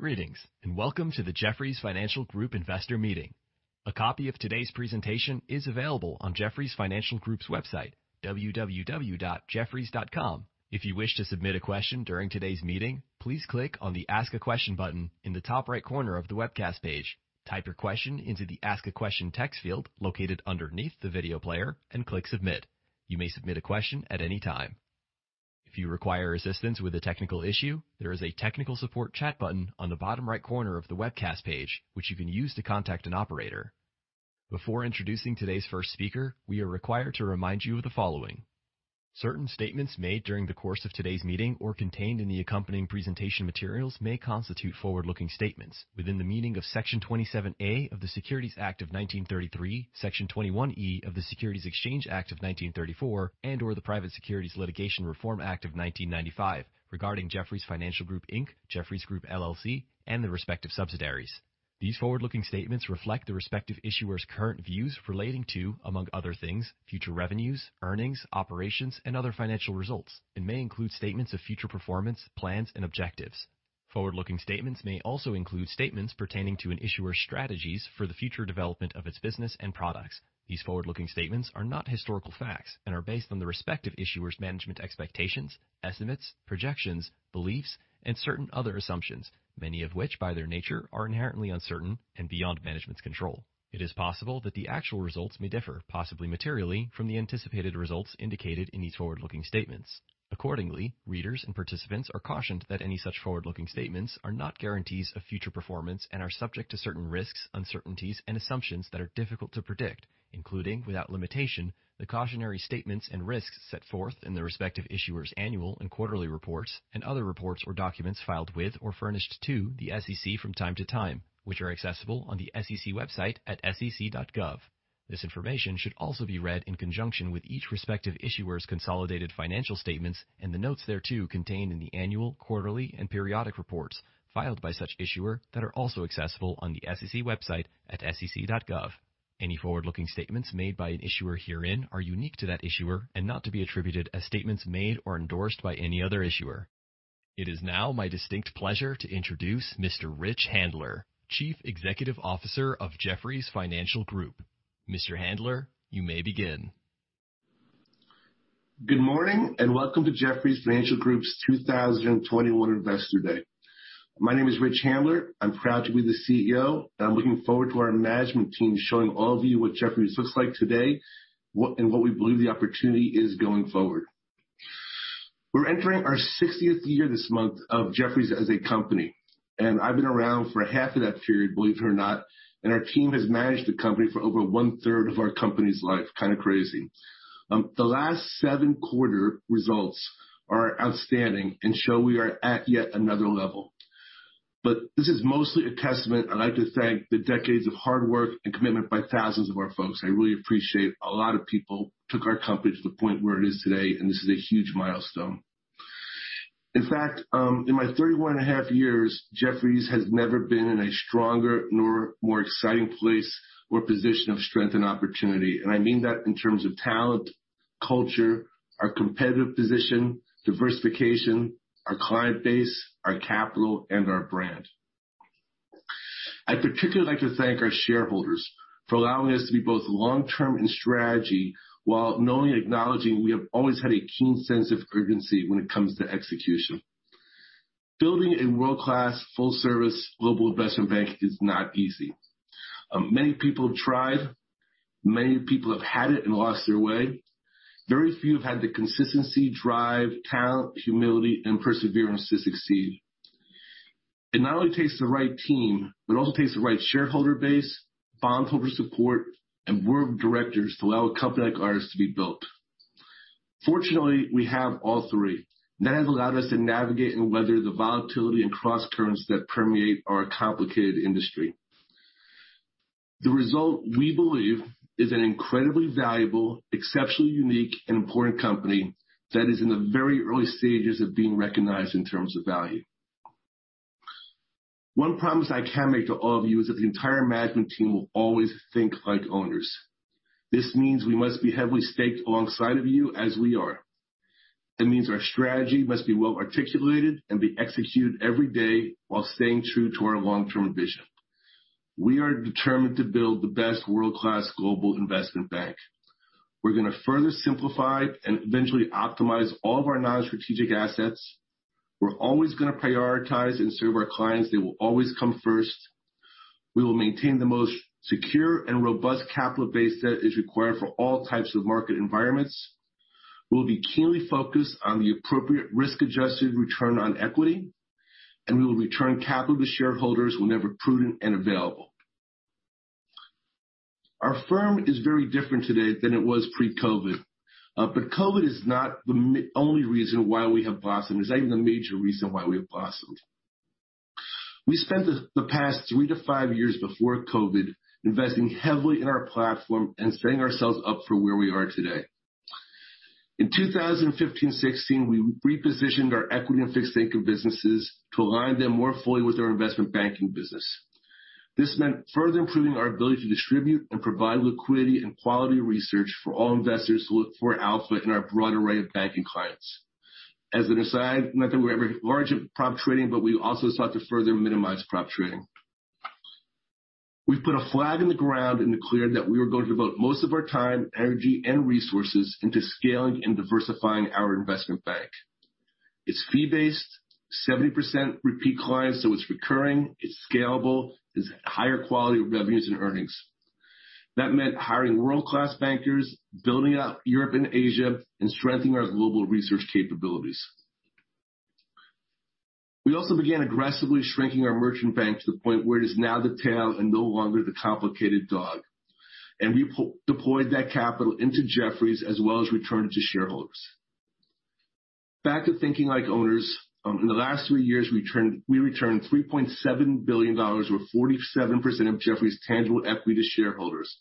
Greetings, welcome to the Jefferies Financial Group investor meeting. A copy of today's presentation is available on Jefferies Financial Group's website, www.jefferies.com. If you wish to submit a question during today's meeting, please click on the Ask a Question button in the top right corner of the webcast page. Type your question into the Ask a Question text field located underneath the video player and click Submit. You may submit a question at any time. If you require assistance with a technical issue, there is a technical support chat button on the bottom right corner of the webcast page, which you can use to contact an operator. Before introducing today's first speaker, we are required to remind you of the following. Certain statements made during the course of today's meeting or contained in the accompanying presentation materials may constitute forward-looking statements within the meaning of Section 27A of the Securities Act of 1933, Section 21E of the Securities Exchange Act of 1934 and/or the Private Securities Litigation Reform Act of 1995 regarding Jefferies Financial Group Inc., Jefferies Group LLC, and the respective subsidiaries. These forward-looking statements reflect the respective issuer's current views relating to, among other things, future revenues, earnings, operations, and other financial results, and may include statements of future performance, plans, and objectives. Forward-looking statements may also include statements pertaining to an issuer's strategies for the future development of its business and products. These forward-looking statements are not historical facts and are based on the respective issuer's management expectations, estimates, projections, beliefs, and certain other assumptions, many of which, by their nature, are inherently uncertain and beyond management's control. It is possible that the actual results may differ, possibly materially, from the anticipated results indicated in these forward-looking statements. Accordingly, readers and participants are cautioned that any such forward-looking statements are not guarantees of future performance and are subject to certain risks, uncertainties, and assumptions that are difficult to predict, including, without limitation, the cautionary statements and risks set forth in the respective issuer's annual and quarterly reports and other reports or documents filed with or furnished to the SEC from time to time, which are accessible on the SEC website at sec.gov. This information should also be read in conjunction with each respective issuer's consolidated financial statements and the notes thereto contained in the annual, quarterly, and periodic reports filed by such issuer that are also accessible on the SEC website at sec.gov. Any forward-looking statements made by an issuer herein are unique to that issuer and not to be attributed as statements made or endorsed by any other issuer. It is now my distinct pleasure to introduce Mr. Rich Handler, Chief Executive Officer of Jefferies Financial Group. Mr. Handler, you may begin. Good morning, welcome to Jefferies Financial Group's 2021 Investor Day. My name is Rich Handler. I'm proud to be the CEO, and I'm looking forward to our management team showing all of you what Jefferies looks like today, what we believe the opportunity is going forward. We're entering our 60th year this month of Jefferies as a company, and I've been around for half of that period, believe it or not, and our team has managed the company for over 1/3 of our company's life. Kind of crazy. The last seven quarter results are outstanding and show we are at yet another level. This is mostly a testament, I'd like to thank the decades of hard work and commitment by thousands of our folks. I really appreciate a lot of people took our company to the point where it is today, and this is a huge milestone. In fact, in my 31.5 years, Jefferies has never been in a stronger nor more exciting place or position of strength and opportunity. I mean that in terms of talent, culture, our competitive position, diversification, our client base, our capital, and our brand. I'd particularly like to thank our shareholders for allowing us to be both long-term in strategy while knowingly acknowledging we have always had a keen sense of urgency when it comes to execution. Building a world-class, full-service global investment bank is not easy. Many people have tried. Many people have had it and lost their way. Very few have had the consistency, drive, talent, humility, and perseverance to succeed. It not only takes the right team, but it also takes the right shareholder base, bondholder support, and board of directors to allow a company like ours to be built. Fortunately, we have all three, and that has allowed us to navigate and weather the volatility and crosscurrents that permeate our complicated industry. The result, we believe, is an incredibly valuable, exceptionally unique, and important company that is in the very early stages of being recognized in terms of value. One promise I can make to all of you is that the entire management team will always think like owners. This means we must be heavily staked alongside of you as we are. It means our strategy must be well-articulated and be executed every day while staying true to our long-term vision. We are determined to build the best world-class global investment bank. We're gonna further simplify and eventually optimize all of our non-strategic assets. We're always gonna prioritize and serve our clients. They will always come first. We will maintain the most secure and robust capital base that is required for all types of market environments. We'll be keenly focused on the appropriate risk-adjusted return on equity, and we will return capital to shareholders whenever prudent and available. Our firm is very different today than it was pre-COVID, but COVID is not the only reason why we have blossomed. It's even a major reason why we have blossomed. We spent the past three to five years before COVID investing heavily in our platform and setting ourselves up for where we are today. In 2015-2016, we repositioned our equity and fixed income businesses to align them more fully with our investment banking business. This meant further improving our ability to distribute and provide liquidity and quality research for all investors who look for alpha in our broad array of banking clients. As an aside, not that we're ever large in prop trading, but we also sought to further minimize prop trading. We've put a flag in the ground and declared that we were going to devote most of our time, energy, and resources into scaling and diversifying our investment bank. It's fee-based, 70% repeat clients, so it's recurring, it's scalable, it's higher quality of revenues and earnings. That meant hiring world-class bankers, building out Europe and Asia, and strengthening our global research capabilities. We also began aggressively shrinking our merchant bank to the point where it is now the tail and no longer the complicated dog. We deployed that capital into Jefferies as well as returned it to shareholders. Back to thinking like owners, in the last three years, we returned $3.7 billion or 47% of Jefferies tangible equity to shareholders.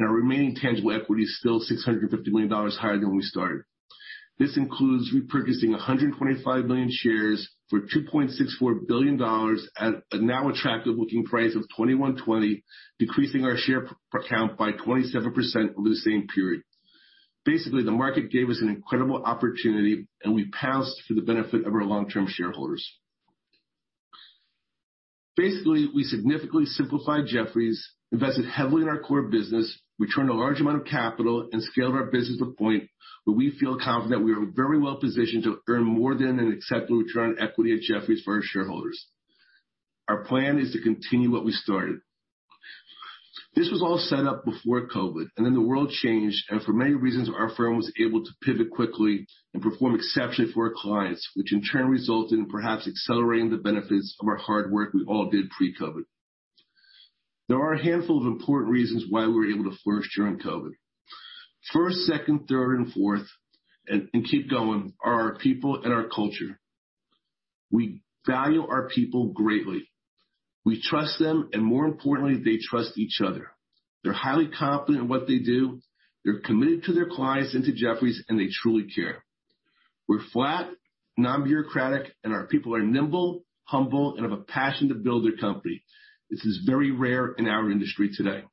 Our remaining tangible equity is still $650 million higher than when we started. This includes repurchasing 125 million shares for $2.64 billion at a now attractive looking price of $21.20, decreasing our share count by 27% over the same period. Basically, the market gave us an incredible opportunity, we pounced for the benefit of our long-term shareholders. Basically, we significantly simplified Jefferies, invested heavily in our core business, returned a large amount of capital, and scaled our business to a point where we feel confident we are very well positioned to earn more than an acceptable return on equity at Jefferies for our shareholders. Our plan is to continue what we started. This was all set up before COVID, and then the world changed, and for many reasons, our firm was able to pivot quickly and perform exceptionally for our clients, which in turn resulted in perhaps accelerating the benefits of our hard work we all did pre-COVID. There are a handful of important reasons why we were able to flourish during COVID. First, second, third, and fourth, and keep going, are our people and our culture. We value our people greatly. We trust them, and more importantly, they trust each other. They're highly competent in what they do. They're committed to their clients and to Jefferies, and they truly care. We're flat, non-bureaucratic, and our people are nimble, humble, and have a passion to build their company. This is very rare in our industry today.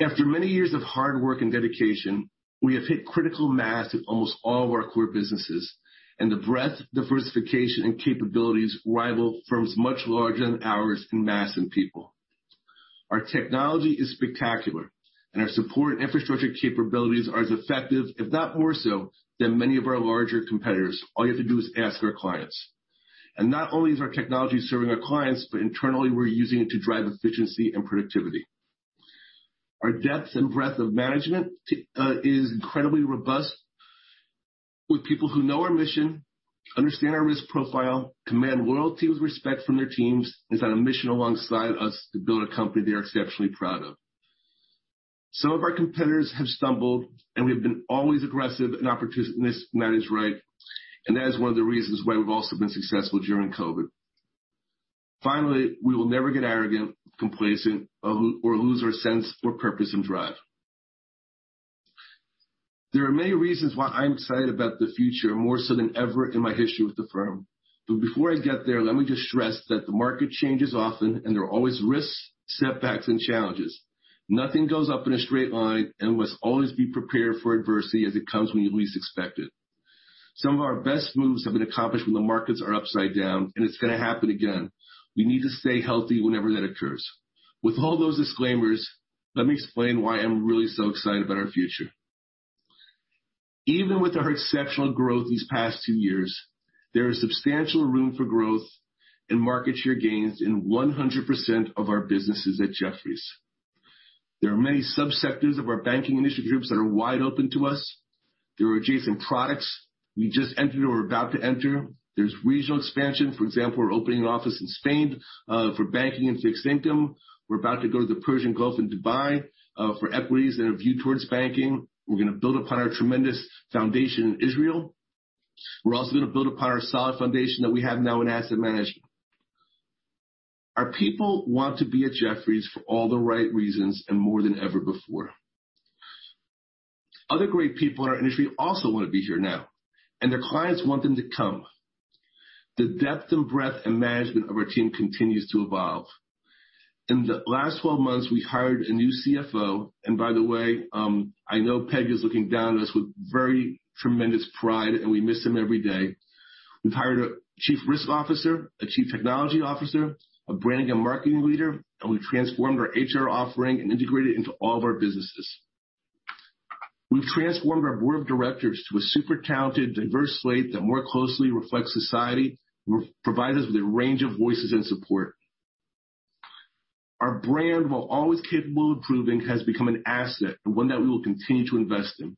After many years of hard work and dedication, we have hit critical mass in almost all of our core businesses, and the breadth, diversification, and capabilities rival firms much larger than ours in mass and people. Our technology is spectacular, and our support and infrastructure capabilities are as effective, if not more so, than many of our larger competitors. All you have to do is ask our clients. Not only is our technology serving our clients, but internally, we're using it to drive efficiency and productivity. Our depth and breadth of management is incredibly robust with people who know our mission, understand our risk profile, command loyalty with respect from their teams, and is on a mission alongside us to build a company they are exceptionally proud of. Some of our competitors have stumbled, we have been always aggressive in opportunism when that is right, and that is one of the reasons why we've also been successful during COVID. We will never get arrogant, complacent, or lose our sense or purpose and drive. There are many reasons why I'm excited about the future, more so than ever in my history with the firm. Before I get there, let me just stress that the market changes often, and there are always risks, setbacks, and challenges. Nothing goes up in a straight line and we must always be prepared for adversity as it comes when you least expect it. Some of our best moves have been accomplished when the markets are upside down, and it's gonna happen again. We need to stay healthy whenever that occurs. With all those disclaimers, let me explain why I'm really so excited about our future. Even with our exceptional growth these past two years, there is substantial room for growth and market share gains in 100% of our businesses at Jefferies. There are many sub-sectors of our banking industry groups that are wide open to us. There are adjacent products we just entered or are about to enter. There's regional expansion. For example, we're opening an office in Spain for banking and fixed income. We're about to go to the Persian Gulf in Dubai for equities and a view towards banking. We're gonna build upon our tremendous foundation in Israel. We're also gonna build upon our solid foundation that we have now in asset management. Our people want to be at Jefferies for all the right reasons and more than ever before. Other great people in our industry also wanna be here now, and their clients want them to come. The depth and breadth and management of our team continues to evolve. In the last 12 months, we hired a new CFO. By the way, I know Peg is looking down at us with very tremendous pride, and we miss him every day. We've hired a Chief Risk Officer, a Chief Technology Officer, a Branding and Marketing Leader, and we've transformed our HR offering and integrated it into all of our businesses. We've transformed our board of directors to a super talented, diverse slate that more closely reflects society and provide us with a range of voices and support. Our brand, while always capable of improving, has become an asset and one that we will continue to invest in.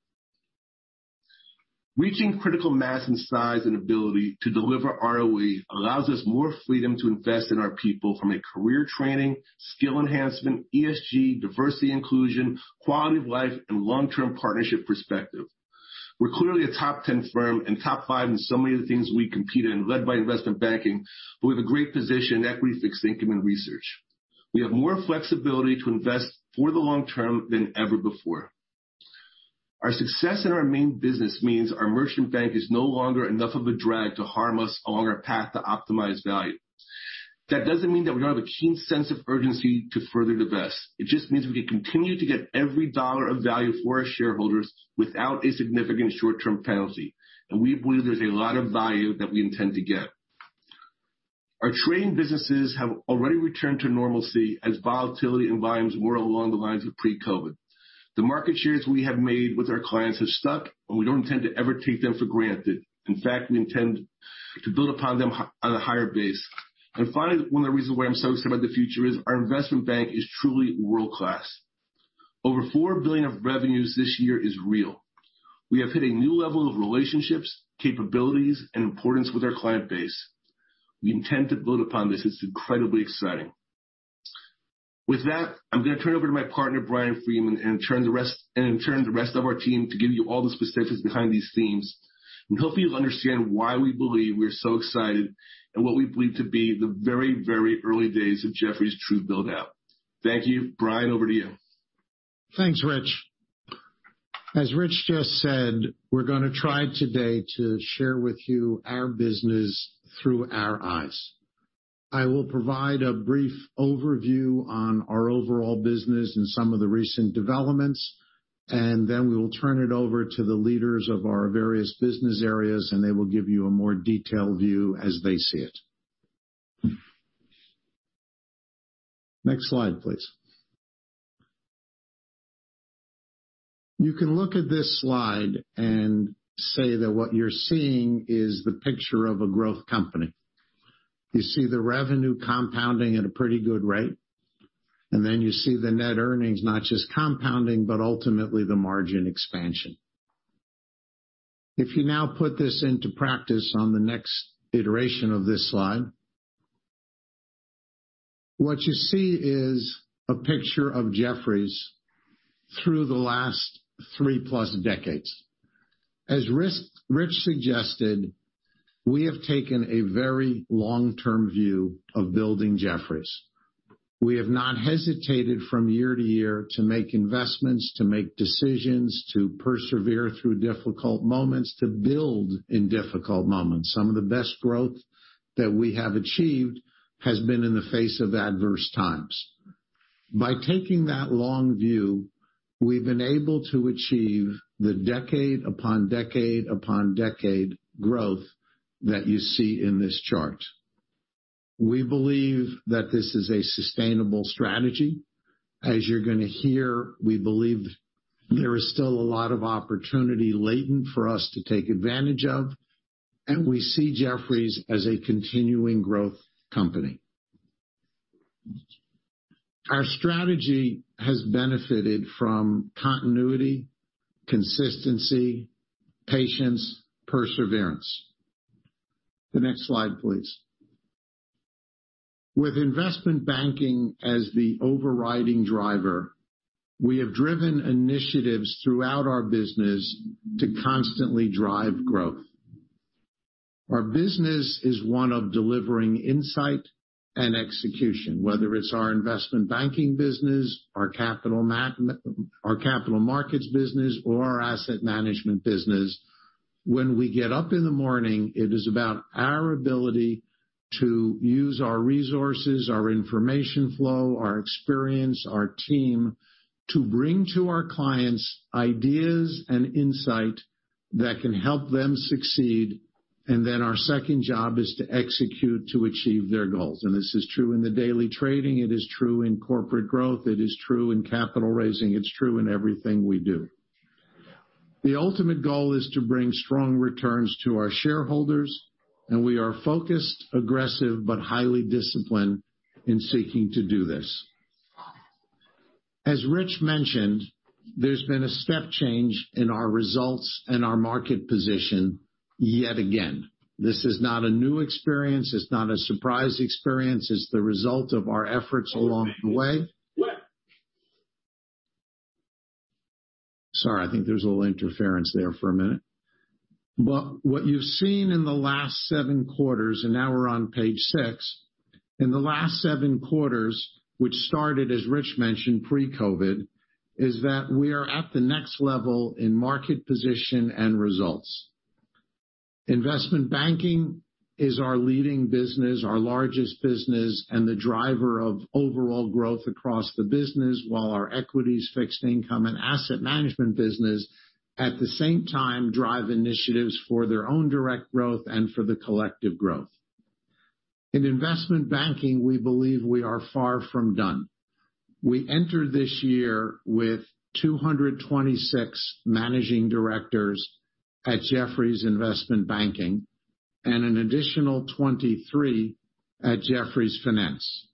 Reaching critical mass and size and ability to deliver ROE allows us more freedom to invest in our people from a career training, skill enhancement, ESG, diversity inclusion, quality of life, and long-term partnership perspective. We're clearly a top 10 firm and top five in so many of the things we compete in, led by investment banking, but we have a great position in equity, fixed income, and research. We have more flexibility to invest for the long term than ever before. Our success in our main business means our merchant bank is no longer enough of a drag to harm us along our path to optimized value. That doesn't mean that we don't have a keen sense of urgency to further divest. It just means we can continue to get every dollar of value for our shareholders without a significant short-term penalty. We believe there's a lot of value that we intend to get. Our trading businesses have already returned to normalcy as volatility environments more along the lines of pre-COVID. The market shares we have made with our clients have stuck, and we don't intend to ever take them for granted. In fact, we intend to build upon them on a higher base. Finally, one of the reasons why I'm so excited about the future is our investment bank is truly world-class. Over $4 billion of revenues this year is real. We have hit a new level of relationships, capabilities, and importance with our client base. We intend to build upon this. It's incredibly exciting. With that, I'm going to turn it over to my partner, Brian Friedman, and turn the rest of our team to give you all the specifics behind these themes. Hopefully, you'll understand why we believe we're so excited and what we believe to be the very, very early days of Jefferies true build-out. Thank you. Brian, over to you. Thanks, Rich. As Rich just said, we're gonna try today to share with you our business through our eyes. I will provide a brief overview on our overall business and some of the recent developments, and then we will turn it over to the leaders of our various business areas, and they will give you a more detailed view as they see it. Next slide, please. You can look at this slide and say that what you're seeing is the picture of a growth company. You see the revenue compounding at a pretty good rate, and then you see the net earnings, not just compounding, but ultimately the margin expansion. If you now put this into practice on the next iteration of this slide, what you see is a picture of Jefferies through the last 3+ decades. As Rich suggested, we have taken a very long-term view of building Jefferies. We have not hesitated from year to year to make investments, to make decisions, to persevere through difficult moments, to build in difficult moments. Some of the best growth that we have achieved has been in the face of adverse times. By taking that long view, we've been able to achieve the decade upon decade upon decade growth that you see in this chart. We believe that this is a sustainable strategy. As you're gonna hear, we believe there is still a lot of opportunity latent for us to take advantage of, and we see Jefferies as a continuing growth company. Our strategy has benefited from continuity, consistency, patience, perseverance. The next slide, please. With investment banking as the overriding driver, we have driven initiatives throughout our business to constantly drive growth. Our business is one of delivering insight and execution, whether it's our investment banking business, our capital markets business or our asset management business. When we get up in the morning, it is about our ability to use our resources, our information flow, our experience, our team to bring to our clients ideas and insight that can help them succeed. Our second job is to execute to achieve their goals. This is true in the daily trading. It is true in corporate growth. It is true in capital raising. It's true in everything we do. The ultimate goal is to bring strong returns to our shareholders. We are focused, aggressive, but highly disciplined in seeking to do this. As Rich mentioned, there's been a step change in our results and our market position yet again. This is not a new experience. It's not a surprise experience. It's the result of our efforts along the way. Sorry, I think there was a little interference there for a minute. What you've seen in the last seven quarters, and now we're on page six. In the last seven quarters, which started, as Rich mentioned, pre-COVID, is that we are at the next level in market position and results. Investment Banking is our leading business, our largest business, and the driver of overall growth across the business, while our equities, fixed income, and asset management business, at the same time, drive initiatives for their own direct growth and for the collective growth. In Investment Banking, we believe we are far from done. We entered this year with 226 Managing Directors at Jefferies Investment Banking and an additional 23 at Jefferies Finance.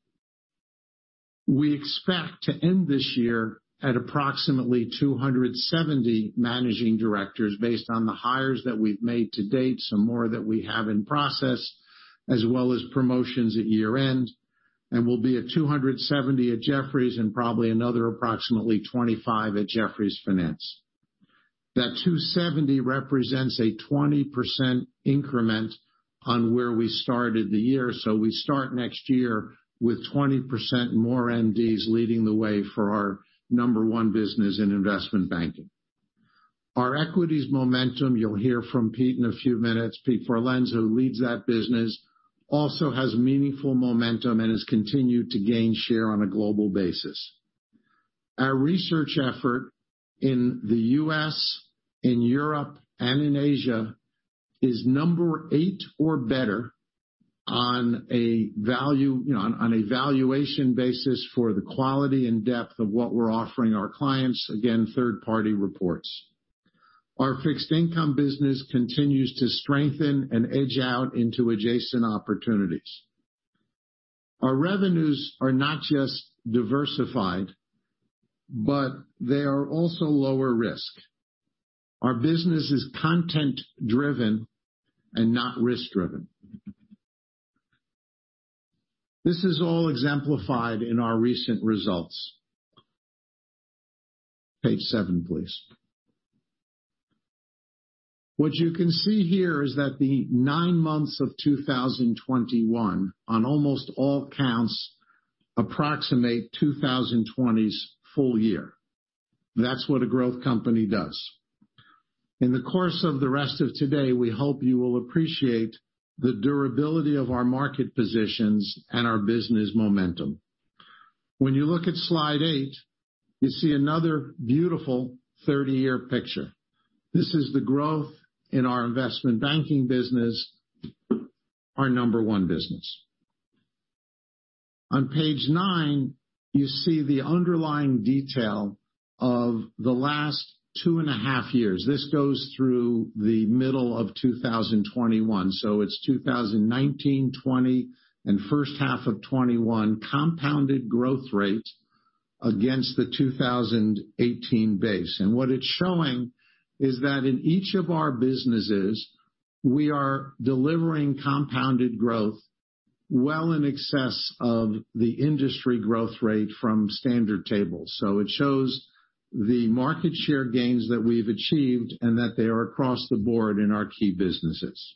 We expect to end this year at approximately 270 Managing Directors based on the hires that we've made to date, some more that we have in process, as well as promotions at year-end. We'll be at 270 at Jefferies and probably another approximately 25 at Jefferies Finance. That 270 represents a 20% increment on where we started the year. We start next year with 20% more MDs leading the way for our number one business in Investment Banking. Our equities momentum, you'll hear from Peter in a few minutes, Peter Forlenza, who leads that business, also has meaningful momentum and has continued to gain share on a global basis. Our research effort in the U.S., in Europe, and in Asia is number eight or better on a value, you know, on a valuation basis for the quality and depth of what we're offering our clients. Again, third-party reports. Our fixed income business continues to strengthen and edge out into adjacent opportunities. Our revenues are not just diversified, but they are also lower risk. Our business is content-driven and not risk-driven. This is all exemplified in our recent results. Page seven, please. What you can see here is that the nine months of 2021, on almost all counts, approximate 2020's full year. That's what a growth company does. In the course of the rest of today, we hope you will appreciate the durability of our market positions and our business momentum. When you look at slide eight, you see another beautiful 30-year picture. This is the growth in our investment banking business, our number one business. On page nine, you see the underlying detail of the last two and a half years. This goes through the middle of 2021, so it's 2019-2020, and first half of 2021 compounded growth rate against the 2018 base. What it's showing is that in each of our businesses, we are delivering compounded growth well in excess of the industry growth rate from standard tables. It shows the market share gains that we've achieved and that they are across the board in our key businesses.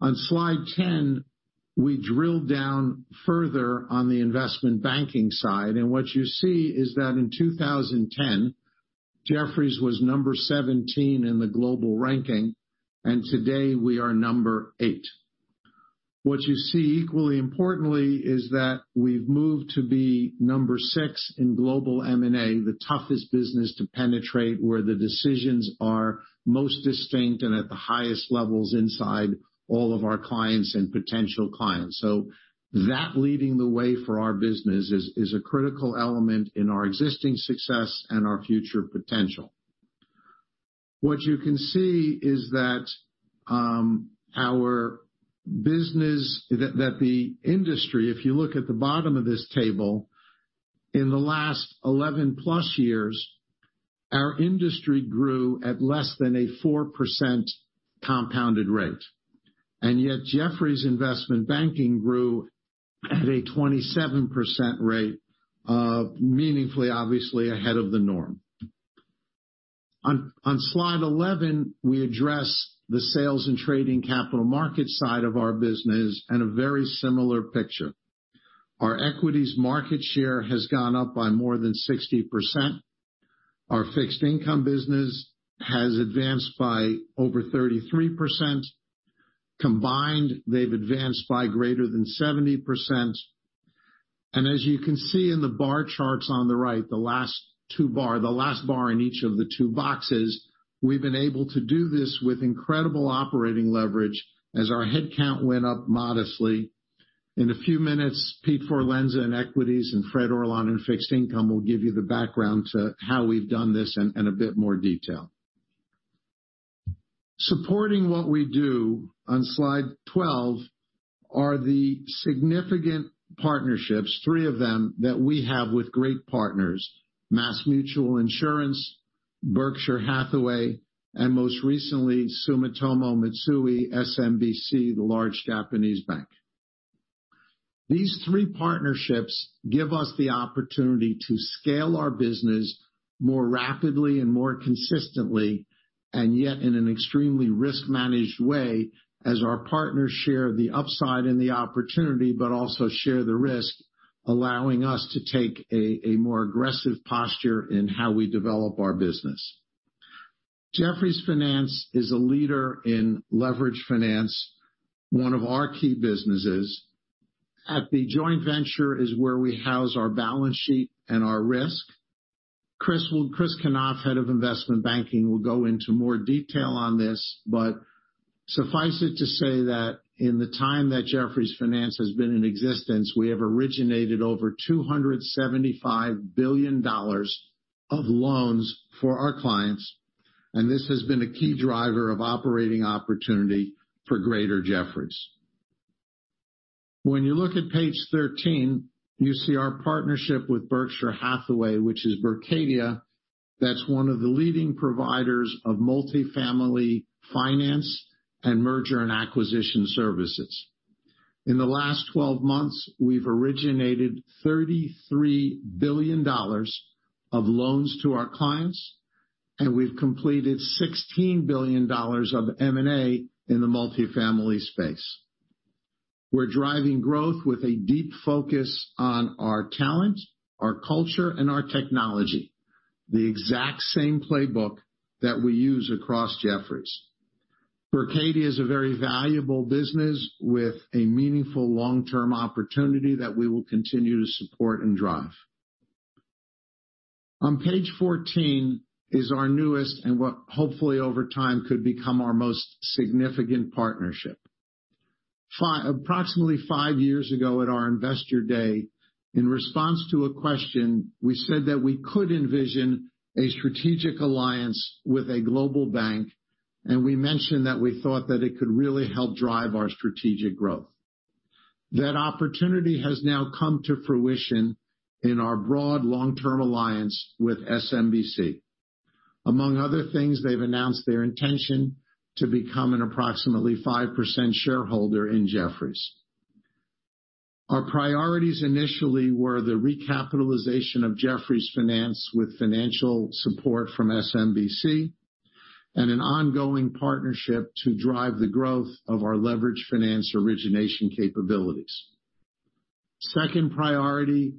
On slide 10, we drill down further on the investment banking side, and what you see is that in 2010, Jefferies was number 17 in the global ranking, and today we are number eight. What you see equally importantly is that we've moved to be number six in global M&A, the toughest business to penetrate, where the decisions are most distinct and at the highest levels inside all of our clients and potential clients. That leading the way for our business is a critical element in our existing success and our future potential. What you can see is that the industry, if you look at the bottom of this table, in the last 11+ years, our industry grew at less than a 4% compounded rate. Yet, Jefferies Investment Banking grew at a 27% rate, meaningfully, obviously, ahead of the norm. On slide 11, we address the sales and trading capital markets side of our business in a very similar picture. Our equities market share has gone up by more than 60%. Our fixed income business has advanced by over 33%. Combined, they've advanced by greater than 70%. As you can see in the bar charts on the right, the last bar in each of the two boxes, we've been able to do this with incredible operating leverage as our headcount went up modestly. In a few minutes, Peter Forlenza in equities and Fred Orlan in fixed income will give you the background to how we've done this in a bit more detail. Supporting what we do, on slide 12, are the significant partnerships, three of them, that we have with great partners, MassMutual Insurance, Berkshire Hathaway, and most recently, Sumitomo Mitsui, SMBC, the large Japanese bank. These three partnerships give us the opportunity to scale our business more rapidly and more consistently, and yet in an extremely risk-managed way as our partners share the upside and the opportunity, but also share the risk, allowing us to take a more aggressive posture in how we develop our business. Jefferies Finance is a leader in leveraged finance, one of our key businesses. At the joint venture is where we house our balance sheet and our risk. Chris Kanoff, Head of Investment Banking, will go into more detail on this, but suffice it to say that in the time that Jefferies Finance has been in existence, we have originated over $275 billion of loans for our clients, and this has been a key driver of operating opportunity for greater Jefferies. When you look at page 13, you see our partnership with Berkshire Hathaway, which is Berkadia. That's one of the leading providers of multifamily finance and merger and acquisition services. In the last 12 months, we've originated $33 billion of loans to our clients, and we've completed $16 billion of M&A in the multifamily space. We're driving growth with a deep focus on our talent, our culture, and our technology, the exact same playbook that we use across Jefferies. Berkadia is a very valuable business with a meaningful long-term opportunity that we will continue to support and drive. On page 14 is our newest and what hopefully over time could become our most significant partnership. Approximately five years ago at our Investor Day, in response to a question, we said that we could envision a strategic alliance with a global bank, we mentioned that we thought that it could really help drive our strategic growth. That opportunity has now come to fruition in our broad long-term alliance with SMBC. Among other things, they've announced their intention to become an approximately 5% shareholder in Jefferies. Our priorities initially were the recapitalization of Jefferies Finance with financial support from SMBC and an ongoing partnership to drive the growth of our leveraged finance origination capabilities. Second priority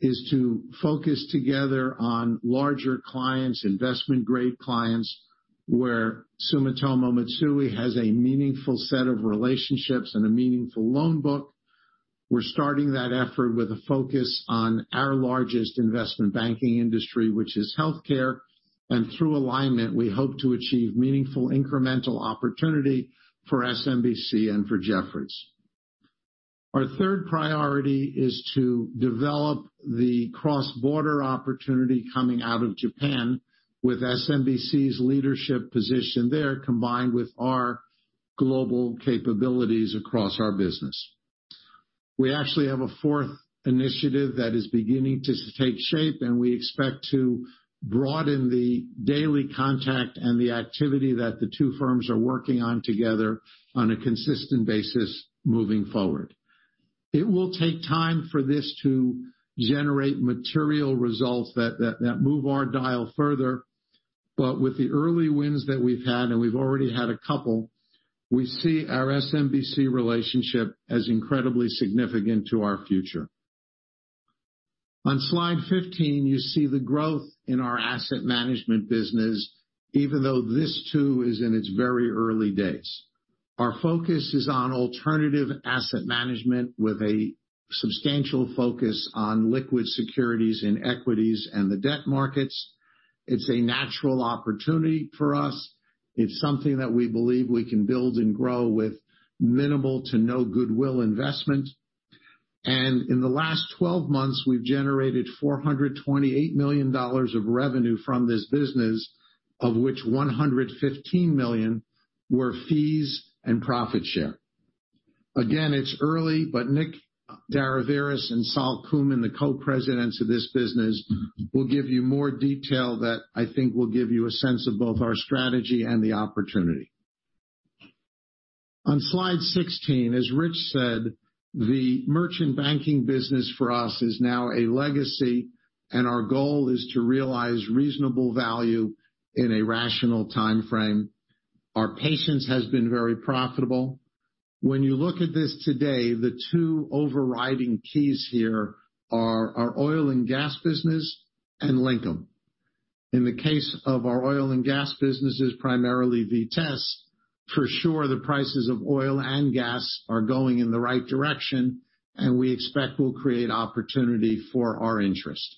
is to focus together on larger clients, investment-grade clients, where Sumitomo Mitsui has a meaningful set of relationships and a meaningful loan book. We're starting that effort with a focus on our largest investment banking industry, which is healthcare. Through alignment, we hope to achieve meaningful incremental opportunity for SMBC and for Jefferies. Our third priority is to develop the cross-border opportunity coming out of Japan with SMBC's leadership position there, combined with our global capabilities across our business. We actually have a fourth initiative that is beginning to take shape, and we expect to broaden the daily contact and the activity that the two firms are working on together on a consistent basis moving forward. It will take time for this to generate material results that move our dial further. With the early wins that we've had, and we've already had a couple, we see our SMBC relationship as incredibly significant to our future. On slide 15, you see the growth in our asset management business, even though this too is in its very early days. Our focus is on alternative asset management with a substantial focus on liquid securities and equities and the debt markets. It's a natural opportunity for us. It's something that we believe we can build and grow with minimal to no goodwill investment. In the last 12 months, we've generated $428 million of revenue from this business, of which $115 million were fees and profit share. Again, it's early, Nick Daraviras and Sol Kumin, the Co-Presidents of this business, will give you more detail that I think will give you a sense of both our strategy and the opportunity. On slide 16, as Rich said, the merchant banking business for us is now a legacy, our goal is to realize reasonable value in a rational timeframe. Our patience has been very profitable. When you look at this today, the two overriding keys here are our oil and gas business and Linkem. In the case of our oil and gas businesses, primarily Vitesse, for sure, the prices of oil and gas are going in the right direction, and we expect will create opportunity for our interest.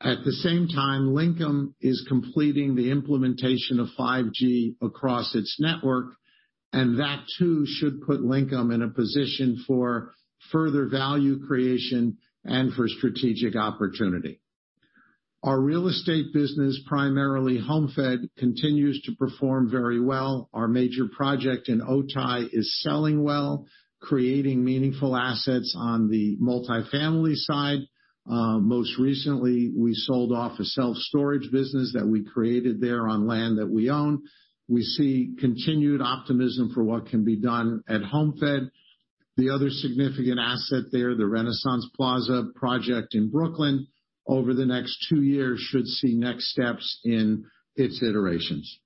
At the same time, Linkem is completing the implementation of 5G across its network, and that too should put Linkem in a position for further value creation and for strategic opportunity. Our real estate business, primarily HomeFed, continues to perform very well. Our major project in Otay is selling well, creating meaningful assets on the multifamily side. Most recently, we sold off a self-storage business that we created there on land that we own. We see continued optimism for what can be done at HomeFed. The other significant asset there, the Renaissance Plaza project in Brooklyn over the next two years should see next steps in its iterations.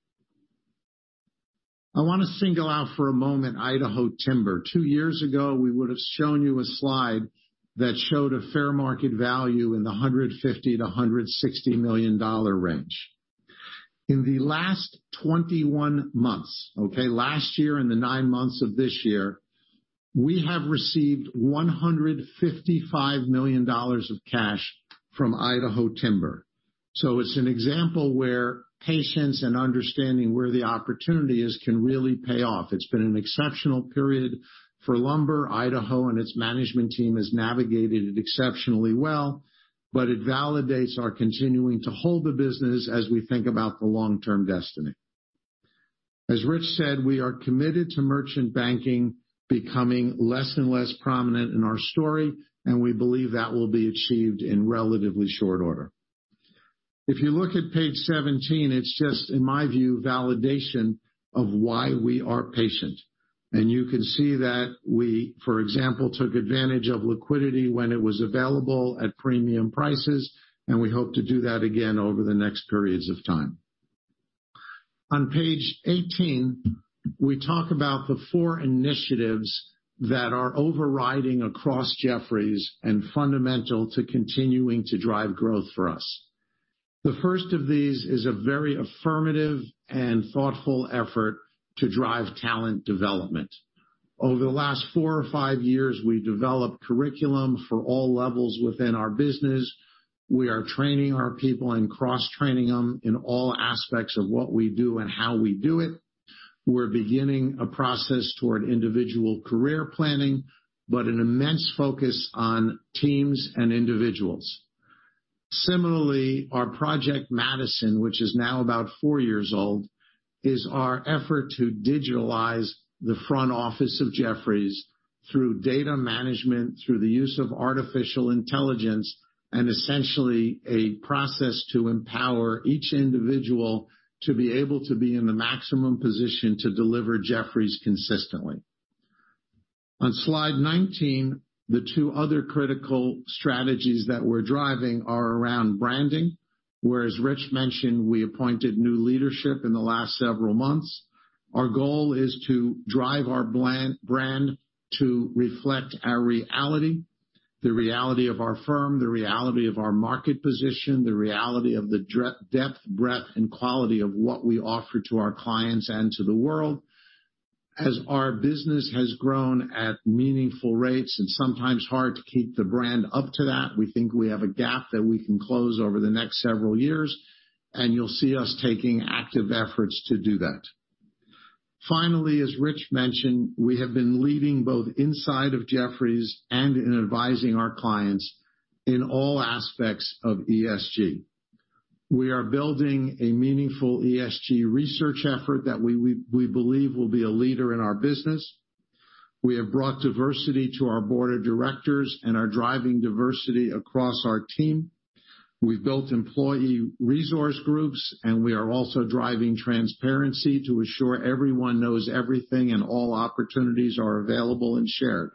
I wanna single out for a moment Idaho Timber. Two years ago, we would have shown you a slide that showed a fair market value in the $150 million-$160 million range. In the last 21 months, okay, last year and the nine months of this year, we have received $155 million of cash from Idaho Timber. It's an example where patience and understanding where the opportunity is can really pay off. It's been an exceptional period for lumber. Idaho and its management team has navigated it exceptionally well, but it validates our continuing to hold the business as we think about the long-term destiny. As Rich said, we are committed to merchant banking becoming less and less prominent in our story. We believe that will be achieved in relatively short order. If you look at page 17, it's just, in my view, validation of why we are patient. You can see that we, for example, took advantage of liquidity when it was available at premium prices, and we hope to do that again over the next periods of time. On page 18, we talk about the four initiatives that are overriding across Jefferies and fundamental to continuing to drive growth for us. The first of these is a very affirmative and thoughtful effort to drive talent development. Over the last four or five years, we developed curriculum for all levels within our business. We are training our people and cross-training them in all aspects of what we do and how we do it. We're beginning a process toward individual career planning, but an immense focus on teams and individuals. Similarly, our Project Madison, which is now about four years old, is our effort to digitalize the front office of Jefferies through data management, through the use of artificial intelligence, and essentially a process to empower each individual to be able to be in the maximum position to deliver Jefferies consistently. On slide 19, the two other critical strategies that we're driving are around branding, where, as Rich mentioned, we appointed new leadership in the last several months. Our goal is to drive our brand to reflect our reality, the reality of our firm, the reality of our market position, the reality of the depth, breadth, and quality of what we offer to our clients and to the world. As our business has grown at meaningful rates and sometimes hard to keep the brand up to that, we think we have a gap that we can close over the next several years, and you'll see us taking active efforts to do that. Finally, as Rich mentioned, we have been leading both inside of Jefferies and in advising our clients in all aspects of ESG. We are building a meaningful ESG research effort that we believe will be a leader in our business. We have brought diversity to our board of directors and are driving diversity across our team. We've built employee resource groups, and we are also driving transparency to assure everyone knows everything and all opportunities are available and shared.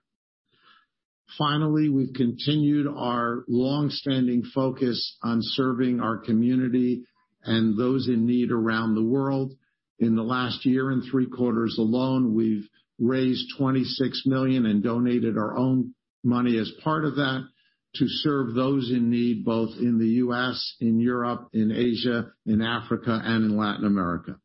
Finally, we've continued our long-standing focus on serving our community and those in need around the world. In the last year and three quarters alone, we've raised $26 million and donated our own money as part of that to serve those in need, both in the U.S., in Europe, in Asia, in Africa, and in Latin America.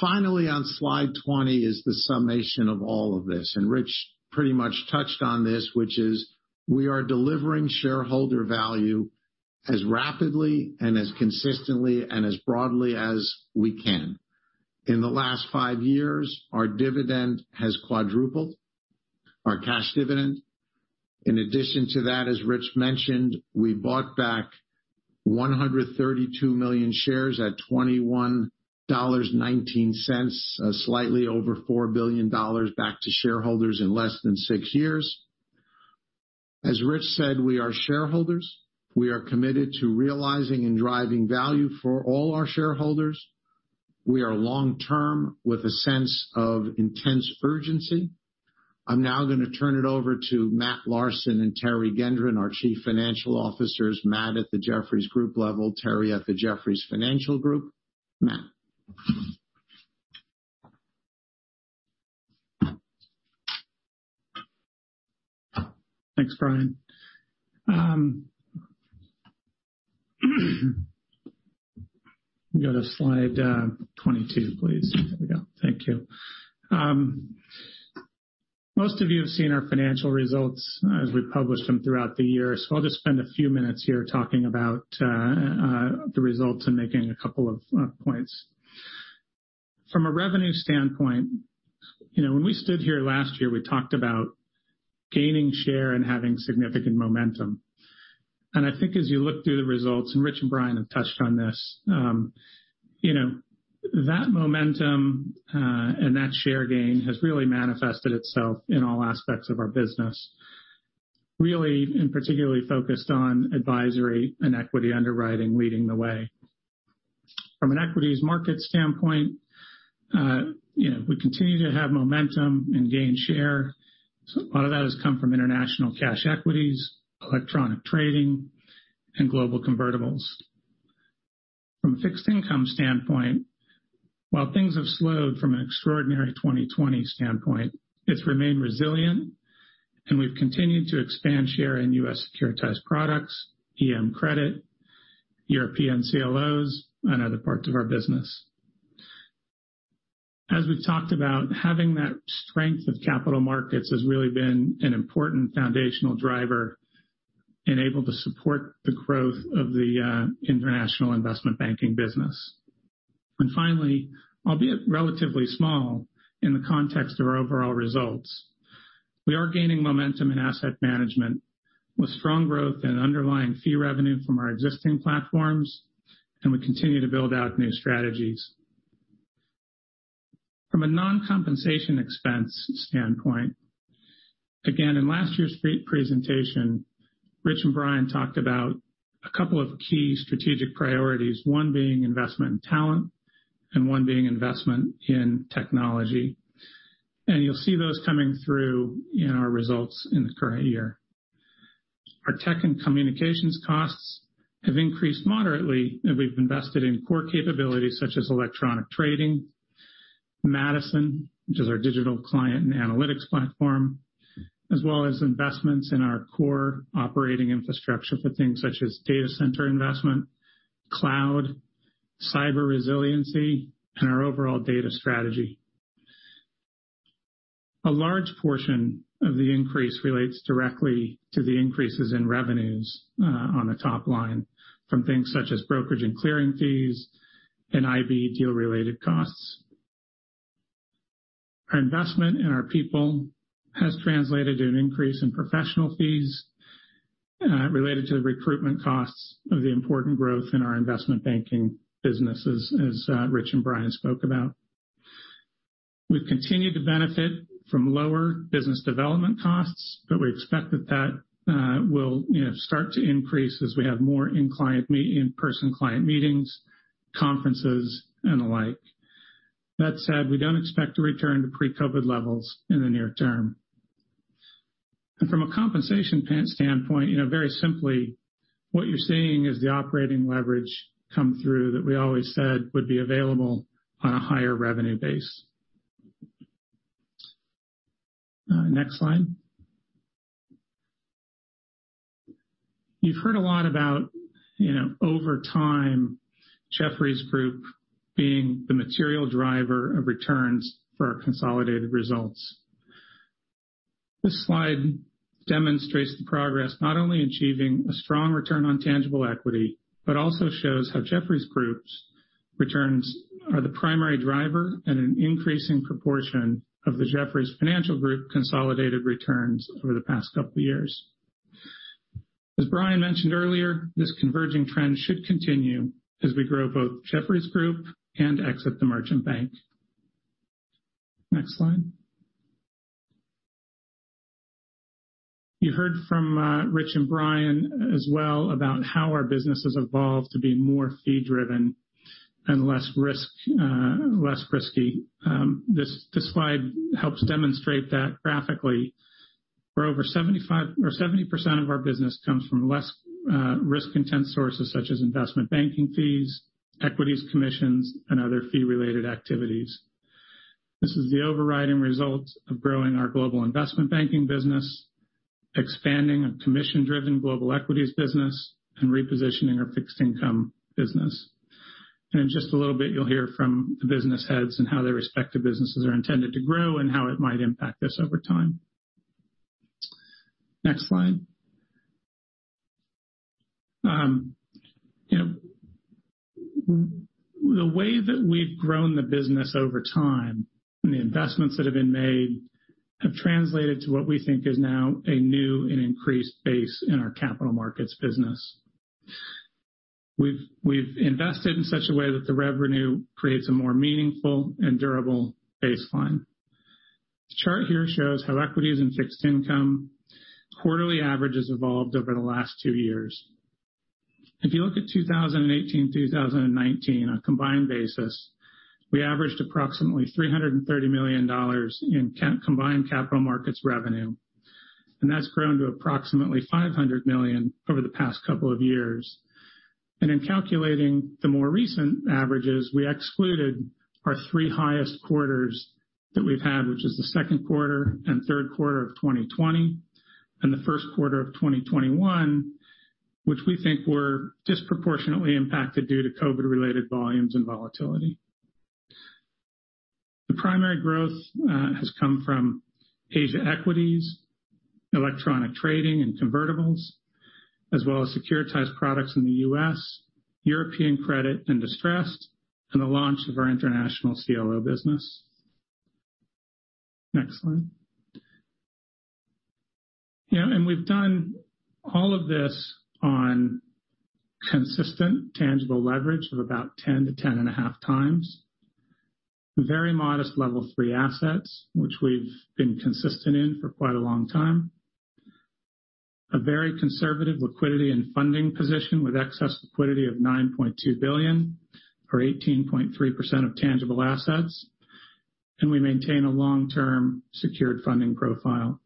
Finally, on slide 20 is the summation of all of this. Rich pretty much touched on this, which is we are delivering shareholder value as rapidly and as consistently and as broadly as we can. In the last five years, our dividend has quadrupled, our cash dividend. In addition to that, as Rich mentioned, we bought back 132 million shares at $21.19, slightly over $4 billion back to shareholders in less than six years. As Rich said, we are shareholders. We are committed to realizing and driving value for all our shareholders. We are long-term with a sense of intense urgency. I'm now gonna turn it over to Matt Larson and Teri Gendron, our Chief Financial Officers, Matt at the Jefferies Group level, Teri at the Jefferies Financial Group. Matt. Thanks, Brian. Go to slide 22, please. There we go. Thank you. Most of you have seen our financial results as we published them throughout the year. I'll just spend a few minutes here talking about the results and making a couple of points. From a revenue standpoint, you know, when we stood here last year, we talked about gaining share and having significant momentum. I think as you look through the results, and Rich and Brian have touched on this, you know, that momentum and that share gain has really manifested itself in all aspects of our business, really and particularly focused on advisory and equity underwriting leading the way. From an equities market standpoint, you know, we continue to have momentum and gain share. A lot of that has come from international cash equities, electronic trading, and global convertibles. From a fixed income standpoint, while things have slowed from an extraordinary 2020 standpoint, it's remained resilient, and we've continued to expand share in U.S. securitized products, EM credit, European CLOs, and other parts of our business. As we've talked about, having that strength of capital markets has really been an important foundational driver enabled to support the growth of the international Investment Banking business. Finally, albeit relatively small in the context of our overall results, we are gaining momentum in asset management with strong growth and underlying fee revenue from our existing platforms, and we continue to build out new strategies. From a non-compensation expense standpoint, again, in last year's pre-presentation, Rich and Brian talked about a couple of key strategic priorities. One being investment in talent and one being investment in technology. You'll see those coming through in our results in the current year. Our tech and communications costs have increased moderately, and we've invested in core capabilities such as electronic trading, Madison, which is our digital client and analytics platform, as well as investments in our core operating infrastructure for things such as data center investment, cloud, cyber resiliency, and our overall data strategy. A large portion of the increase relates directly to the increases in revenues on the top line from things such as brokerage and clearing fees and IB deal-related costs. Our investment in our people has translated to an increase in professional fees related to the recruitment costs of the important growth in our investment banking businesses, as Rich and Brian spoke about. We've continued to benefit from lower business development costs, but we expect that, you know, will start to increase as we have more in-person client meetings, conferences, and the like. That said, we don't expect to return to pre-COVID levels in the near term. From a compensation standpoint, you know, very simply, what you're seeing is the operating leverage come through that we always said would be available on a higher revenue base. Next slide. You've heard a lot about, you know, over time, Jefferies Group being the material driver of returns for our consolidated results. This slide demonstrates the progress, not only achieving a strong return on tangible equity, but also shows how Jefferies Group's returns are the primary driver and an increasing proportion of the Jefferies Financial Group consolidated returns over the past couple of years. As Brian mentioned earlier, this converging trend should continue as we grow both Jefferies Group and exit the merchant bank. Next slide. You heard from Rich and Brian as well about how our business has evolved to be more fee-driven and less risky. This slide helps demonstrate that graphically, where over 70% of our business comes from less risk-intensive sources such as investment banking fees, equities commissions, and other fee-related activities. This is the overriding results of growing our global investment banking business, expanding a commission-driven global equities business, and repositioning our fixed income business. In just a little bit, you'll hear from the business heads and how their respective businesses are intended to grow and how it might impact us over time. Next slide. You know, the way that we've grown the business over time and the investments that have been made have translated to what we think is now a new and increased base in our capital markets business. We've invested in such a way that the revenue creates a more meaningful and durable baseline. This chart here shows how equities and fixed income quarterly averages evolved over the last two years. If you look at 2018-2019, on a combined basis, we averaged approximately $330 million in combined capital markets revenue, and that's grown to approximately $500 million over the past couple of years. In calculating the more recent averages, we excluded our three highest quarters that we've had, which is the second quarter and third quarter of 2020 and the first quarter of 2021, which we think were disproportionately impacted due to COVID-related volumes and volatility. The primary growth has come from Asia equities, electronic trading and convertibles, as well as securitized products in the U.S., European credit and distressed, and the launch of our international CLO business. Next slide. You know, we've done all of this on consistent tangible leverage of about 10x-10.5x. Very modest level three assets, which we've been consistent in for quite a long time. A very conservative liquidity and funding position with excess liquidity of $9.2 billion or 18.3% of tangible assets. We maintain a long-term secured funding profile.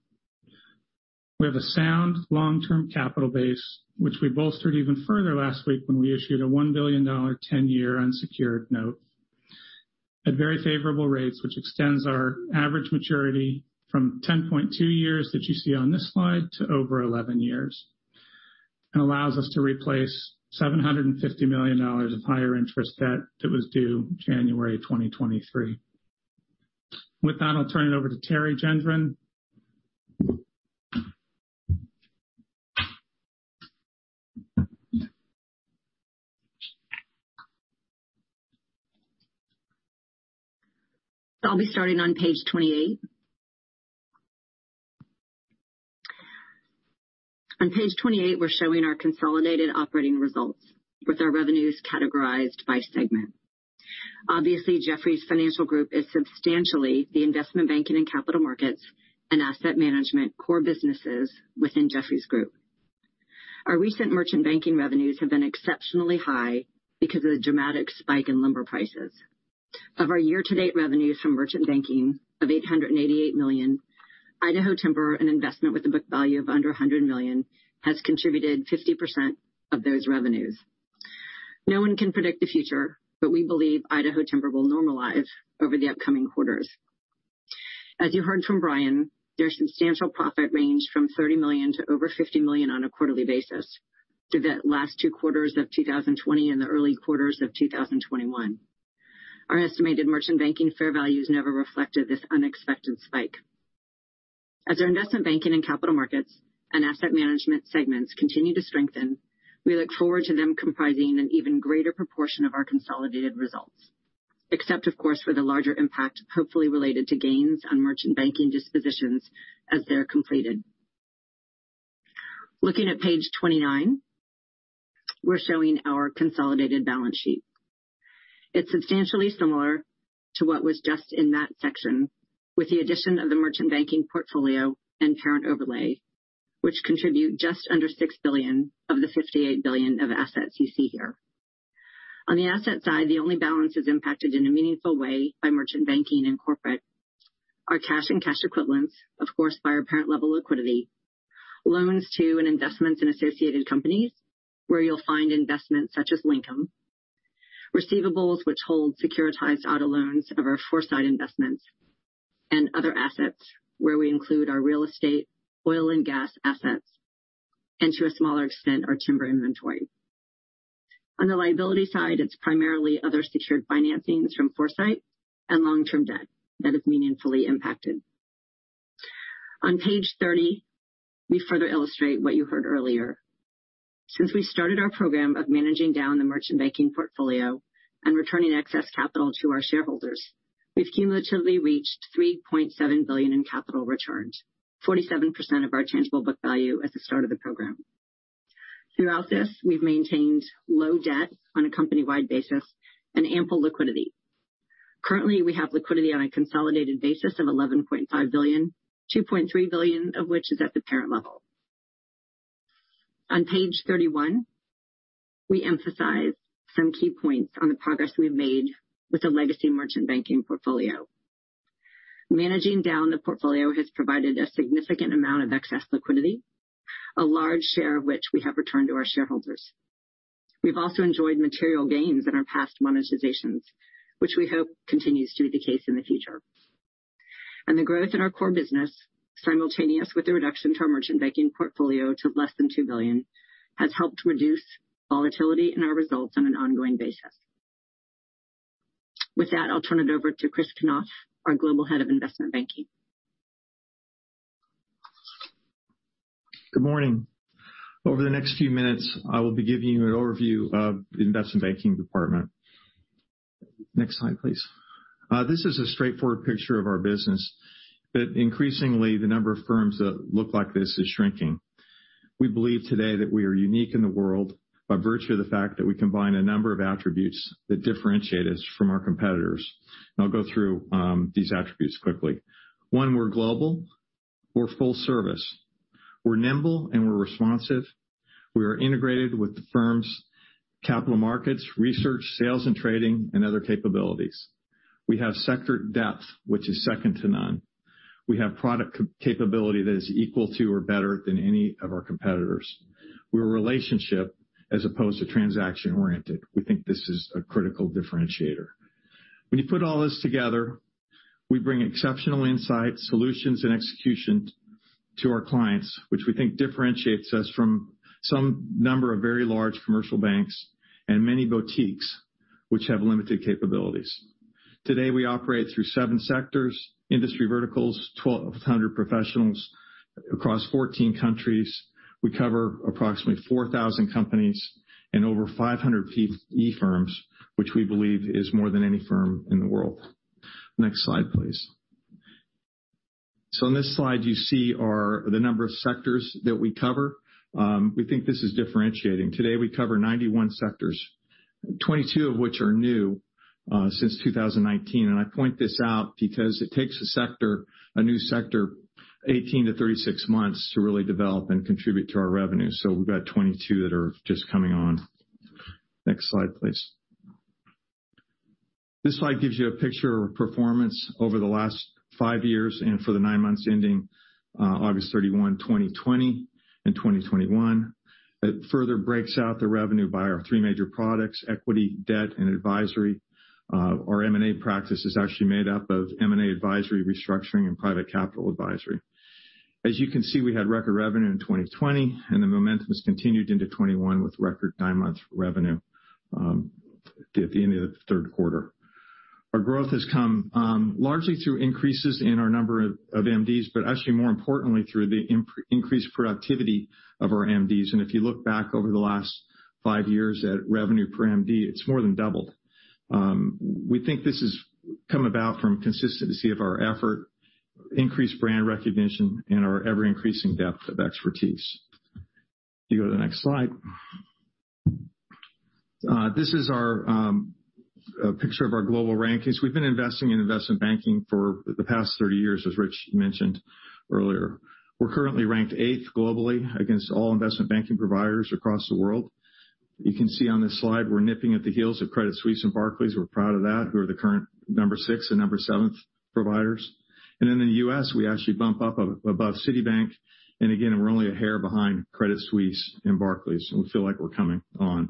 We have a sound long-term capital base, which we bolstered even further last week when we issued a $1 billion 10-year unsecured note at very favorable rates, which extends our average maturity from 10.2 years that you see on this slide to over 11 years, and allows us to replace $750 million of higher interest debt that was due January 2023. With that, I'll turn it over to Teri Gendron. I'll be starting on page 28. On page 28, we're showing our consolidated operating results with our revenues categorized by segment. Jefferies Financial Group is substantially the investment banking and capital markets and asset management core businesses within Jefferies Group. Our recent merchant banking revenues have been exceptionally high because of the dramatic spike in lumber prices. Of our year-to-date revenues from merchant banking of $888 million, Idaho Timber, an investment with a book value of under $100 million, has contributed 50% of those revenues. No one can predict the future, we believe Idaho Timber will normalize over the upcoming quarters. As you heard from Brian, their substantial profit range from $30 million to over $50 million on a quarterly basis through the last two quarters of 2020 and the early quarters of 2021. Our estimated merchant banking fair value has never reflected this unexpected spike. As our investment banking and capital markets and asset management segments continue to strengthen, we look forward to them comprising an even greater proportion of our consolidated results, except of course, for the larger impact, hopefully related to gains on merchant banking dispositions as they're completed. Looking at page 29, we're showing our consolidated balance sheet. It's substantially similar to what was just in that section, with the addition of the merchant banking portfolio and parent overlay, which contribute just under $6 billion of the $58 billion of assets you see here. On the asset side, the only balance is impacted in a meaningful way by merchant banking and corporate. Our cash and cash equivalents, of course, by our parent level liquidity. Loans to and investments in associated companies, where you'll find investments such as Linkem. Receivables, which hold securitized auto loans of our Foursight Investments and other assets where we include our real estate, oil and gas assets, and to a smaller extent, our timber inventory. On the liability side, it's primarily other secured financings from Foursight and long-term debt that is meaningfully impacted. On page 30, we further illustrate what you heard earlier. Since we started our program of managing down the merchant banking portfolio and returning excess capital to our shareholders, we've cumulatively reached $3.7 billion in capital returns, 47% of our tangible book value at the start of the program. Throughout this, we've maintained low debt on a company-wide basis and ample liquidity. Currently, we have liquidity on a consolidated basis of $11.5 billion, $2.3 billion of which is at the parent level. On page 31, we emphasize some key points on the progress we've made with the legacy merchant banking portfolio. Managing down the portfolio has provided a significant amount of excess liquidity, a large share of which we have returned to our shareholders. We've also enjoyed material gains in our past monetizations, which we hope continues to be the case in the future. The growth in our core business, simultaneous with the reduction to our merchant banking portfolio to less than $2 billion, has helped reduce volatility in our results on an ongoing basis. With that, I'll turn it over to Chris Kanoff, our Global Head of Investment Banking. Good morning. Over the next few minutes, I will be giving you an overview of the investment banking department. Next slide, please. This is a straightforward picture of our business, but increasingly, the number of firms that look like this is shrinking. We believe today that we are unique in the world by virtue of the fact that we combine a number of attributes that differentiate us from our competitors. I'll go through these attributes quickly. One, we're global. We're full service. We're nimble and we're responsive. We are integrated with the firm's capital markets, research, sales and trading and other capabilities. We have sector depth, which is second to none. We have product capability that is equal to or better than any of our competitors. We're relationship as opposed to transaction-oriented. We think this is a critical differentiator. When you put all this together, we bring exceptional insight, solutions and execution to our clients, which we think differentiates us from some number of very large commercial banks and many boutiques which have limited capabilities. Today, we operate through seven sectors, industry verticals, 1,200 professionals across 14 countries. We cover approximately 4,000 companies and over 500 PE firms, which we believe is more than any firm in the world. Next slide, please. On this slide you see the number of sectors that we cover. We think this is differentiating. Today, we cover 91 sectors, 22 of which are new since 2019. I point this out because it takes a sector, a new sector, 18-36 months to really develop and contribute to our revenue. We've got 22 that are just coming on. Next slide, please. This slide gives you a picture of performance over the last five years and for the nine months ending August 31, 2020 and 2021. It further breaks out the revenue by our three major products, equity, debt and advisory. Our M&A practice is actually made up of M&A advisory restructuring and private capital advisory. As you can see, we had record revenue in 2020, the momentum has continued into 2021 with record nine-month revenue at the end of the third quarter. Our growth has come largely through increases in our number of MDs, actually more importantly, through the increased productivity of our MDs. If you look back over the last five years at revenue per MD, it's more than doubled. We think this has come about from consistency of our effort, increased brand recognition, our ever-increasing depth of expertise. You go to the next slide. This is our picture of our global rankings. We've been investing in investment banking for the past 30 years, as Rich mentioned earlier. We're currently ranked eighth globally against all investment banking providers across the world. You can see on this slide we're nipping at the heels of Credit Suisse and Barclays. We're proud of that. We're the current number six and number seventh providers. In the U.S., we actually bump up above Citibank, and again, we're only a hair behind Credit Suisse and Barclays, and we feel like we're coming on.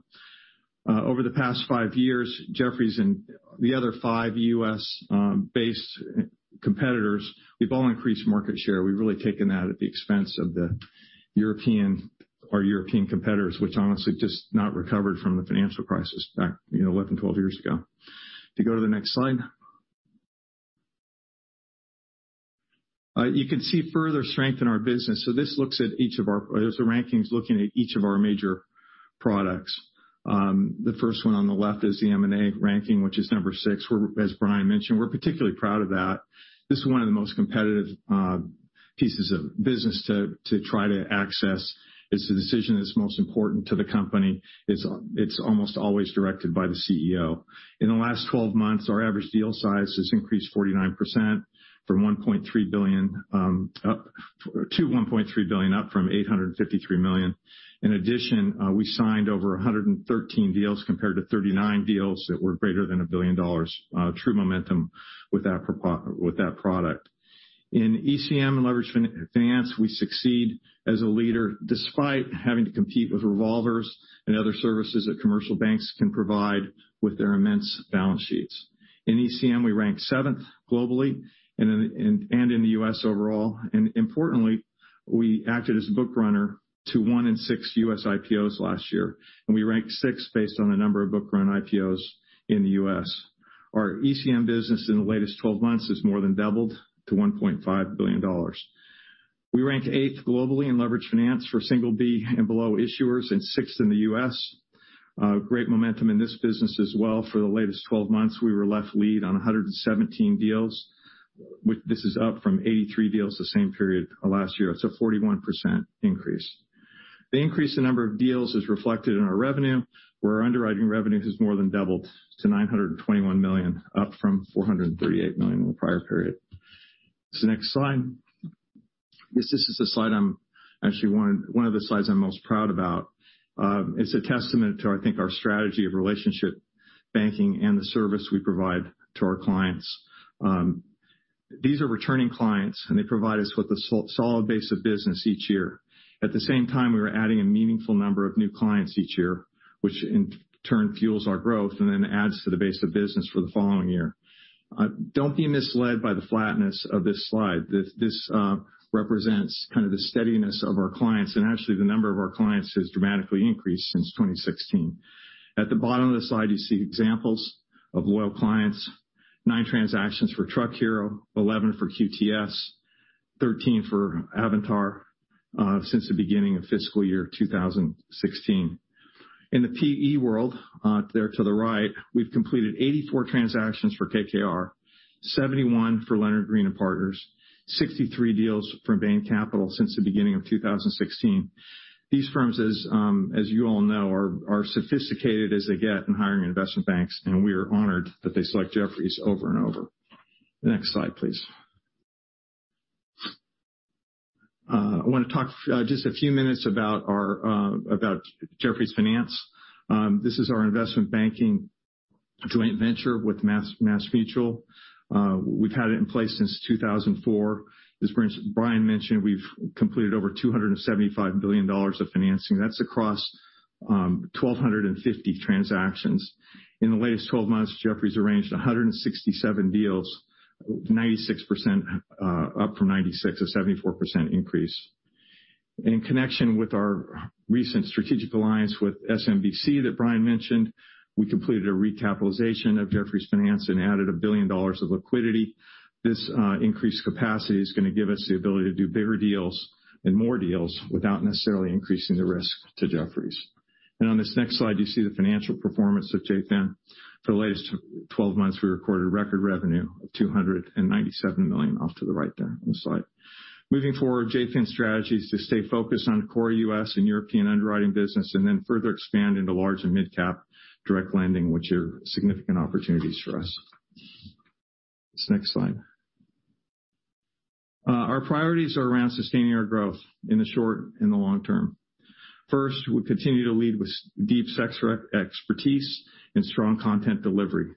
Over the past five years, Jefferies and the other five U.S.-based competitors, we've all increased market share. We've really taken that at the expense of the European or European competitors, which honestly just not recovered from the financial crisis back, you know, 11, 12 years ago. If you go to the next slide. You can see further strength in our business. These are rankings looking at each of our major products. The first one on the left is the M&A ranking, which is number 6. As Brian mentioned, we're particularly proud of that. This is one of the most competitive pieces of business to try to access. It's the decision that's most important to the company. It's almost always directed by the CEO. In the last 12 months, our average deal size has increased 49% from to $1.3 billion, up from $853 million. In addition, we signed over 113 deals compared to 39 deals that were greater than $1 billion. True momentum with that product. In ECM and leveraged finance, we succeed as a leader despite having to compete with revolvers and other services that commercial banks can provide with their immense balance sheets. In ECM, we rank seventh globally and in the U.S. overall. Importantly, we acted as a book runner to one in six U.S. IPOs last year, and we ranked sixth based on the number of book run IPOs in the U.S. Our ECM business in the latest 12 months has more than doubled to $1.5 billion. We rank eighth globally in leveraged finance for single B and below issuers and sixth in the U.S. Great momentum in this business as well. For the latest 12 months, we were left lead on 117 deals. This is up from 83 deals the same period last year. That's a 41% increase. The increase in number of deals is reflected in our revenue, where our underwriting revenue has more than doubled to $921 million, up from $438 million in the prior period. Next slide. This is a slide I'm actually one of the slides I'm most proud about. It's a testament to, I think, our strategy of relationship banking and the service we provide to our clients. These are returning clients, and they provide us with a so-solid base of business each year. At the same time, we are adding a meaningful number of new clients each year, which in turn fuels our growth and then adds to the base of business for the following year. Don't be misled by the flatness of this slide. This represents kind of the steadiness of our clients, and actually, the number of our clients has dramatically increased since 2016. At the bottom of the slide, you see examples of loyal clients, nine transactions for Truck Hero, 11 for QTS, 13 for Avantor, since the beginning of fiscal year 2016. In the PE world, there to the right, we've completed 84 transactions for KKR, 71 for Leonard Green & Partners, 63 deals for Bain Capital since the beginning of 2016. These firms, as you all know, are sophisticated as they get in hiring investment banks, and we are honored that they select Jefferies over and over. The next slide, please. I wanna talk just a few minutes about our Jefferies Finance. This is our investment banking joint venture with MassMutual. We've had it in place since 2004. As Brian mentioned, we've completed over $275 billion of financing. That's across 1,250 transactions. In the latest 12 months, Jefferies arranged 167 deals, 96%, up from a 74% increase. In connection with our recent strategic alliance with SMBC that Brian mentioned, we completed a recapitalization of Jefferies Finance and added $1 billion of liquidity. This increased capacity is gonna give us the ability to do bigger deals and more deals without necessarily increasing the risk to Jefferies. On this next slide, you see the financial performance of JFIN. For the latest 12 months, we recorded record revenue of $297 million off to the right there on the slide. Moving forward, JFIN strategy is to stay focused on core U.S. and European underwriting business and then further expand into large and midcap direct lending, which are significant opportunities for us. This next slide. Our priorities are around sustaining our growth in the short and the long term. First, we continue to lead with deep sector expertise and strong content delivery.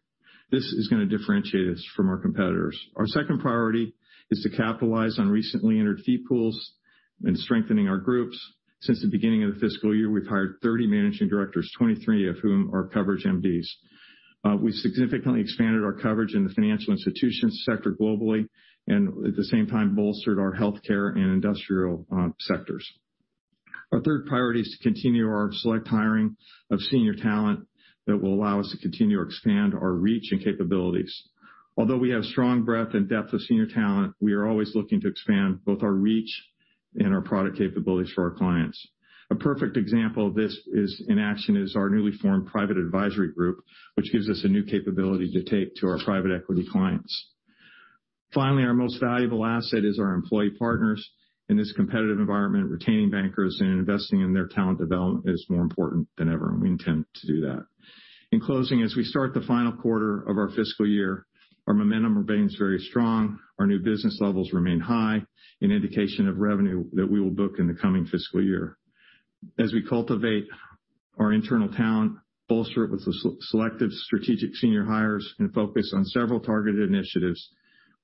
This is gonna differentiate us from our competitors. Our second priority is to capitalize on recently entered fee pools and strengthening our groups. Since the beginning of the fiscal year, we've hired 30 Managing Directors, 23 of whom are coverage MDs. We significantly expanded our coverage in the financial institutions sector globally and at the same time bolstered our healthcare and industrial sectors. Our third priority is to continue our select hiring of senior talent that will allow us to continue to expand our reach and capabilities. Although we have strong breadth and depth of senior talent, we are always looking to expand both our reach and our product capabilities for our clients. A perfect example of this is in action is our newly formed private advisory group, which gives us a new capability to take to our private equity clients. Finally, our most valuable asset is our employee partners. In this competitive environment, retaining bankers and investing in their talent development is more important than ever. We intend to do that. In closing, as we start the final quarter of our fiscal year, our momentum remains very strong. Our new business levels remain high, an indication of revenue that we will book in the coming fiscal year. As we cultivate our internal talent, bolster it with the selective strategic senior hires and focus on several targeted initiatives,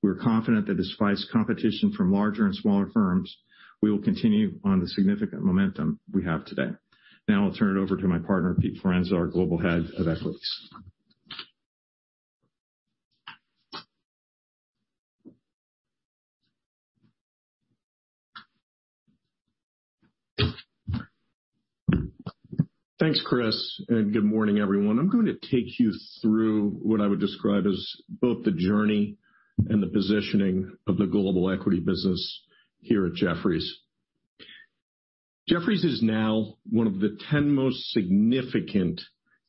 we're confident that despite competition from larger and smaller firms, we will continue on the significant momentum we have today. Now I'll turn it over to my partner, Peter Forlenza, our Global Head of Equities. Thanks, Chris. Good morning, everyone. I'm going to take you through what I would describe as both the journey and the positioning of the global equity business here at Jefferies. Jefferies is now one of the 10 most significant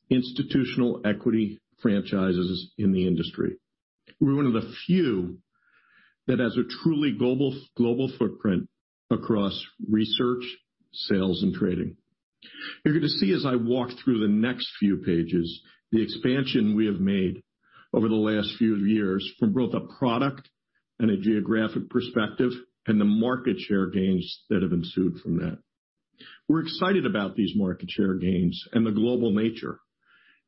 institutional equity franchises in the industry. We're one of the few that has a truly global footprint across research, sales, and trading. You're gonna see as I walk through the next few pages, the expansion we have made over the last few years from both a product and a geographic perspective, and the market share gains that have ensued from that. We're excited about these market share gains and the global nature.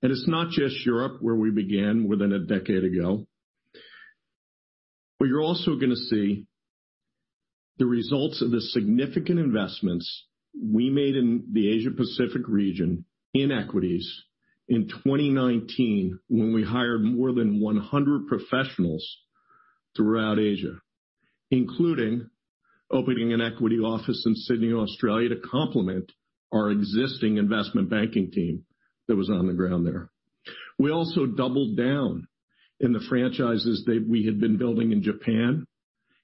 It's not just Europe, where we began within a decade ago. You're also going to see the results of the significant investments we made in the Asia-Pacific region in equities in 2019 when we hired more than 100 professionals throughout Asia, including opening an equity office in Sydney, Australia, to complement our existing investment banking team that was on the ground there. We also doubled down in the franchises that we had been building in Japan,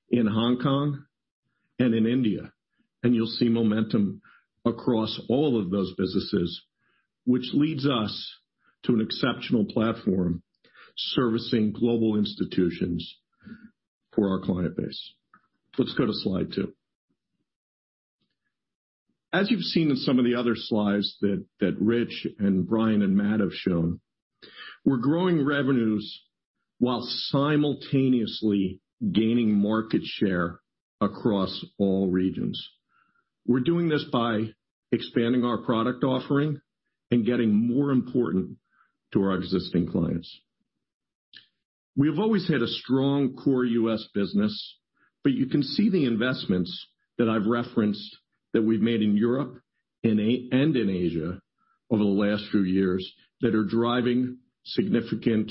in Hong Kong, and in India. You will see momentum across all of those businesses, which leads us to an exceptional platform servicing global institutions for our client base. Let's go to slide two. As you've seen in some of the other slides that Rich and Brian and Matt have shown, we're growing revenues while simultaneously gaining market share across all regions. We're doing this by expanding our product offering and getting more important to our existing clients. We've always had a strong core U.S. business, but you can see the investments that I've referenced that we've made in Europe and in Asia over the last few years that are driving significant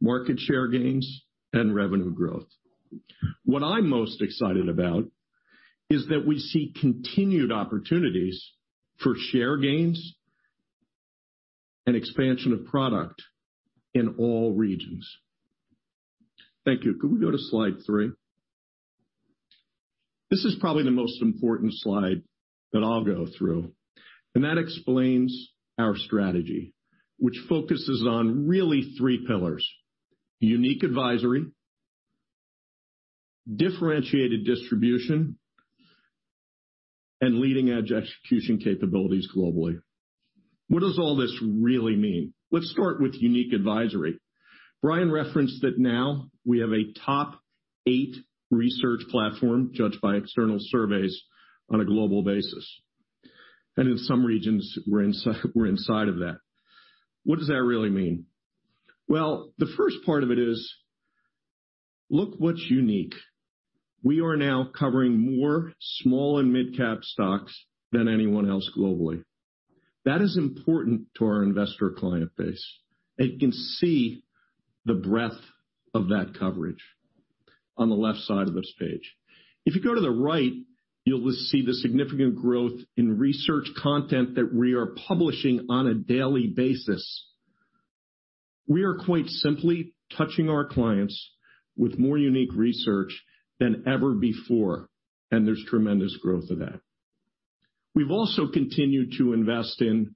market share gains and revenue growth. What I'm most excited about is that we see continued opportunities for share gains and expansion of product in all regions. Thank you. Could we go to slide three? This is probably the most important slide that I'll go through, and that explains our strategy, which focuses on really three pillars: unique advisory, differentiated distribution, and leading-edge execution capabilities globally. What does all this really mean? Let's start with unique advisory. Brian referenced that now we have a top eight research platform judged by external surveys on a global basis. In some regions, we're inside of that. What does that really mean? The first part of it is, look what's unique. We are now covering more small and mid-cap stocks than anyone else globally. That is important to our investor client base. You can see the breadth of that coverage on the left side of this page. If you go to the right, you'll see the significant growth in research content that we are publishing on a daily basis. We are quite simply touching our clients with more unique research than ever before, and there's tremendous growth of that. We've also continued to invest in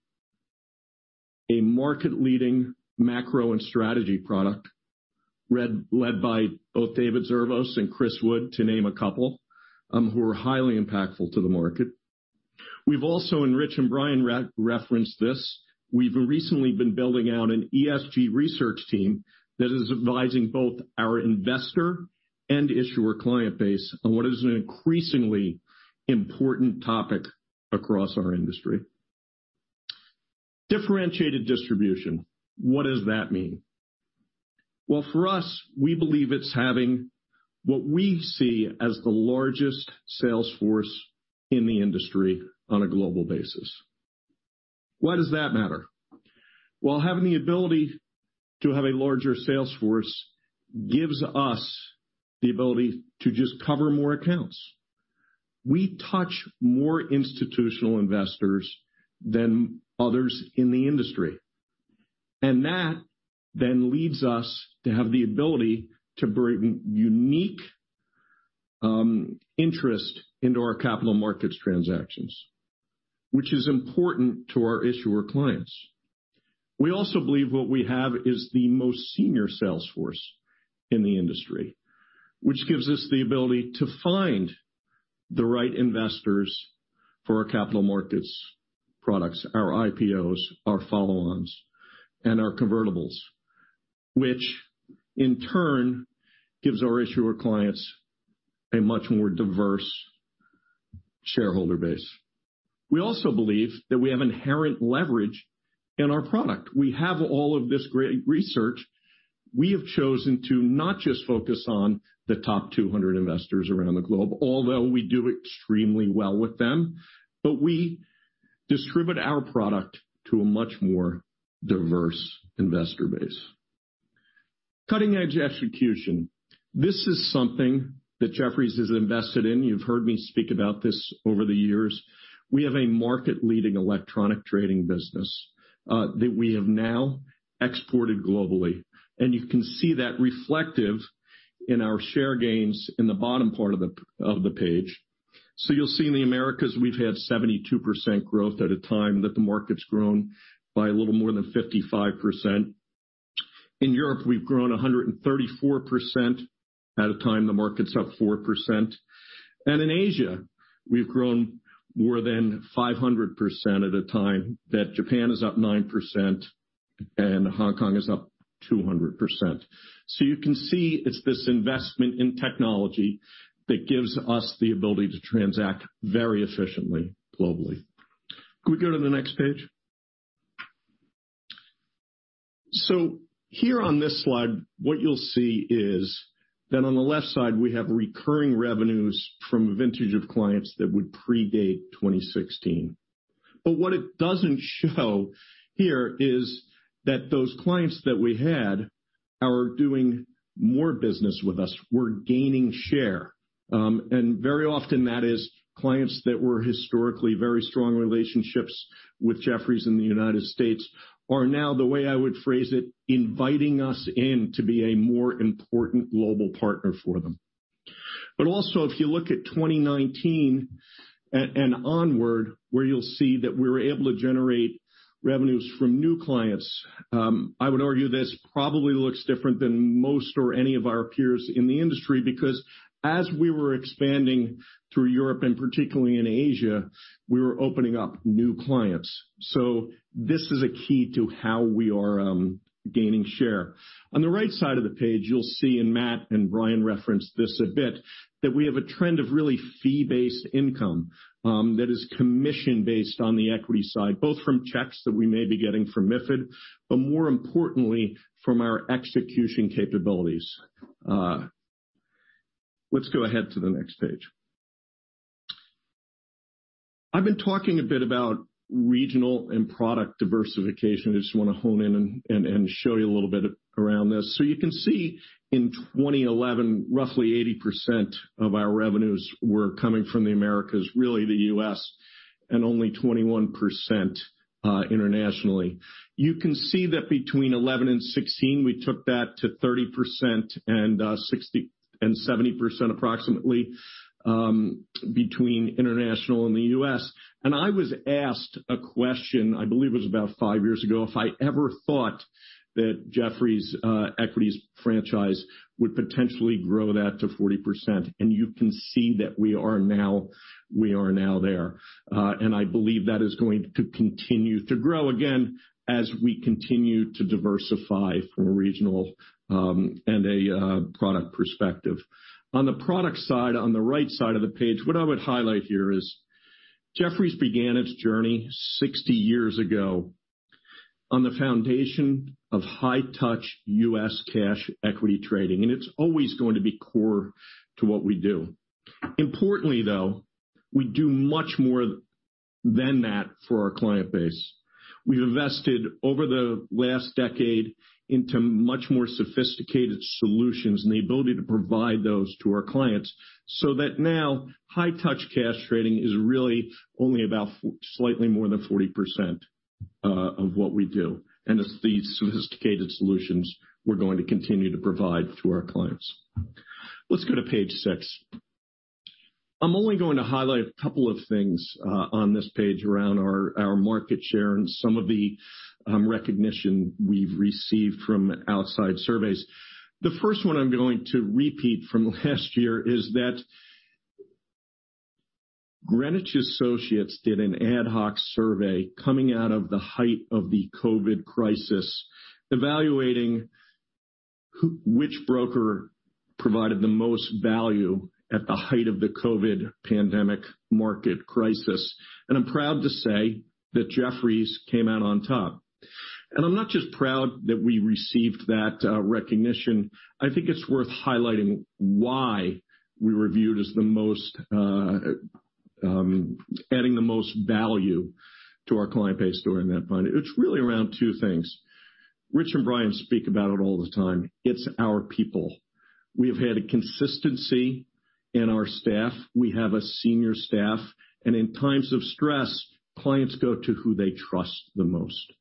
a market-leading macro and strategy product, led by both David Zervos and Chris Wood, to name a couple, who are highly impactful to the market. We've also, and Rich and Brian re-referenced this, we've recently been building out an ESG research team that is advising both our investor and issuer client base on what is an increasingly important topic across our industry. Differentiated distribution. What does that mean? Well, for us, we believe it's having what we see as the largest sales force in the industry on a global basis. Why does that matter? Well, having the ability to have a larger sales force gives us the ability to just cover more accounts. We touch more institutional investors than others in the industry, and that then leads us to have the ability to bring unique interest into our capital markets transactions, which is important to our issuer clients. We also believe what we have is the most senior sales force in the industry, which gives us the ability to find the right investors for our capital markets products, our IPOs, our follow-ons, and our convertibles, which in turn gives our issuer clients a much more diverse shareholder base. We also believe that we have inherent leverage in our product. We have all of this great research. We have chosen to not just focus on the top 200 investors around the globe, although we do extremely well with them, but we distribute our product to a much more diverse investor base. Cutting-edge execution. This is something that Jefferies is invested in. You've heard me speak about this over the years. We have a market-leading electronic trading business that we have now exported globally, and you can see that reflective in our share gains in the bottom part of the, of the page. You'll see in the Americas, we've had 72% growth at a time that the market's grown by a little more than 55%. In Europe, we've grown 134% at a time the market's up 4%. In Asia, we've grown more than 500% at a time that Japan is up 9% and Hong Kong is up 200%. You can see it's this investment in technology that gives us the ability to transact very efficiently globally. Could we go to the next page? Here on this slide, what you'll see is that on the left side, we have recurring revenues from a vintage of clients that would predate 2016. What it doesn't show here is that those clients that we had are doing more business with us. We're gaining share. Very often that is clients that were historically very strong relationships with Jefferies in the U.S. are now, the way I would phrase it, inviting us in to be a more important global partner for them. Also if you look at 2019 and onward, where you'll see that we were able to generate revenues from new clients, I would argue this probably looks different than most or any of our peers in the industry, because as we were expanding through Europe and particularly in Asia, we were opening up new clients. This is a key to how we are gaining share. On the right side of the page, you'll see, and Matt and Brian referenced this a bit, that we have a trend of really fee-based income that is commission-based on the equity side, both from checks that we may be getting from MiFID, but more importantly, from our execution capabilities. Let's go ahead to the next page. I've been talking a bit about regional and product diversification. I just wanna hone in and show you a little bit around this. You can see in 2011, roughly 80% of our revenues were coming from the Americas, really the U.S., and only 21% internationally. You can see that between 2011 and 2016, we took that to 30% and 70% approximately between international and the U.S. I was asked a question, I believe it was about five years ago, if I ever thought that Jefferies equities franchise would potentially grow that to 40%. You can see that we are now there. I believe that is going to continue to grow again as we continue to diversify from a regional and a product perspective. On the product side, on the right side of the page, what I would highlight here is Jefferies began its journey 60 years ago on the foundation of high-touch U.S. cash equity trading, and it's always going to be core to what we do. Importantly, though, we do much more than that for our client base. We've invested over the last decade into much more sophisticated solutions and the ability to provide those to our clients so that now high-touch cash trading is really only about slightly more than 40% of what we do. It's these sophisticated solutions we're going to continue to provide to our clients. Let's go to page six. I'm only going to highlight a couple of things on this page around our market share and some of the recognition we've received from outside surveys. The first one I'm going to repeat from last year is that Greenwich Associates did an ad hoc survey coming out of the height of the COVID crisis, evaluating which broker provided the most value at the height of the COVID pandemic market crisis. I'm proud to say that Jefferies came out on top. I'm not just proud that we received that recognition. I think it's worth highlighting why we were viewed as the most adding the most value to our client base during that time. It's really around two things. Rich and Brian speak about it all the time. It's our people. We have had a consistency in our staff. We have a senior staff. In times of stress, clients go to who they trust the most.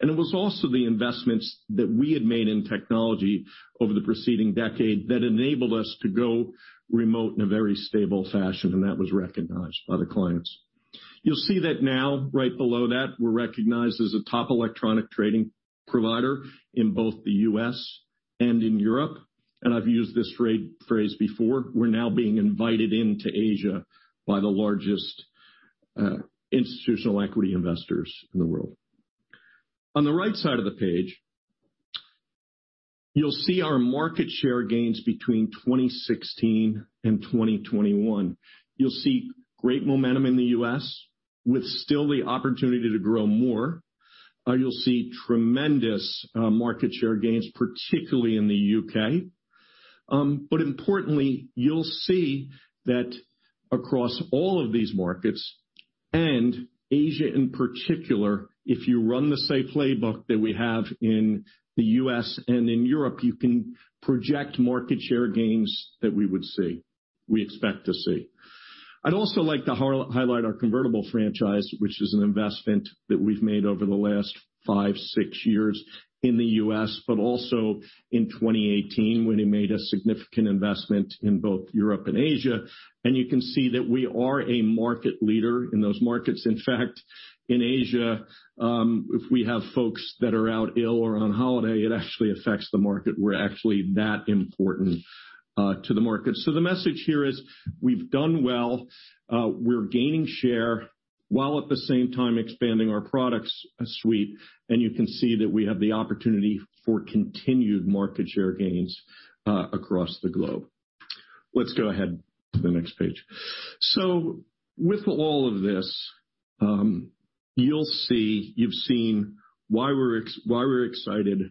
It was also the investments that we had made in technology over the preceding decade that enabled us to go remote in a very stable fashion, and that was recognized by the clients. You'll see that now, right below that, we're recognized as a top electronic trading provider in both the U.S. and in Europe. I've used this phrase before, we're now being invited into Asia by the largest institutional equity investors in the world. On the right side of the page, you'll see our market share gains between 2016 and 2021. You'll see great momentum in the U.S. with still the opportunity to grow more. You'll see tremendous market share gains, particularly in the U.K. Importantly, you'll see that across all of these markets, and Asia in particular, if you run the same playbook that we have in the U.S. and in Europe, you can project market share gains that we would see, we expect to see. I'd also like to highlight our convertible franchise, which is an investment that we've made over the last five, six years in the U.S., but also in 2018 when we made a significant investment in both Europe and Asia. You can see that we are a market leader in those markets. In fact, in Asia, if we have folks that are out ill or on holiday, it actually affects the market. We're actually that important to the market. The message here is we've done well, we're gaining share while at the same time expanding our products suite, and you can see that we have the opportunity for continued market share gains across the globe. Let's go ahead to the next page. With all of this, you'll see you've seen why we're excited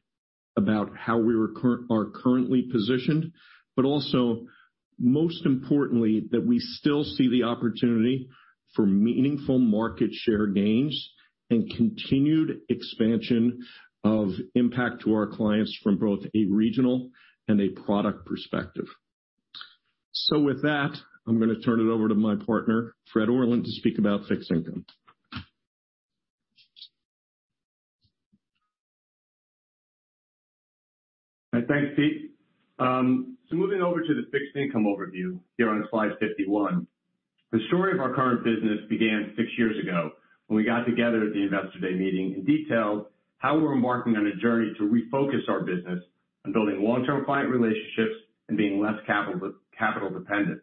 about how we are currently positioned, but also most importantly, that we still see the opportunity for meaningful market share gains and continued expansion of impact to our clients from both a regional and a product perspective. With that, I'm gonna turn it over to my partner, Fred Orlan, to speak about fixed income. Thanks, Pete. Moving over to the fixed income overview here on slide 51. The story of our current business began six years ago when we got together at the Investor Day meeting and detailed how we were embarking on a journey to refocus our business on building long-term client relationships and being less capital dependent.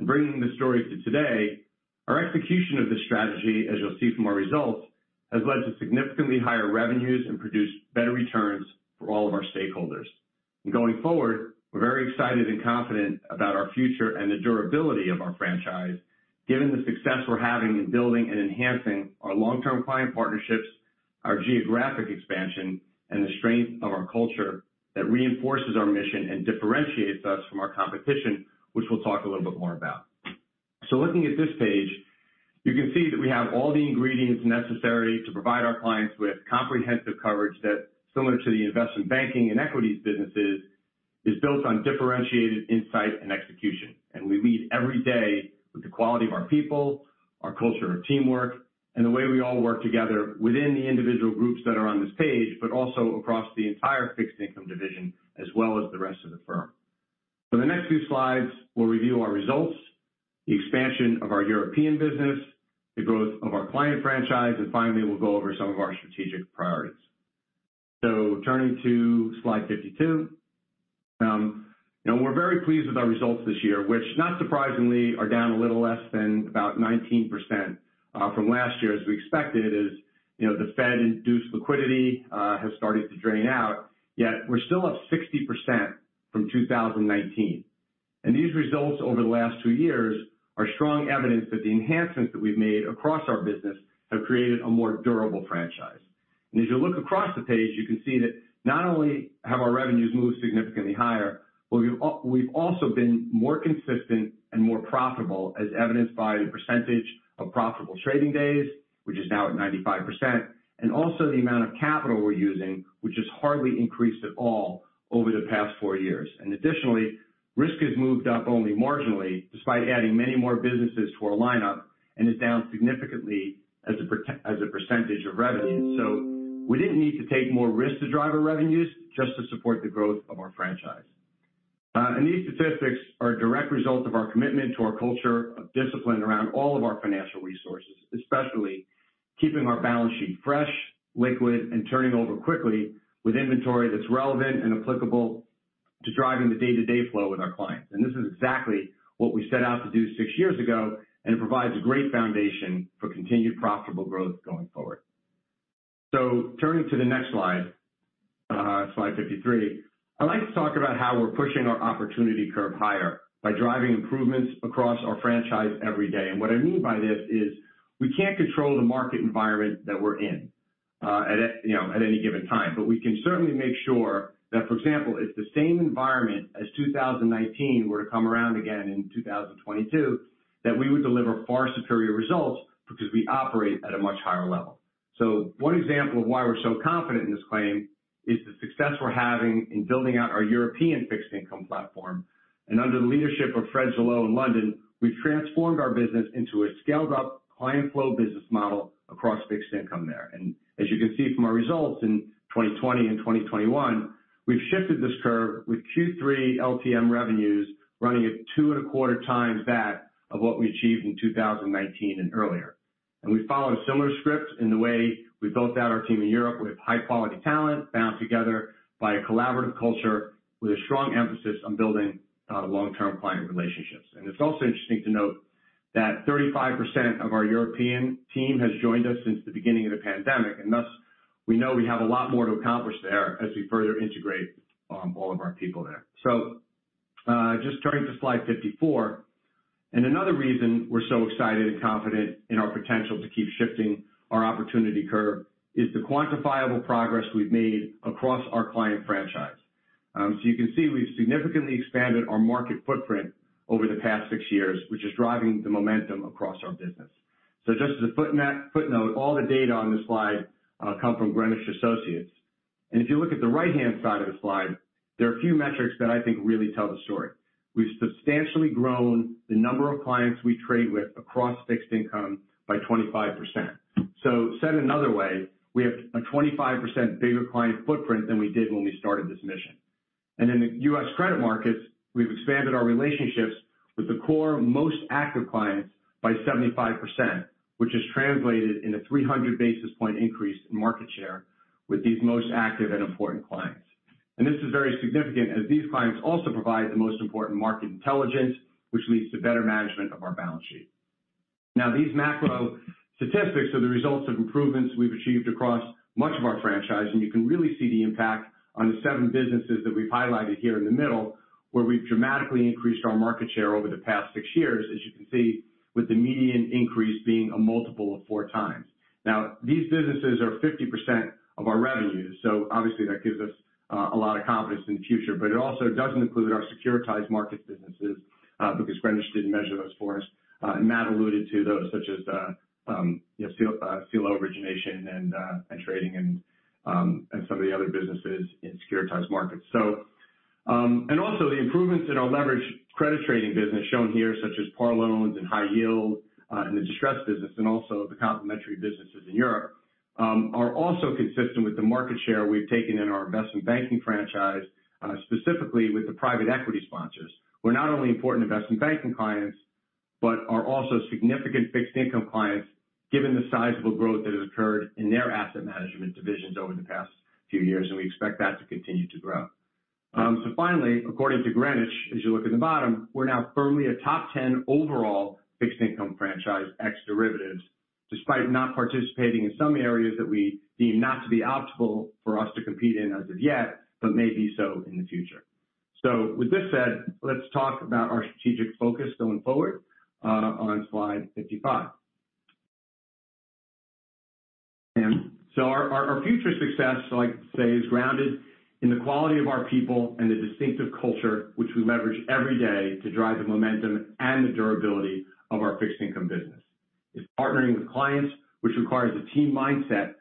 Bringing the story to today, our execution of this strategy, as you'll see from our results, has led to significantly higher revenues and produced better returns for all of our stakeholders. Going forward, we're very excited and confident about our future and the durability of our franchise, given the success we're having in building and enhancing our long-term client partnerships, our geographic expansion, and the strength of our culture that reinforces our mission and differentiates us from our competition, which we'll talk a little bit more about. Looking at this page, you can see that we have all the ingredients necessary to provide our clients with comprehensive coverage that, similar to the investment banking and Equities businesses, is built on differentiated insight and execution. We lead every day with the quality of our people, our culture of teamwork, and the way we all work together within the individual groups that are on this page, but also across the entire Fixed Income division, as well as the rest of the firm. For the next few slides, we'll review our results, the expansion of our European business, the growth of our client franchise, and finally, we'll go over some of our strategic priorities. Turning to slide 52. You know, we're very pleased with our results this year, which not surprisingly are down a little less than about 19% from last year. As we expected, as, you know, the Fed-induced liquidity has started to drain out, yet we're still up 60% from 2019. These results over the last two years are strong evidence that the enhancements that we've made across our business have created a more durable franchise. As you look across the page, you can see that not only have our revenues moved significantly higher, but we've also been more consistent and more profitable, as evidenced by the percentage of profitable trading days, which is now at 95%, and also the amount of capital we're using, which has hardly increased at all over the past four years. Additionally, risk has moved up only marginally despite adding many more businesses to our lineup and is down significantly as a percentage of revenue. We didn't need to take more risk to drive our revenues just to support the growth of our franchise. These statistics are a direct result of our commitment to our culture of discipline around all of our financial resources, especially keeping our balance sheet fresh, liquid, and turning over quickly with inventory that's relevant and applicable to driving the day-to-day flow with our clients. This is exactly what we set out to do six years ago, and it provides a great foundation for continued profitable growth going forward. Turning to the next slide 53, I'd like to talk about how we're pushing our opportunity curve higher by driving improvements across our franchise every day. What I mean by this is we can't control the market environment that we're in at any given time, but we can certainly make sure that, for example, if the same environment as 2019 were to come around again in 2022, that we would deliver far superior results because we operate at a much higher level. One example of why we're so confident in this claim is the success we're having in building out our European fixed income platform. Under the leadership of Fred Jallot in London, we've transformed our business into a scaled up client flow business model across fixed income there. As you can see from our results in 2020 and 2021, we've shifted this curve with Q3 LTM revenues running at 2.25x that of what we achieved in 2019 and earlier. We followed a similar script in the way we built out our team in Europe with high quality talent bound together by a collaborative culture with a strong emphasis on building long-term client relationships. It's also interesting to note that 35% of our European team has joined us since the beginning of the pandemic, and thus we know we have a lot more to accomplish there as we further integrate all of our people there. Just turning to slide 54. Another reason we're so excited and confident in our potential to keep shifting our opportunity curve is the quantifiable progress we've made across our client franchise. You can see we've significantly expanded our market footprint over the past six years, which is driving the momentum across our business. Just as a footnote, all the data on this slide come from Greenwich Associates. If you look at the right-hand side of the slide, there are a few metrics that I think really tell the story. We've substantially grown the number of clients we trade with across fixed income by 25%. Said another way, we have a 25% bigger client footprint than we did when we started this mission. In the U.S. credit markets, we've expanded our relationships with the core most active clients by 75%, which has translated in a 300 basis point increase in market share with these most active and important clients. This is very significant as these clients also provide the most important market intelligence, which leads to better management of our balance sheet. Now, these macro statistics are the results of improvements we've achieved across much of our franchise, and you can really see the impact on the seven businesses that we've highlighted here in the middle, where we've dramatically increased our market share over the past six years, as you can see, with the median increase being a multiple of 4x. Now, these businesses are 50% of our revenues, so obviously that gives us a lot of confidence in the future. It also doesn't include our securitized markets businesses, because Greenwich didn't measure those for us. And Matt alluded to those such as, you know, CLO origination and trading and some of the other businesses in securitized markets. And also the improvements in our leverage credit trading business shown here, such as par loans and high yield, and the distressed business, and also the complementary businesses in Europe, are also consistent with the market share we've taken in our investment banking franchise, specifically with the private equity sponsors. Who are not only important investment banking clients, but are also significant fixed income clients given the sizable growth that has occurred in their asset management divisions over the past few years, and we expect that to continue to grow. Finally, according to Greenwich, as you look at the bottom, we're now firmly a top 10 overall fixed income franchise ex derivatives, despite not participating in some areas that we deem not to be optimal for us to compete in as of yet, but may be so in the future. With this said, let's talk about our strategic focus going forward on slide 55. Our, our future success, like I say, is grounded in the quality of our people and the distinctive culture which we leverage every day to drive the momentum and the durability of our fixed income business. It's partnering with clients which requires a team mindset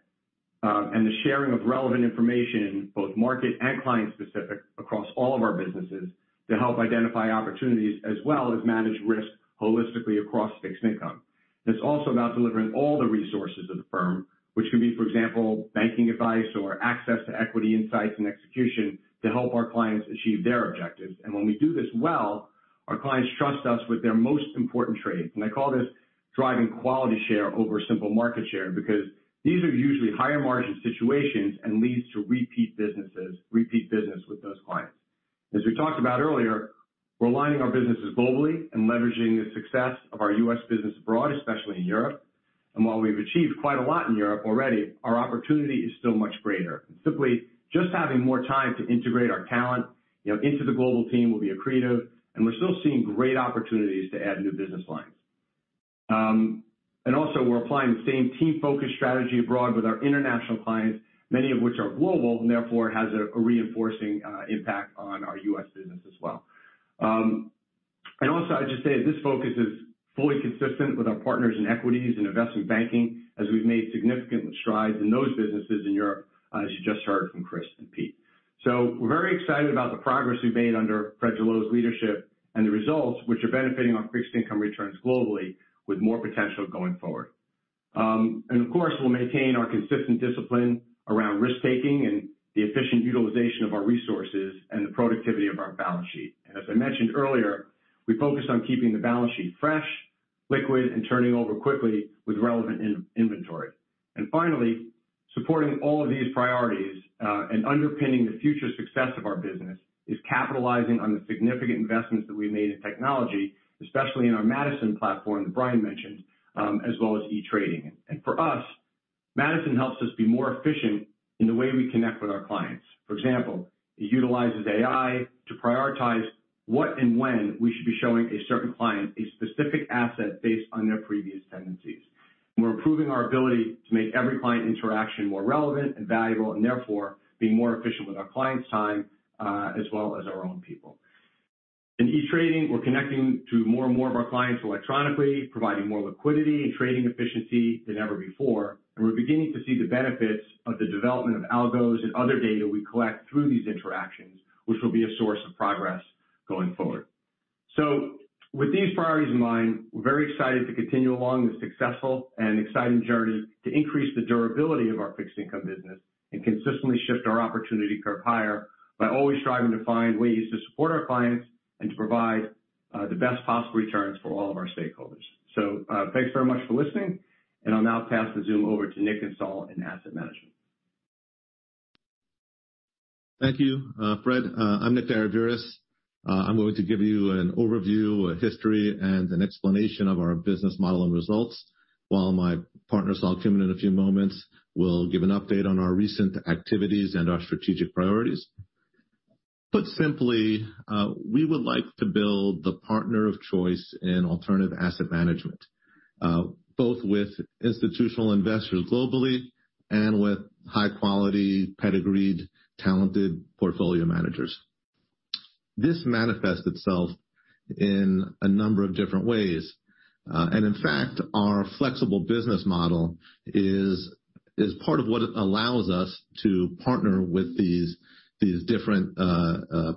and the sharing of relevant information, both market and client specific, across all of our businesses to help identify opportunities as well as manage risk holistically across fixed income. It's also about delivering all the resources of the firm, which can be, for example, banking advice or access to equity insights and execution to help our clients achieve their objectives. When we do this well, our clients trust us with their most important trades. I call this driving quality share over simple market share, because these are usually higher margin situations and leads to repeat business with those clients. As we talked about earlier, we're aligning our businesses globally and leveraging the success of our U.S. business abroad, especially in Europe. While we've achieved quite a lot in Europe already, our opportunity is still much greater. Simply just having more time to integrate our talent, you know, into the global team will be accretive, and we're still seeing great opportunities to add new business lines. Also, we're applying the same team-focused strategy abroad with our international clients, many of which are global, and therefore it has a reinforcing impact on our U.S. business as well. Also, I'd just say this focus is fully consistent with our partners in Equities and Investment Banking as we've made significant strides in those businesses in Europe, as you just heard from Chris and Pete. We're very excited about the progress we've made under Fred Jallot's leadership and the results which are benefiting our fixed Income returns globally with more potential going forward. Of course, we'll maintain our consistent discipline around risk-taking and the efficient utilization of our resources and the productivity of our balance sheet. As I mentioned earlier, we focus on keeping the balance sheet fresh, liquid, and turning over quickly with relevant in-inventory. Finally, supporting all of these priorities, and underpinning the future success of our business is capitalizing on the significant investments that we made in technology, especially in our Madison platform that Brian mentioned, as well as e-trading. For us, Madison helps us be more efficient in the way we connect with our clients. For example, it utilizes AI to prioritize what and when we should be showing a certain client a specific asset based on their previous tendencies. We're improving our ability to make every client interaction more relevant and valuable, and therefore being more efficient with our clients' time, as well as our own people. In e-trading, we're connecting to more and more of our clients electronically, providing more liquidity and trading efficiency than ever before. We're beginning to see the benefits of the development of algos and other data we collect through these interactions, which will be a source of progress going forward. With these priorities in mind, we're very excited to continue along the successful and exciting journey to increase the durability of our fixed income business and consistently shift our opportunity curve higher by always striving to find ways to support our clients and to provide the best possible returns for all of our stakeholders. Thanks very much for listening, and I'll now pass the Zoom over to Nick and Sol in asset management. Thank you, Fred. I'm Nick Daraviras. I'm going to give you an overview, a history, and an explanation of our business model and results while my partner, Sol Kumin, in a few moments, will give an update on our recent activities and our strategic priorities. Put simply, we would like to build the partner of choice in alternative asset management, both with institutional investors globally and with high-quality pedigreed, talented portfolio managers. This manifests itself in a number of different ways. And in fact, our flexible business model is part of what allows us to partner with these different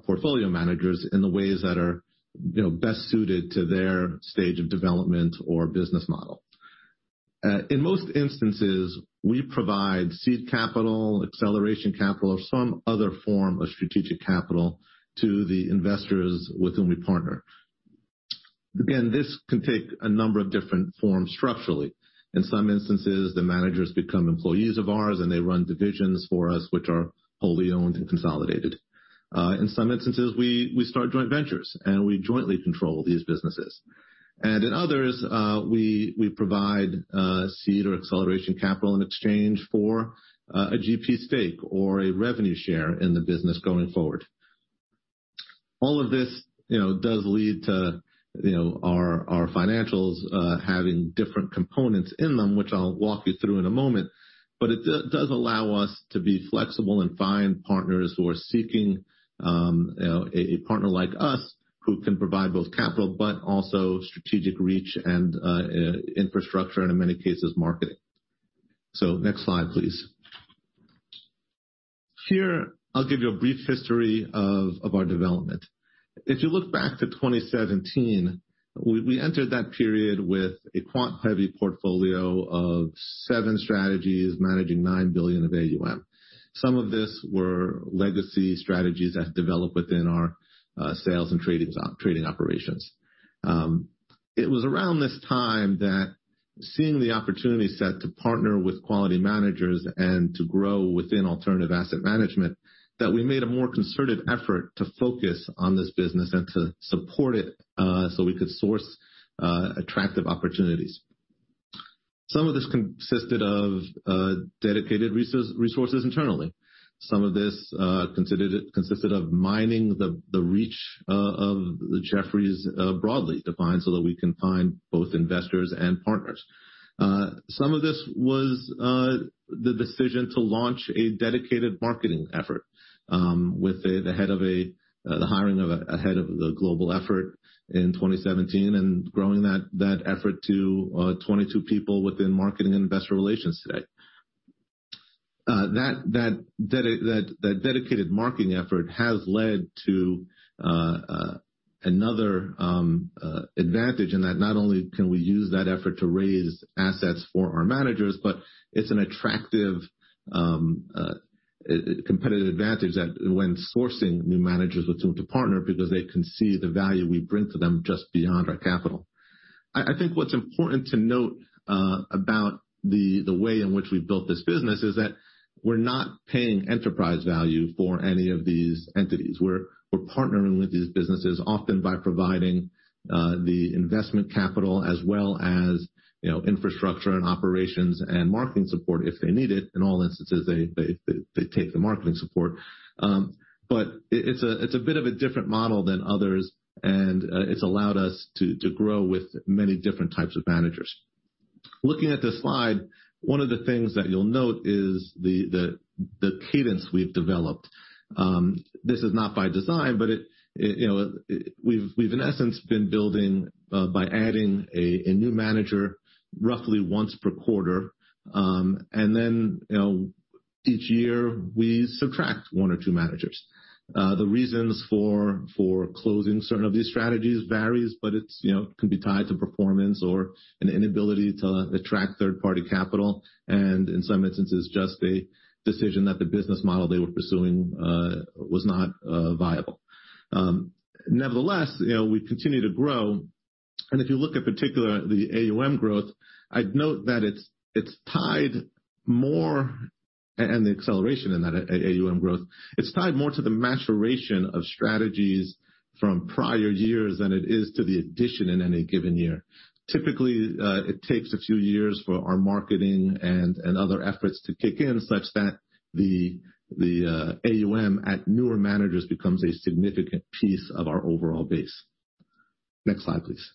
portfolio managers in the ways that are, you know, best suited to their stage of development or business model. In most instances, we provide seed capital, acceleration capital, or some other form of strategic capital to the investors with whom we partner. Again, this can take a number of different forms structurally. In some instances, the managers become employees of ours, and they run divisions for us which are wholly owned and consolidated. In some instances, we start joint ventures, we jointly control these businesses. In others, we provide seed or acceleration capital in exchange for a GP stake or a revenue share in the business going forward. All of this, you know, does lead to, you know, our financials having different components in them, which I'll walk you through in a moment. It does allow us to be flexible and find partners who are seeking, you know, a partner like us who can provide both capital but also strategic reach and infrastructure and in many cases, marketing. Next slide, please. Here, I'll give you a brief history of our development. If you look back to 2017, we entered that period with a quant-heavy portfolio of seven strategies managing $9 billion of AUM. Some of this were legacy strategies that developed within our sales and trading operations. It was around this time that seeing the opportunity set to partner with quality managers and to grow within alternative asset management that we made a more concerted effort to focus on this business and to support it, so we could source attractive opportunities. Some of this consisted of dedicated resources internally. Some of this consisted of mining the reach of the Jefferies, broadly defined, so that we can find both investors and partners. Some of this was the decision to launch a dedicated marketing effort with the hiring of a head of the global effort in 2017 and growing that effort to 22 people within marketing and investor relations today. That dedicated marketing effort has led to another advantage in that not only can we use that effort to raise assets for our managers, but it's an attractive competitive advantage that when sourcing new managers with whom to partner because they can see the value we bring to them just beyond our capital. I think what's important to note about the way in which we built this business is that we're not paying enterprise value for any of these entities. We're partnering with these businesses often by providing the investment capital as well as, you know, infrastructure and operations and marketing support if they need it. In all instances, they take the marketing support. But it's a bit of a different model than others, and it's allowed us to grow with many different types of managers. Looking at this slide, one of the things that you'll note is the cadence we've developed. This is not by design, but it, you know, we've in essence been building by adding a new manager roughly once per quarter. You know, each year we subtract one or two managers. The reasons for closing certain of these strategies varies, but it's, you know, can be tied to performance or an inability to attract third-party capital and in some instances, just a decision that the business model they were pursuing was not viable. You know, we continue to grow. If you look at particular the AUM growth, I'd note that it's tied more and the acceleration in that AUM growth, it's tied more to the maturation of strategies from prior years than it is to the addition in any given year. Typically, it takes a few years for our marketing and other efforts to kick in such that the AUM at newer managers becomes a significant piece of our overall base. Next slide, please.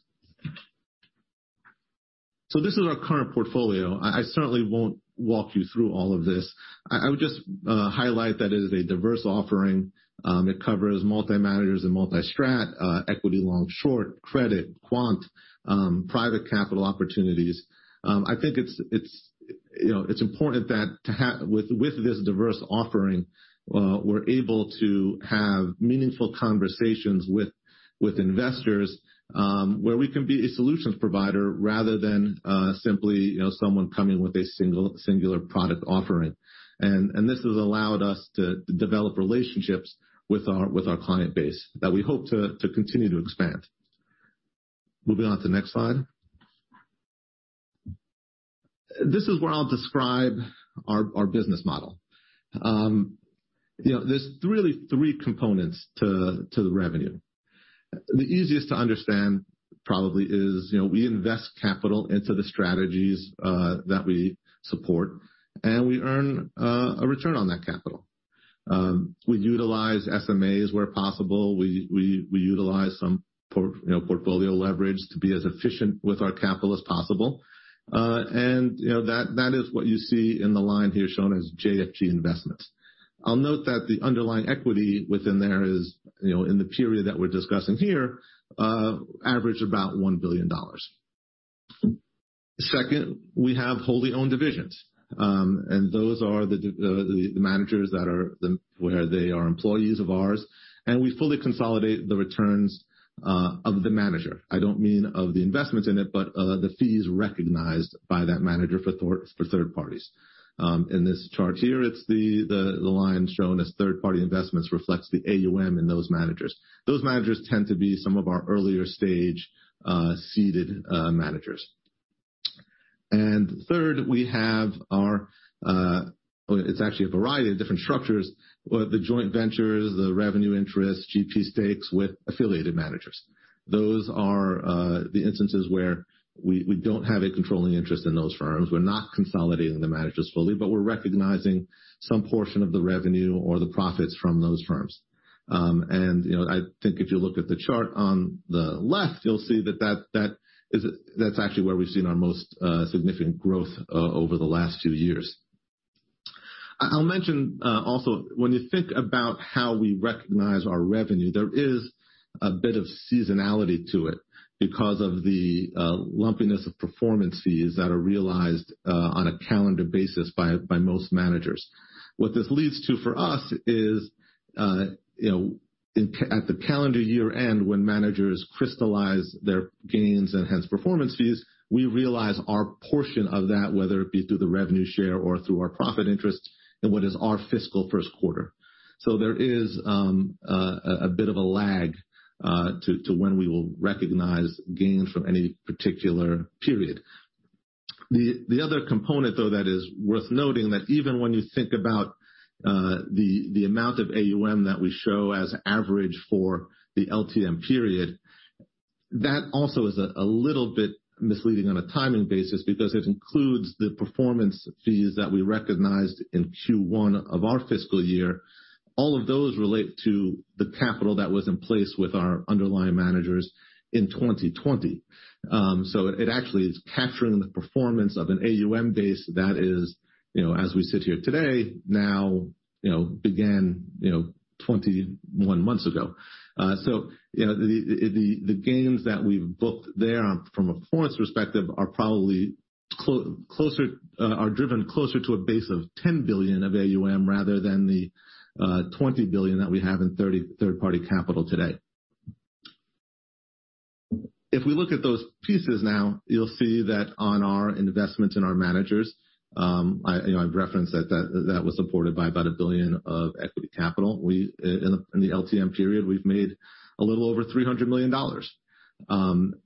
This is our current portfolio. I certainly won't walk you through all of this. I would just highlight that it is a diverse offering. It covers multi-managers and multi-strat, equity long-short, credit, quant, private capital opportunities. I think it's, you know, it's important that with this diverse offering, we're able to have meaningful conversations with investors, where we can be a solutions provider rather than simply, you know, someone coming with a singular product offering. This has allowed us to develop relationships with our client base that we hope to continue to expand. Moving on to the next slide. This is where I'll describe our business model. You know, there's really three components to the revenue. The easiest to understand probably is, we invest capital into the strategies that we support, and we earn a return on that capital. We utilize SMAs where possible. We utilize some portfolio leverage to be as efficient with our capital as possible. That is what you see in the line here shown as JFG Investments. I'll note that the underlying equity within there is, in the period that we're discussing here, averaged about $1 billion. Second, we have wholly-owned divisions, those are the managers where they are employees of ours, and we fully consolidate the returns of the manager. I don't mean of the investments in it, but the fees recognized by that manager for third parties. In this chart here, it's the line shown as third-party investments reflects the AUM in those managers. Those managers tend to be some of our earlier stage, seeded managers. Third, we have our, well, it's actually a variety of different structures. We have the joint ventures, the revenue interests, GP stakes with affiliated managers. Those are the instances where we don't have a controlling interest in those firms. We're not consolidating the managers fully, but we're recognizing some portion of the revenue or the profits from those firms. You know, I think if you look at the chart on the left, you'll see that's actually where we've seen our most significant growth over the last few years. I'll mention also when you think about how we recognize our revenue, there is a bit of seasonality to it because of the lumpiness of performance fees that are realized on a calendar basis by most managers. What this leads to for us is, you know, at the calendar year-end, when managers crystallize their gains and hence performance fees, we realize our portion of that, whether it be through the revenue share or through our profit interest, in what is our fiscal first quarter. There is a bit of a lag to when we will recognize gains from any particular period. The other component, though, that is worth noting that even when you think about the amount of AUM that we show as average for the LTM period, that also is a little bit misleading on a timing basis because it includes the performance fees that we recognized in Q1 of our fiscal year. All of those relate to the capital that was in place with our underlying managers in 2020. It actually is capturing the performance of an AUM base that is, you know, as we sit here today, now, you know, began, you know, 21 months ago. The gains that we've booked there from a performance perspective are probably closer, are driven closer to a base of $10 billion of AUM rather than the $20 billion that we have in third-party capital today. If we look at those pieces now, you'll see that on our investments in our managers, you know, I've referenced that that was supported by about $1 billion of equity capital. In the LTM period, we've made a little over $300 million.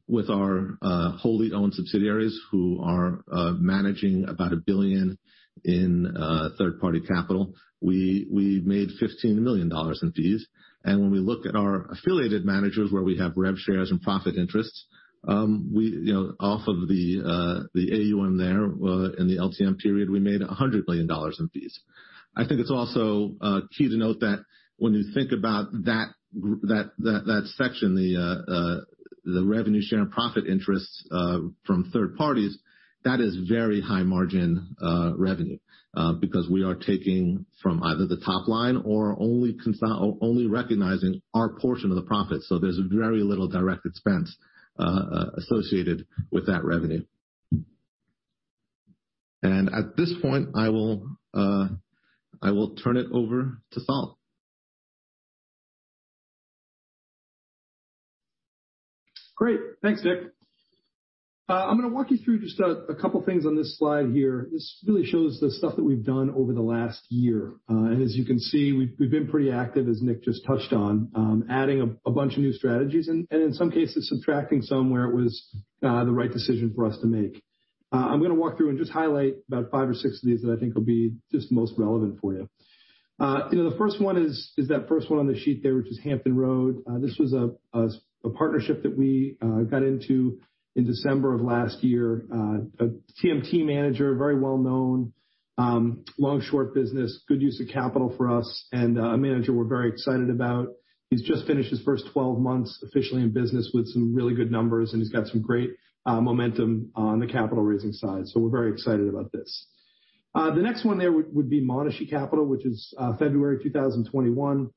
With our wholly owned subsidiaries who are managing about $1 billion in third-party capital. We made $15 million in fees. When we look at our affiliated managers, where we have rev shares and profit interests, you know, off of the AUM there, in the LTM period, we made $100 million in fees. I think it's also key to note that when you think about that section, the revenue share and profit interests from third parties, that is very high margin revenue because we are taking from either the top line or only recognizing our portion of the profit. There's very little direct expense associated with that revenue. At this point, I will turn it over to Sol. Great. Thanks, Nick. I'm gonna walk you through just a couple things on this slide here. This really shows the stuff that we've done over the last year. As you can see, we've been pretty active, as Nick just touched on, adding a bunch of new strategies and in some cases, subtracting some where it was the right decision for us to make. I'm gonna walk through and just highlight about five or six of these that I think will be just most relevant for you. You know, the first one is that first one on the sheet there, which is Hampton Road. This was a partnership that we got into in December of last year. A TMT manager, very well-known, long-short business, good use of capital for us, and a manager we're very excited about. He's just finished his first 12 months officially in business with some really good numbers, and he's got some great momentum on the capital raising side. We're very excited about this. The next one there would be Monashee Capital, which is February 2021.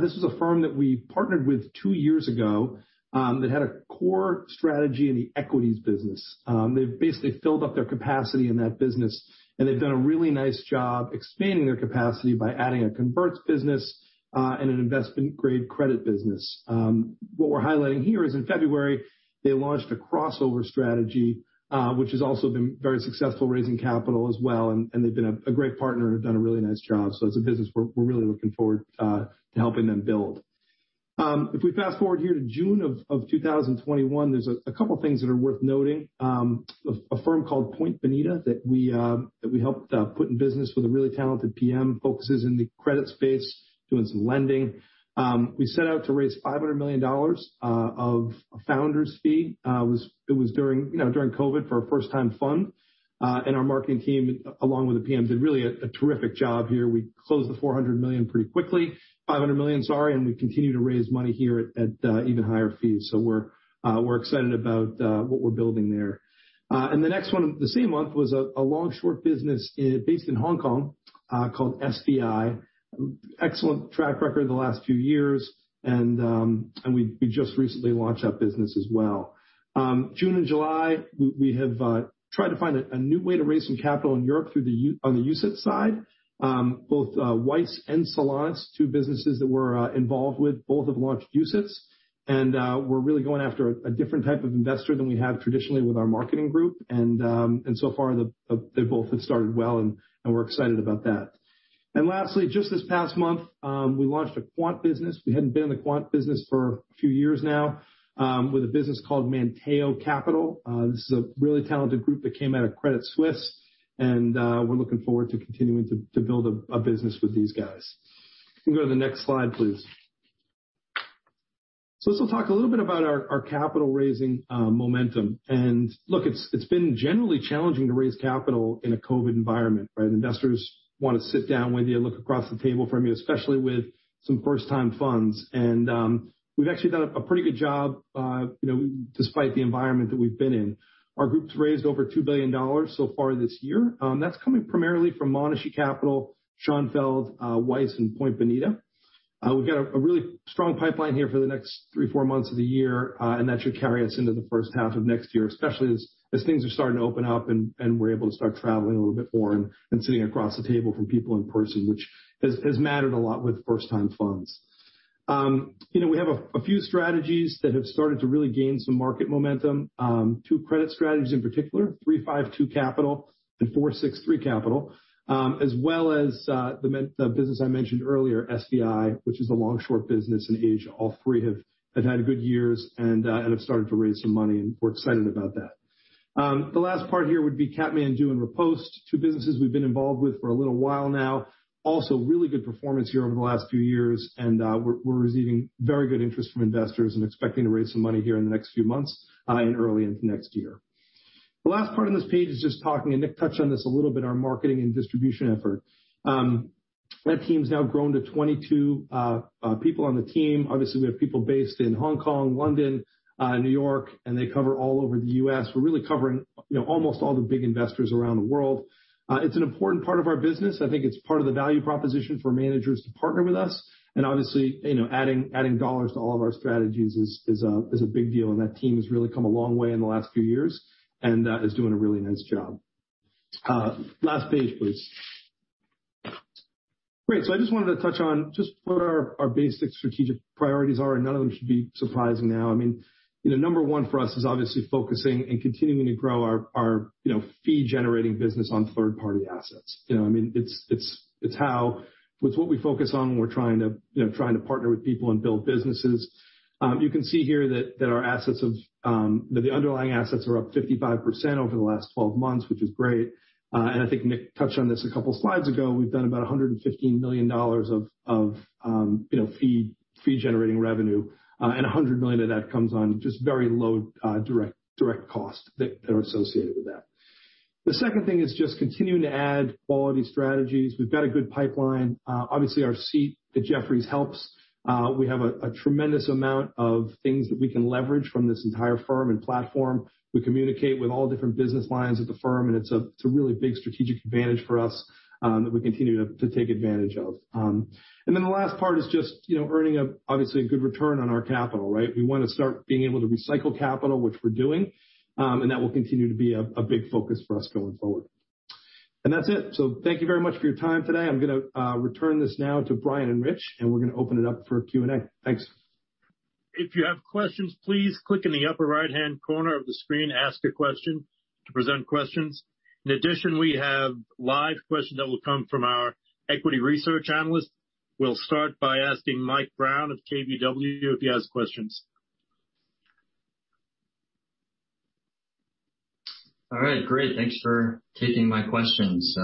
This is a firm that we partnered with two years ago, that had a core strategy in the equities business. They've basically filled up their capacity in that business, and they've done a really nice job expanding their capacity by adding a converts business, and an investment grade credit business. What we're highlighting here is in February, they launched a crossover strategy, which has also been very successful raising capital as well. They've been a great partner and have done a really nice job. It's a business we're really looking forward to helping them build. If we fast-forward here to June of 2021, there's a couple things that are worth noting. A firm called Point Bonita that we that we helped put in business with a really talented PM, focuses in the credit space, doing some lending. We set out to raise $500 million of founder's fee. It was during, you know, during COVID for a first time fund. Our marketing team, along with the PM, did really a terrific job here. We closed the $400 million pretty quickly, $500 million, sorry, we continue to raise money here at even higher fees. We're excited about what we're building there. The next one, the same month, was a long/short business based in Hong Kong called SVI. Excellent track record the last few years. We just recently launched that business as well. June and July, we have tried to find a new way to raise some capital in Europe on the UCITS side. Both Weiss and Solanas, two businesses that we're involved with, both have launched UCITS. We're really going after a different type of investor than we have traditionally with our marketing group. So far, they both have started well, and we're excited about that. Lastly, just this past month, we launched a quant business. We hadn't been in the quant business for a few years now, with a business called Manteio Capital. This is a really talented group that came out of Credit Suisse, we're looking forward to continuing to build a business with these guys. You can go to the next slide, please. This will talk a little bit about our capital raising momentum. Look, it's been generally challenging to raise capital in a COVID environment, right? Investors wanna sit down with you, look across the table from you, especially with some first-time funds. We've actually done a pretty good job, you know, despite the environment that we've been in. Our group's raised over $2 billion so far this year. That's coming primarily from Monashee Capital, Schonfeld, Weiss, Point Bonita. We've got a really strong pipeline here for the next three, four months of the year, and that should carry us into the first half of next year, especially as things are starting to open up and we're able to start traveling a little bit more and sitting across the table from people in person, which has mattered a lot with first-time funds. You know, we have a few strategies that have started to really gain some market momentum. Two credit strategies in particular, 352 Capital and FourSixThree Capital, as well as the business I mentioned earlier, SVI, which is a long/short business in Asia. All three have had good years and have started to raise some money, and we're excited about that. The last part here would be Kathmandu and Riposte, two businesses we've been involved with for a little while now. Also, really good performance here over the last few years, and we're receiving very good interest from investors and expecting to raise some money here in the next few months, and early into next year. The last part on this page is just talking, and Nick touched on this a little bit, our marketing and distribution effort. That team's now grown to 22 people on the team. Obviously, we have people based in Hong Kong, London, New York, and they cover all over the U.S. We're really covering, you know, almost all the big investors around the world. It's an important part of our business. I think it's part of the value proposition for managers to partner with us. Obviously, you know, adding dollars to all of our strategies is a big deal. That team has really come a long way in the last few years, and is doing a really nice job. Last page, please. Great. I just wanted to touch on just what our basic strategic priorities are, and none of them should be surprising now. I mean, you know, number one for us is obviously focusing and continuing to grow our fee-generating business on third-party assets. You know, I mean, it's what we focus on when we're trying to partner with people and build businesses. You can see here that our assets of that the underlying assets are up 55% over the last 12 months, which is great. I think Nick touched on this a couple slides ago. We've done about $115 million of, you know, fee-generating revenue, and $100 million of that comes on just very low direct costs that are associated with that. The second thing is just continuing to add quality strategies. We've got a good pipeline. Obviously, our seat at Jefferies helps. We have a tremendous amount of things that we can leverage from this entire firm and platform. We communicate with all different business lines at the firm, and it's a really big strategic advantage for us that we continue to take advantage of. The last part is just, you know, earning a, obviously, a good return on our capital, right? We wanna start being able to recycle capital, which we're doing. That will continue to be a big focus for us going forward. That's it. Thank you very much for your time today. I'm gonna return this now to Brian and Rich, we're gonna open it up for Q&A. Thanks. If you have questions, please click in the upper right-hand corner of the screen, Ask a Question, to present questions. In addition, we have live questions that will come from our equity research analyst. We'll start by asking Mike Brown of KBW if he has questions. All right. Great. Thanks for taking my questions.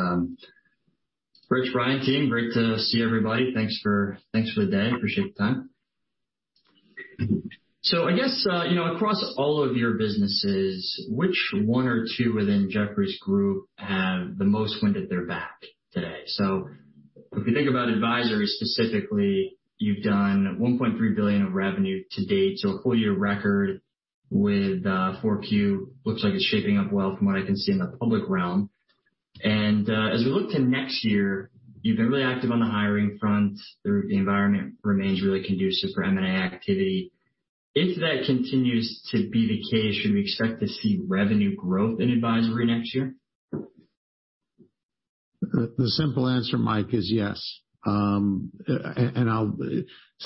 Rich, Brian, team, great to see everybody. Thanks for the day. Appreciate the time. I guess, you know, across all of your businesses, which one or two within Jefferies Group have the most wind at their back today? If you think about advisory specifically, you've done $1.3 billion of revenue to date. A full year record with 4Q. Looks like it's shaping up well from what I can see in the public realm. As we look to next year, you've been really active on the hiring front. The environment remains really conducive for M&A activity. If that continues to be the case, should we expect to see revenue growth in advisory next year? The simple answer, Mike, is yes.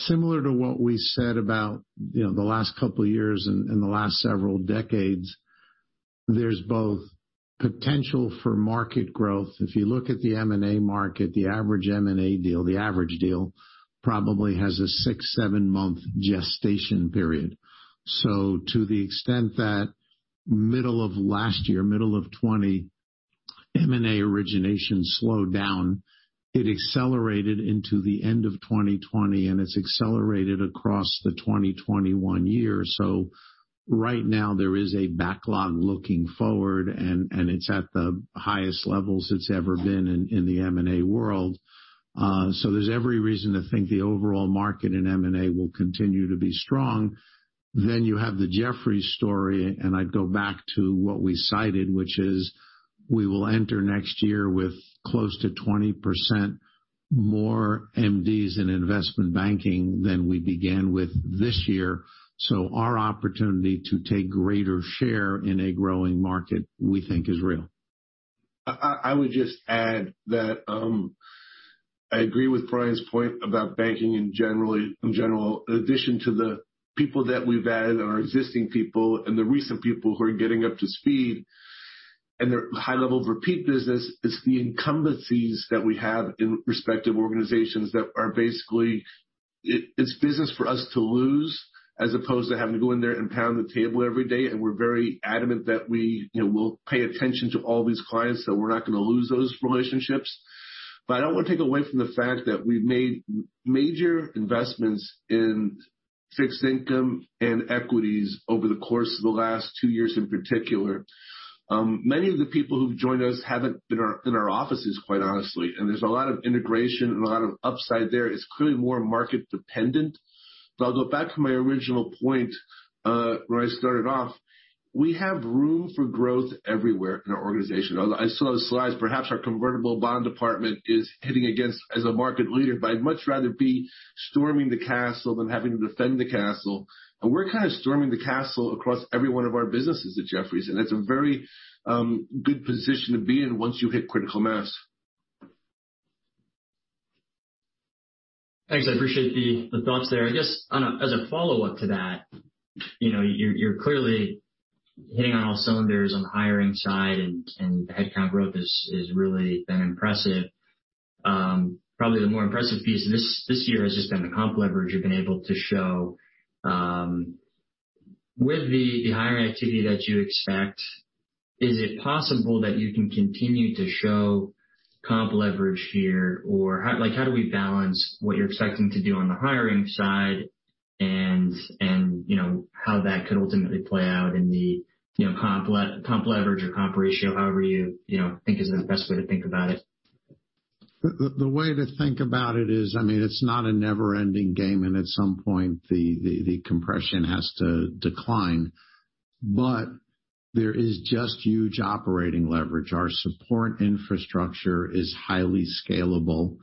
Similar to what we said about, you know, the last couple of years and the last several decades, there's both potential for market growth. If you look at the M&A market, the average M&A deal, the average deal probably has a six, seven-month gestation period. To the extent that middle of last year, middle of 2020 M&A origination slowed down, it accelerated into the end of 2020, and it's accelerated across the 2021 year. Right now there is a backlog looking forward and it's at the highest levels it's ever been in the M&A world. There's every reason to think the overall market in M&A will continue to be strong. You have the Jefferies story, and I'd go back to what we cited, which is we will enter next year with close to 20% more MDs in investment banking than we began with this year. Our opportunity to take greater share in a growing market, we think is real. I would just add that I agree with Brian's point about banking in general. In addition to the people that we've added and our existing people and the recent people who are getting up to speed and their high levels of repeat business, it's the incumbencies that we have in respective organizations that are basically it's business for us to lose as opposed to having to go in there and pound the table every day. We're very adamant that we, you know, will pay attention to all these clients, so we're not gonna lose those relationships. I don't want to take away from the fact that we've made major investments in fixed income and equities over the course of the last two years in particular. Many of the people who've joined us haven't been in our offices, quite honestly, and there's a lot of integration and a lot of upside there. It's clearly more market dependent. I'll go back to my original point, where I started off. We have room for growth everywhere in our organization. I saw the slides. Perhaps our convertible bond department is hitting against as a market leader, but I'd much rather be storming the castle than having to defend the castle. We're kind of storming the castle across every one of our businesses at Jefferies, and it's a very good position to be in once you hit critical mass. Thanks. I appreciate the thoughts there. I guess as a follow-up to that, you know, you're clearly hitting on all cylinders on the hiring side and the headcount growth is really been impressive. Probably the more impressive piece this year has just been the comp leverage you've been able to show. With the hiring activity that you expect, is it possible that you can continue to show comp leverage here or like, how do we balance what you're expecting to do on the hiring side and, you know, how that could ultimately play out in the, you know, comp leverage or comp ratio, however you know, think is the best way to think about it? The way to think about it is, I mean, it's not a never-ending game, at some point, the compression has to decline. There is just huge operating leverage. Our support infrastructure is highly scalable.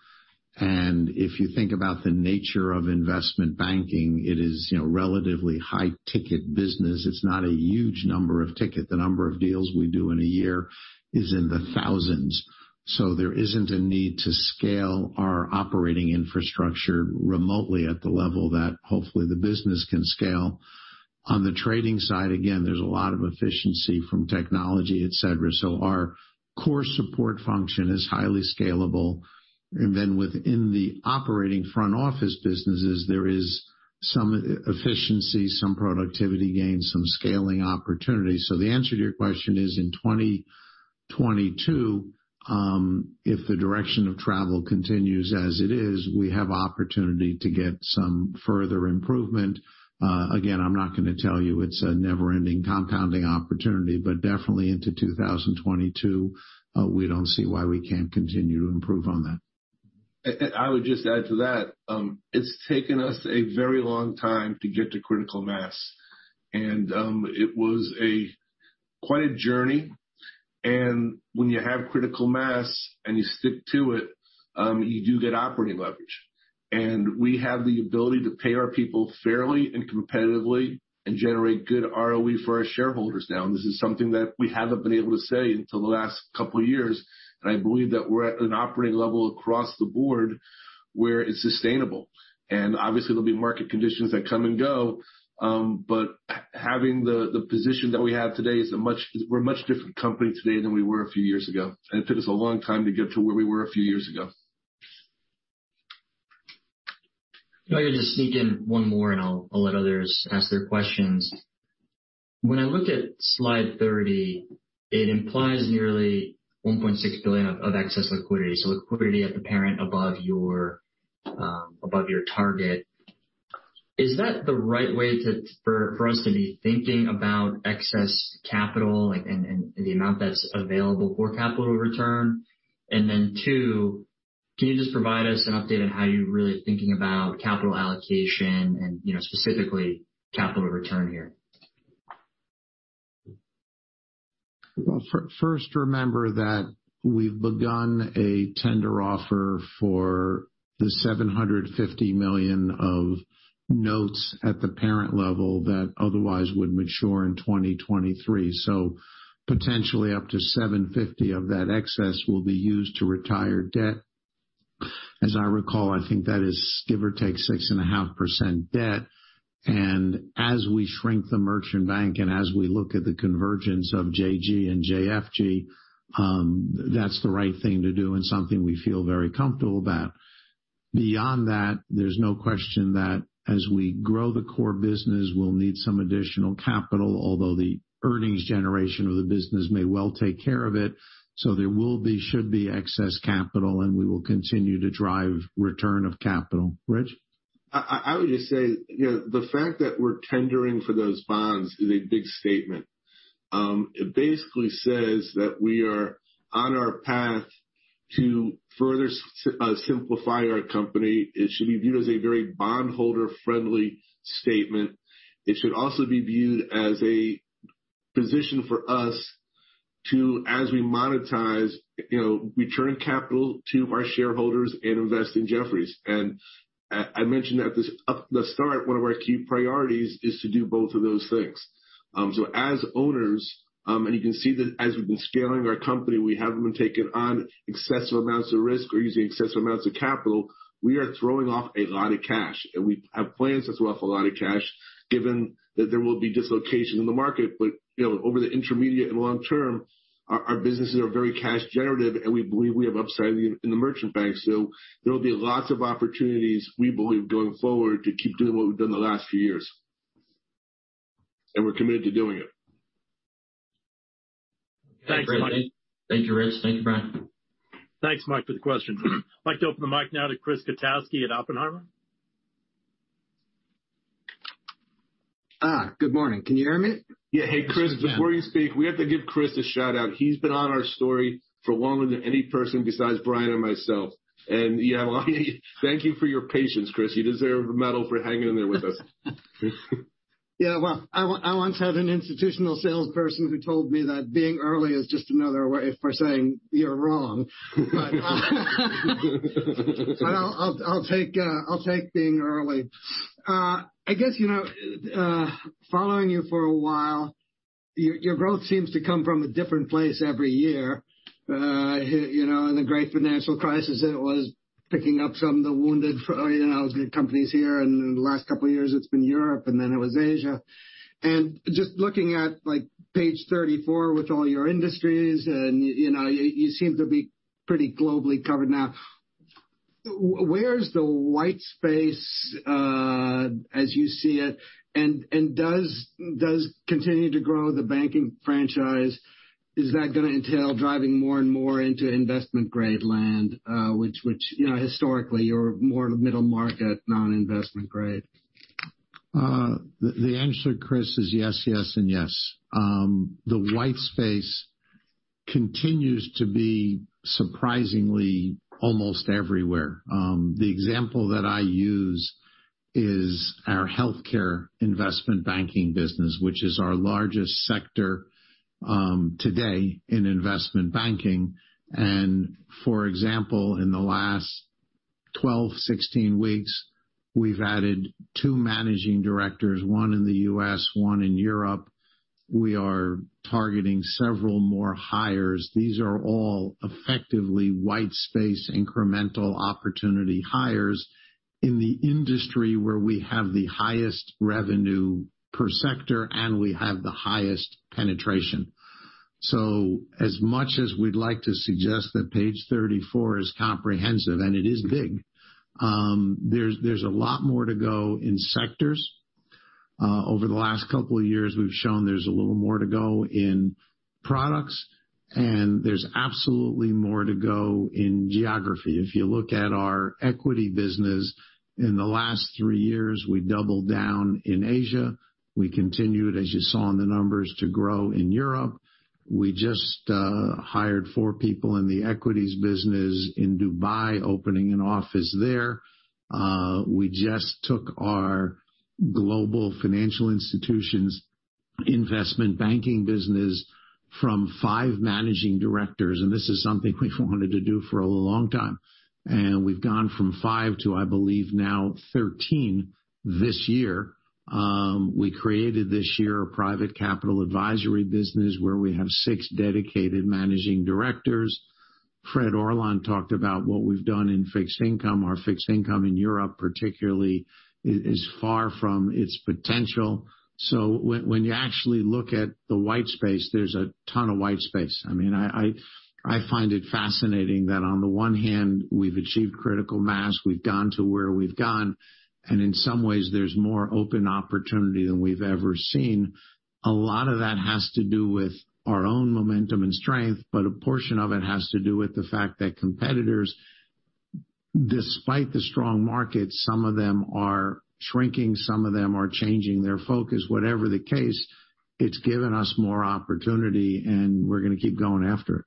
If you think about the nature of investment banking, it is, you know, relatively high-ticket business. It's not a huge number of ticket. The number of deals we do in a year is in the thousands. There isn't a need to scale our operating infrastructure remotely at the level that hopefully the business can scale. On the trading side, again, there's a lot of efficiency from technology, et cetera. Our core support function is highly scalable. Within the operating front office businesses, there is some e-efficiency, some productivity gains, some scaling opportunities. The answer to your question is, in 2022, if the direction of travel continues as it is, we have opportunity to get some further improvement. Again, I'm not gonna tell you it's a never-ending compounding opportunity, but definitely into 2022, we don't see why we can't continue to improve on that. I would just add to that. It's taken us a very long time to get to critical mass, and it was quite a journey. When you have critical mass and you stick to it, you do get operating leverage. We have the ability to pay our people fairly and competitively and generate good ROE for our shareholders now. This is something that we haven't been able to say until the last couple of years. I believe that we're at an operating level across the board where it's sustainable. Obviously, there'll be market conditions that come and go. But having the position that we have today is we're a much different company today than we were a few years ago. It took us a long time to get to where we were a few years ago. If I could just sneak in one more, I'll let others ask their questions. When I look at slide 30, it implies nearly $1.6 billion of excess liquidity, so liquidity at the parent above your above your target. Is that the right way to for us to be thinking about excess capital, like, and the amount that's available for capital return? Two, can you just provide us an update on how you're really thinking about capital allocation and, you know, specifically capital return here? Well, first, remember that we've begun a tender offer for the $750 million of notes at the parent level that otherwise would mature in 2023. Potentially up to $750 million of that excess will be used to retire debt. As I recall, I think that is give or take 6.5% debt. As we shrink the merchant bank and as we look at the convergence of JG and JFG, that's the right thing to do and something we feel very comfortable about. Beyond that, there's no question that as we grow the core business, we'll need some additional capital, although the earnings generation of the business may well take care of it. There will be, should be excess capital, and we will continue to drive return of capital. Rich? I would just say, you know, the fact that we're tendering for those bonds is a big statement. It basically says that we are on our path to further simplify our company. It should be viewed as a very bondholder-friendly statement. It should also be viewed as a position for us to, as we monetize, you know, return capital to our shareholders and invest in Jefferies. I mentioned at the start, one of our key priorities is to do both of those things. As owners, and you can see that as we've been scaling our company, we haven't been taking on excessive amounts of risk or using excessive amounts of capital. We are throwing off a lot of cash, and we have plans to throw off a lot of cash, given that there will be dislocation in the market. You know, over the intermediate and long term, our businesses are very cash generative, and we believe we have upside in the merchant bank. There will be lots of opportunities, we believe, going forward, to keep doing what we've done the last few years. We're committed to doing it. Thanks, Rich. Thank you, Rich. Thank you, Brian. Thanks, Mike, for the question. I'd like to open the mic now to Chris Kotowski at Oppenheimer. Good morning. Can you hear me? Yeah. Hey, Chris, before you speak, we have to give Chris a shout-out. He's been on our story for longer than any person besides Brian and myself. Thank you for your patience, Chris. You deserve a medal for hanging in there with us. Yeah, well, I once had an institutional salesperson who told me that being early is just another way for saying you're wrong. I'll take being early. I guess, you know, following you for a while, your growth seems to come from a different place every year. You know, in the great financial crisis, it was picking up some of the wounded, you know, companies here. In the last couple years it's been Europe, then it was Asia. Just looking at, like, page 34 with all your industries, you know, you seem to be pretty globally covered now. Where's the white space as you see it? Does continuing to grow the banking franchise, is that gonna entail driving more and more into investment-grade land? Which, you know, historically you're more middle market, non-investment grade. The answer, Chris, is yes, and yes. The white space continues to be surprisingly almost everywhere. The example that I use is our healthcare investment banking business, which is our largest sector today in Investment Banking. For example, in the last 12, 16 weeks, we've added two Managing Directors, one in the U.S., 1 in Europe. We are targeting several more hires. These are all effectively white space, incremental opportunity hires in the industry where we have the highest revenue per sector and we have the highest penetration. As much as we'd like to suggest that page 34 is comprehensive, and it is big, there's a lot more to go in sectors. Over the last couple of years, we've shown there's a little more to go in products, and there's absolutely more to go in geography. If you look at our equity business, in the last three years, we doubled down in Asia. We continued, as you saw in the numbers, to grow in Europe. We just hired four people in the equities business in Dubai, opening an office there. We just took our Global Financial Institutions Investment Banking business from five managing directors, and this is something we've wanted to do for a long time. We've gone from five to, I believe, now 13 this year. We created this year a private capital advisory business where we have six dedicated managing directors. Fred Orlan talked about what we've done in fixed income. Our fixed income in Europe particularly is far from its potential. When you actually look at the white space, there's a ton of white space. I mean, I find it fascinating that on the one hand, we've achieved critical mass, we've gone to where we've gone, and in some ways, there's more open opportunity than we've ever seen. A lot of that has to do with our own momentum and strength, but a portion of it has to do with the fact that competitors. Despite the strong market, some of them are shrinking, some of them are changing their focus. Whatever the case, it's given us more opportunity, and we're gonna keep going after it.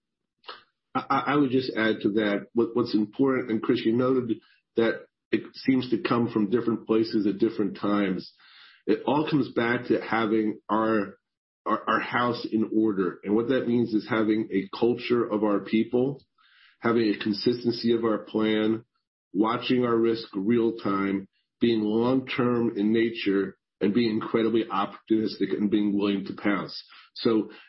I would just add to that what's important, and Chris, you noted that it seems to come from different places at different times. It all comes back to having our house in order. What that means is having a culture of our people, having a consistency of our plan, watching our risk real time, being long-term in nature, and being incredibly opportunistic and being willing to pounce.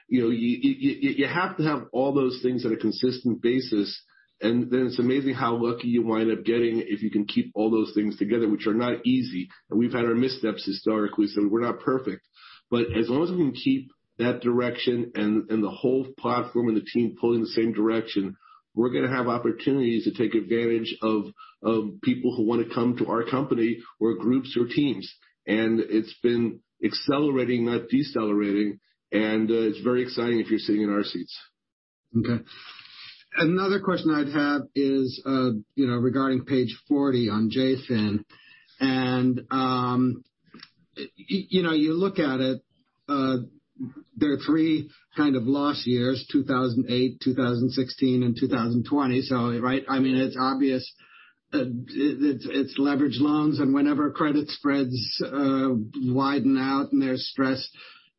You know, you have to have all those things on a consistent basis, and then it's amazing how lucky you wind up getting if you can keep all those things together, which are not easy. We've had our missteps historically, so we're not perfect. As long as we can keep that direction and the whole platform and the team pulling the same direction, we're gonna have opportunities to take advantage of people who wanna come to our company or groups or teams. It's been accelerating, not decelerating, and it's very exciting if you're sitting in our seats. Okay. Another question I'd have is, you know, regarding page 40 on JFIN. You know, you look at it, there are three kind of loss years, 2008, 2016, and 2020. Right, I mean, it's obvious, it's leveraged loans, and whenever credit spreads widen out and they're stressed,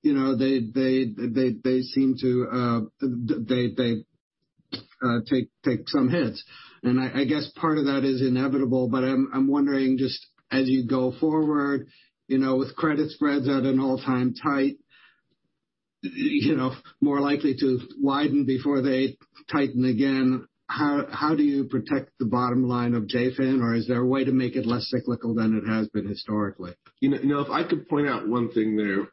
you know, they seem to take some hits. I guess part of that is inevitable, but I'm wondering just as you go forward, you know, with credit spreads at an all-time tight, you know, more likely to widen before they tighten again, how do you protect the bottom line of JFIN, or is there a way to make it less cyclical than it has been historically? You know, if I could point out one thing there,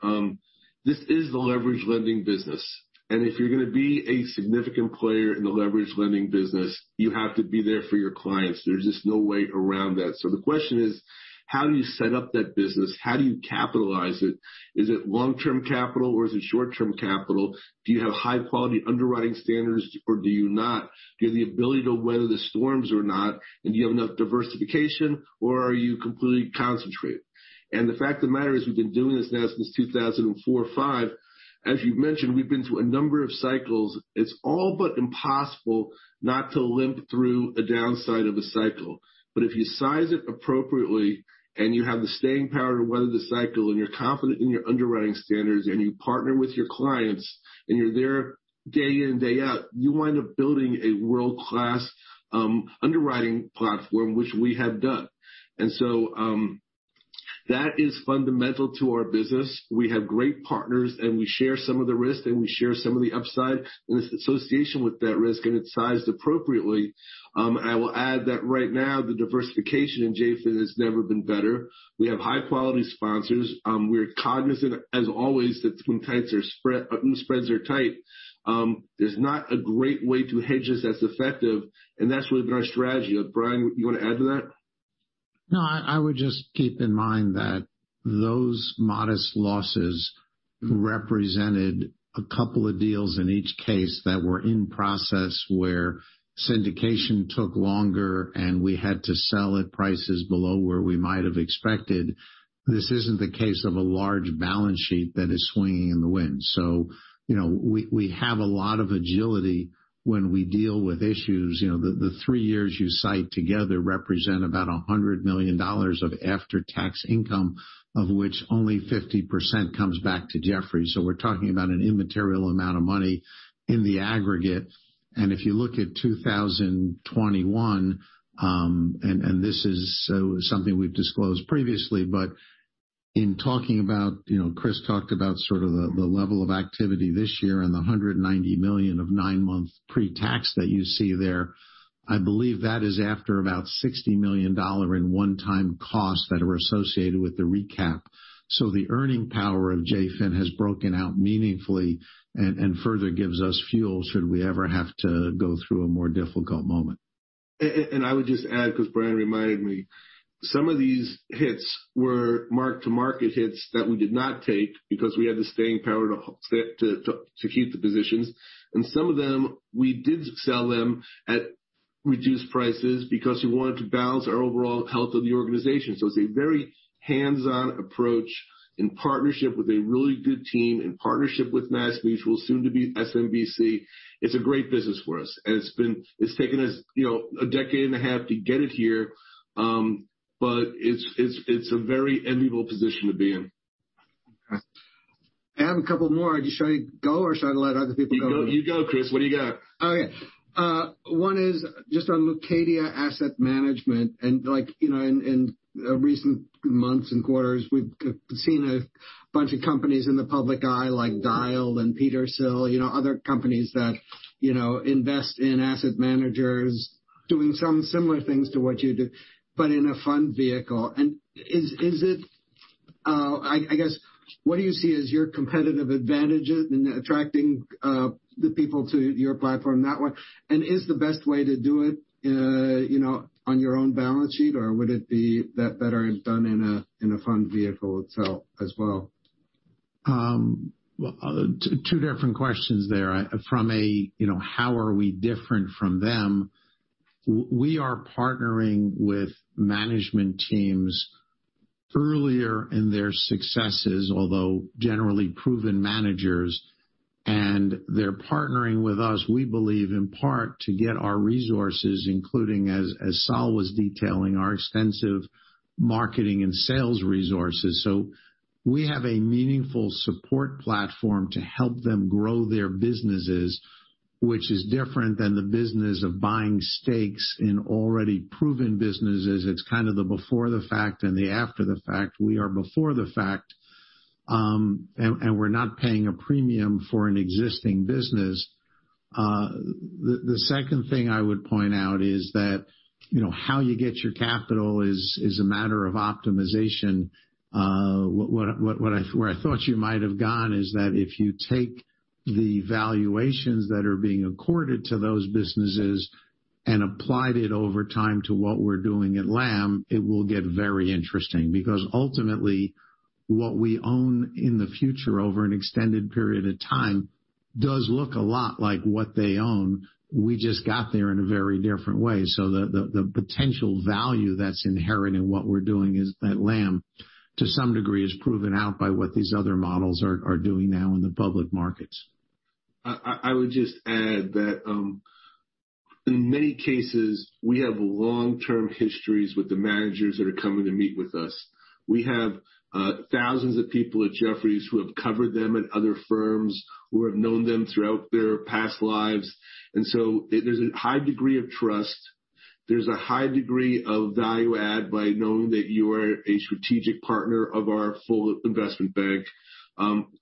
this is the leverage lending business, and if you're gonna be a significant player in the leverage lending business, you have to be there for your clients. There's just no way around that. The question is, how do you set up that business? How do you capitalize it? Is it long-term capital, or is it short-term capital? Do you have high-quality underwriting standards, or do you not? Do you have the ability to weather the storms or not and do you have enough diversification or are you completely concentrated? The fact of the matter is, we've been doing this now since 2004-2005. As you've mentioned, we've been through a number of cycles. It's all but impossible not to limp through a downside of a cycle. If you size it appropriately and you have the staying power to weather the cycle, and you're confident in your underwriting standards, and you partner with your clients, and you're there day in and day out, you wind up building a world-class underwriting platform, which we have done. That is fundamental to our business. We have great partners, and we share some of the risk, and we share some of the upside in association with that risk, and it's sized appropriately. I will add that right now the diversification in JFIN has never been better. We have high-quality sponsors. We're cognizant, as always, that when spreads are tight, there's not a great way to hedge this that's effective, and that's really been our strategy. Brian, you wanna add to that? No, I would just keep in mind that those modest losses represented a couple of deals in each case that were in process where syndication took longer, and we had to sell at prices below where we might have expected. This isn't the case of a large balance sheet that is swinging in the wind. You know, we have a lot of agility when we deal with issues. You know, the three years you cite together represent about $100 million of after-tax income, of which only 50% comes back to Jefferies. We're talking about an immaterial amount of money in the aggregate. If you look at 2021, and this is something we've disclosed previously, but in talking about, you know, Chris talked about sort of the level of activity this year and the $190 million of nine-month pre-tax that you see there. I believe that is after about $60 million in one-time costs that are associated with the recap. The earning power of JFIN has broken out meaningfully and further gives us fuel should we ever have to go through a more difficult moment. I would just add, because Brian reminded me, some of these hits were mark-to-market hits that we did not take because we had the staying power to keep the positions. Some of them, we did sell them at reduced prices because we wanted to balance our overall health of the organization. It's a very hands-on approach in partnership with a really good team, in partnership with MassMutual, soon to be SMBC. It's a great business for us. It's taken us, you know, a decade and a half to get it here, but it's a very enviable position to be in. Okay. I have a couple more. Should I go or should I let other people go? You go, Chris. What do you got? Okay. One is just on Leucadia Asset Management. Like, you know, in recent months and quarters, we've seen a bunch of companies in the public eye, like Dyal and Petershill, you know, other companies that, you know, invest in asset managers doing some similar things to what you do, but in a fund vehicle. Is it, I guess, what do you see as your competitive advantage in attracting, the people to your platform that way? Is the best way to do it, you know, on your own balance sheet, or would it be that better done in a, in a fund vehicle itself as well? Well, two different questions there. From a, you know, how are we different from them? We are partnering with management teams earlier in their successes, although generally proven managers, and they're partnering with us, we believe, in part, to get our resources, including as Sol was detailing, our extensive marketing and sales resources. We have a meaningful support platform to help them grow their businesses, which is different than the business of buying stakes in already proven businesses. It's kind of the before the fact and the after the fact. We are before the fact, and we're not paying a premium for an existing business. The, the second thing I would point out is that, you know, how you get your capital is a matter of optimization. Where I thought you might have gone is that if you take the valuations that are being accorded to those businesses and applied it over time to what we're doing at LAM, it will get very interesting. Ultimately, what we own in the future over an extended period of time does look a lot like what they own. We just got there in a very different way. The potential value that's inherent in what we're doing is at LAM, to some degree, is proven out by what these other models are doing now in the public markets. I would just add that, in many cases, we have long-term histories with the managers that are coming to meet with us. We have thousands of people at Jefferies who have covered them at other firms, who have known them throughout their past lives. There's a high degree of trust. There's a high degree of value add by knowing that you are a strategic partner of our full investment bank.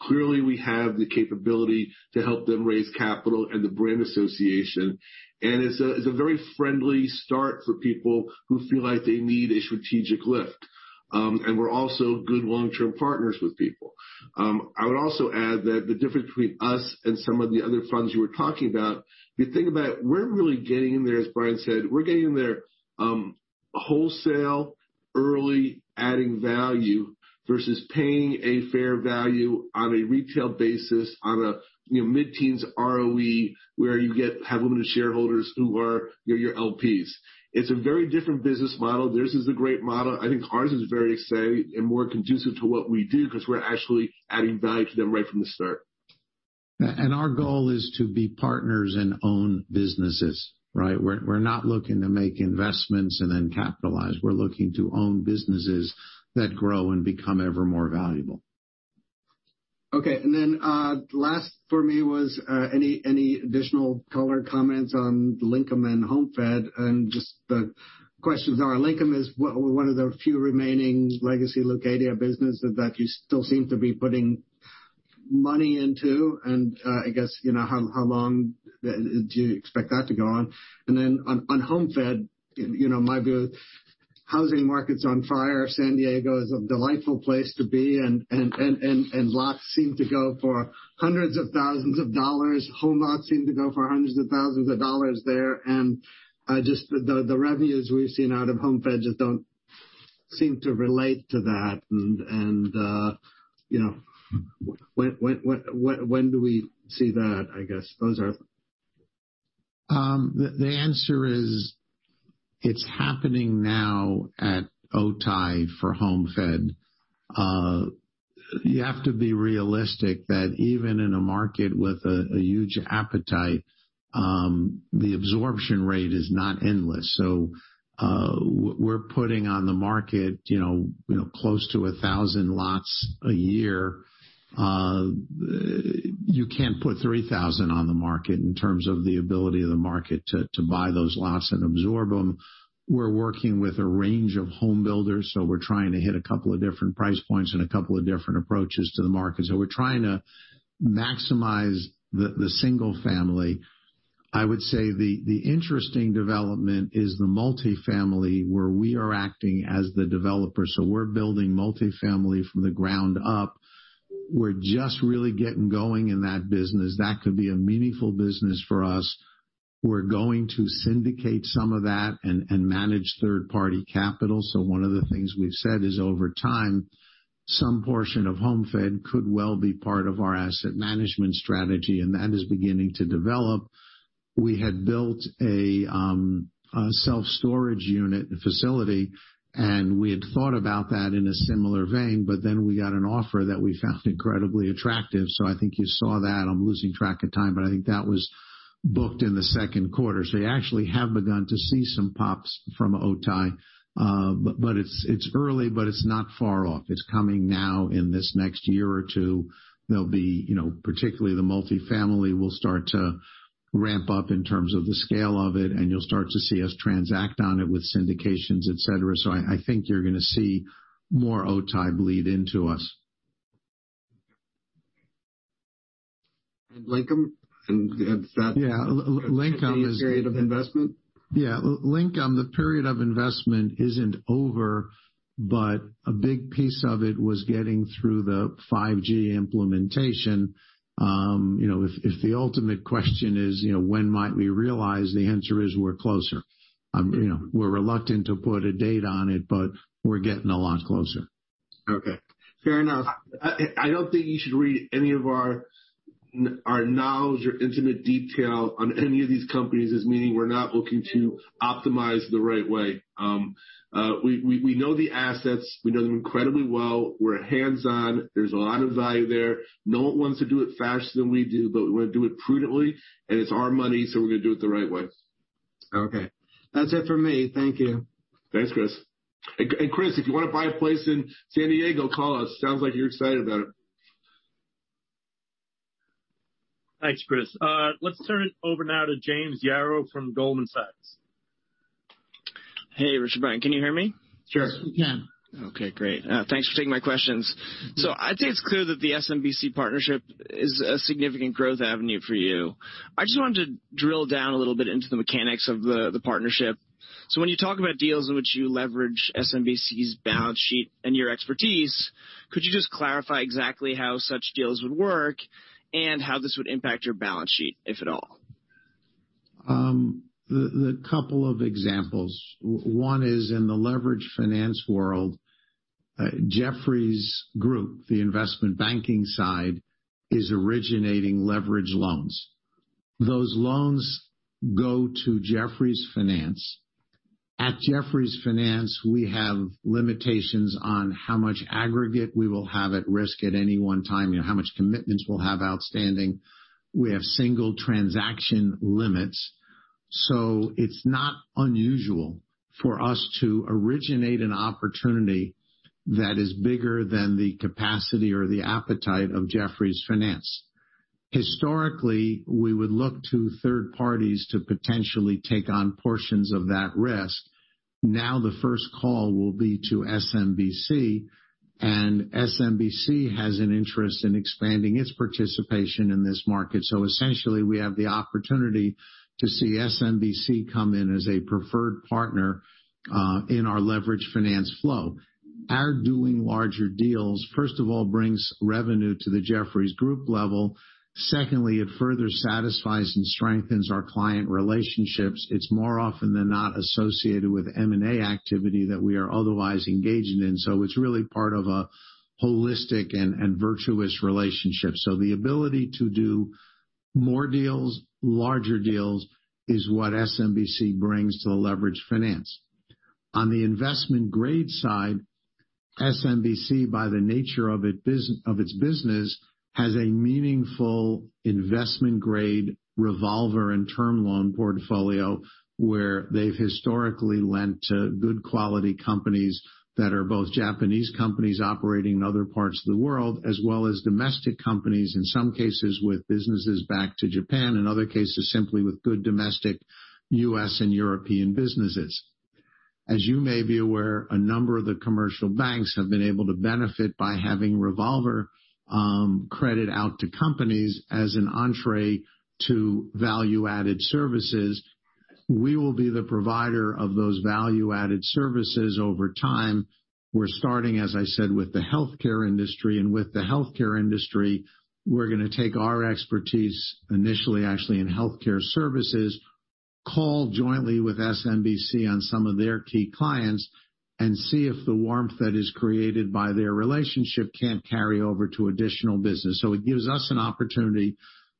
Clearly, we have the capability to help them raise capital and the brand association. It's a very friendly start for people who feel like they need a strategic lift. We're also good long-term partners with people. I would also add that the difference between us and some of the other funds you were talking about, if you think about it, we're really getting in there, as Brian said, we're getting in there, wholesale, early, adding value versus paying a fair value on a retail basis on a, you know, mid-teens ROE, where you have limited shareholders who are your LPs. It's a very different business model. Theirs is a great model. I think ours is very exciting and more conducive to what we do because we're actually adding value to them right from the start. Our goal is to be partners and own businesses, right? We're not looking to make investments and then capitalize. We're looking to own businesses that grow and become ever more valuable. Okay. Then, last for me was, any additional color comments on Linkem and HomeFed, and just the questions are, Linkem is one of the few remaining legacy Leucadia business that you still seem to be putting money into. I guess, you know, how long do you expect that to go on? Then on HomeFed, you know, my view, housing market's on fire. San Diego is a delightful place to be, and lots seem to go for hundreds of thousands of dollars. Home lots seem to go for hundreds of thousands of dollars there. Just the revenues we've seen out of HomeFed just don't seem to relate to that. You know, when do we see that, I guess? The answer is it's happening now at Otay for HomeFed. You have to be realistic that even in a market with a huge appetite, the absorption rate is not endless. We're putting on the market, you know, you know, close to 1,000 lots a year. You can't put 3,000 on the market in terms of the ability of the market to buy those lots and absorb them. We're working with a range of home builders, so we're trying to hit a couple of different price points and a couple of different approaches to the market. We're trying to maximize the single family. I would say the interesting development is the multifamily, where we are acting as the developer. We're building multifamily from the ground up. We're just really getting going in that business. That could be a meaningful business for us. We're going to syndicate some of that and manage third-party capital. One of the things we've said is over time, some portion of HomeFed could well be part of our asset management strategy, and that is beginning to develop. We had built a self-storage unit facility, and we had thought about that in a similar vein, but then we got an offer that we found incredibly attractive. I think you saw that. I'm losing track of time, but I think that was booked in the second quarter. You actually have begun to see some pops from Otay, but it's early, but it's not far off. It's coming now in this next year or two. There'll be, you know, particularly the multifamily will start to ramp up in terms of the scale of it, and you'll start to see us transact on it with syndications, et cetera. I think you're gonna see more HomeFed bleed into us. Linkem? Yeah, Linkem is. Period of investment? Yeah. Linkem, the period of investment isn't over, but a big piece of it was getting through the 5G implementation. You know, if the ultimate question is, you know, when might we realize? The answer is we're closer. You know, we're reluctant to put a date on it, but we're getting a lot closer. Okay, fair enough. I don't think you should read any of our knowledge or intimate detail on any of these companies as meaning we're not looking to optimize the right way. We know the assets. We know them incredibly well. We're hands-on. There's a lot of value there. No one wants to do it faster than we do, but we wanna do it prudently, and it's our money, so we're gonna do it the right way. Okay. That's it for me. Thank you. Thanks, Chris. And Chris, if you want to buy a place in San Diego, call us. Sounds like you're excited about it. Thanks, Chris. Let's turn it over now to James Yaro from Goldman Sachs. Hey, Richard, Brian, can you hear me? Sure. Yes, we can. Okay, great. Thanks for taking my questions. I think it's clear that the SMBC partnership is a significant growth avenue for you. I just wanted to drill down a little bit into the mechanics of the partnership. When you talk about deals in which you leverage SMBC's balance sheet and your expertise, could you just clarify exactly how such deals would work and how this would impact your balance sheet, if at all? The couple of examples. One is in the leveraged finance world. Jefferies Group, the investment banking side, is originating leverage loans. Those loans go to Jefferies Finance. At Jefferies Finance, we have limitations on how much aggregate we will have at risk at any one time, you know, how much commitments we'll have outstanding. We have single transaction limits. It's not unusual for us to originate an opportunity that is bigger than the capacity or the appetite of Jefferies Finance. Historically, we would look to third parties to potentially take on portions of that risk. Now, the first call will be to SMBC. SMBC has an interest in expanding its participation in this market. Essentially, we have the opportunity to see SMBC come in as a preferred partner in our leveraged finance flow. Our doing larger deals, first of all, brings revenue to the Jefferies Group level. Secondly, it further satisfies and strengthens our client relationships. It's more often than not associated with M&A activity that we are otherwise engaging in. It's really part of a holistic and virtuous relationship. The ability to do more deals, larger deals is what SMBC brings to the leverage finance. On the investment grade side, SMBC, by the nature of its business, has a meaningful investment grade revolver and term loan portfolio where they've historically lent to good quality companies that are both Japanese companies operating in other parts of the world, as well as domestic companies, in some cases with businesses back to Japan, in other cases simply with good domestic U.S. and European businesses. As you may be aware, a number of the commercial banks have been able to benefit by having revolver credit out to companies as an entrée to value-added services. We will be the provider of those value-added services over time. We're starting, as I said, with the healthcare industry. With the healthcare industry, we're gonna take our expertise initially actually in healthcare services, call jointly with SMBC on some of their key clients and see if the warmth that is created by their relationship can carry over to additional business. It gives us an opportunity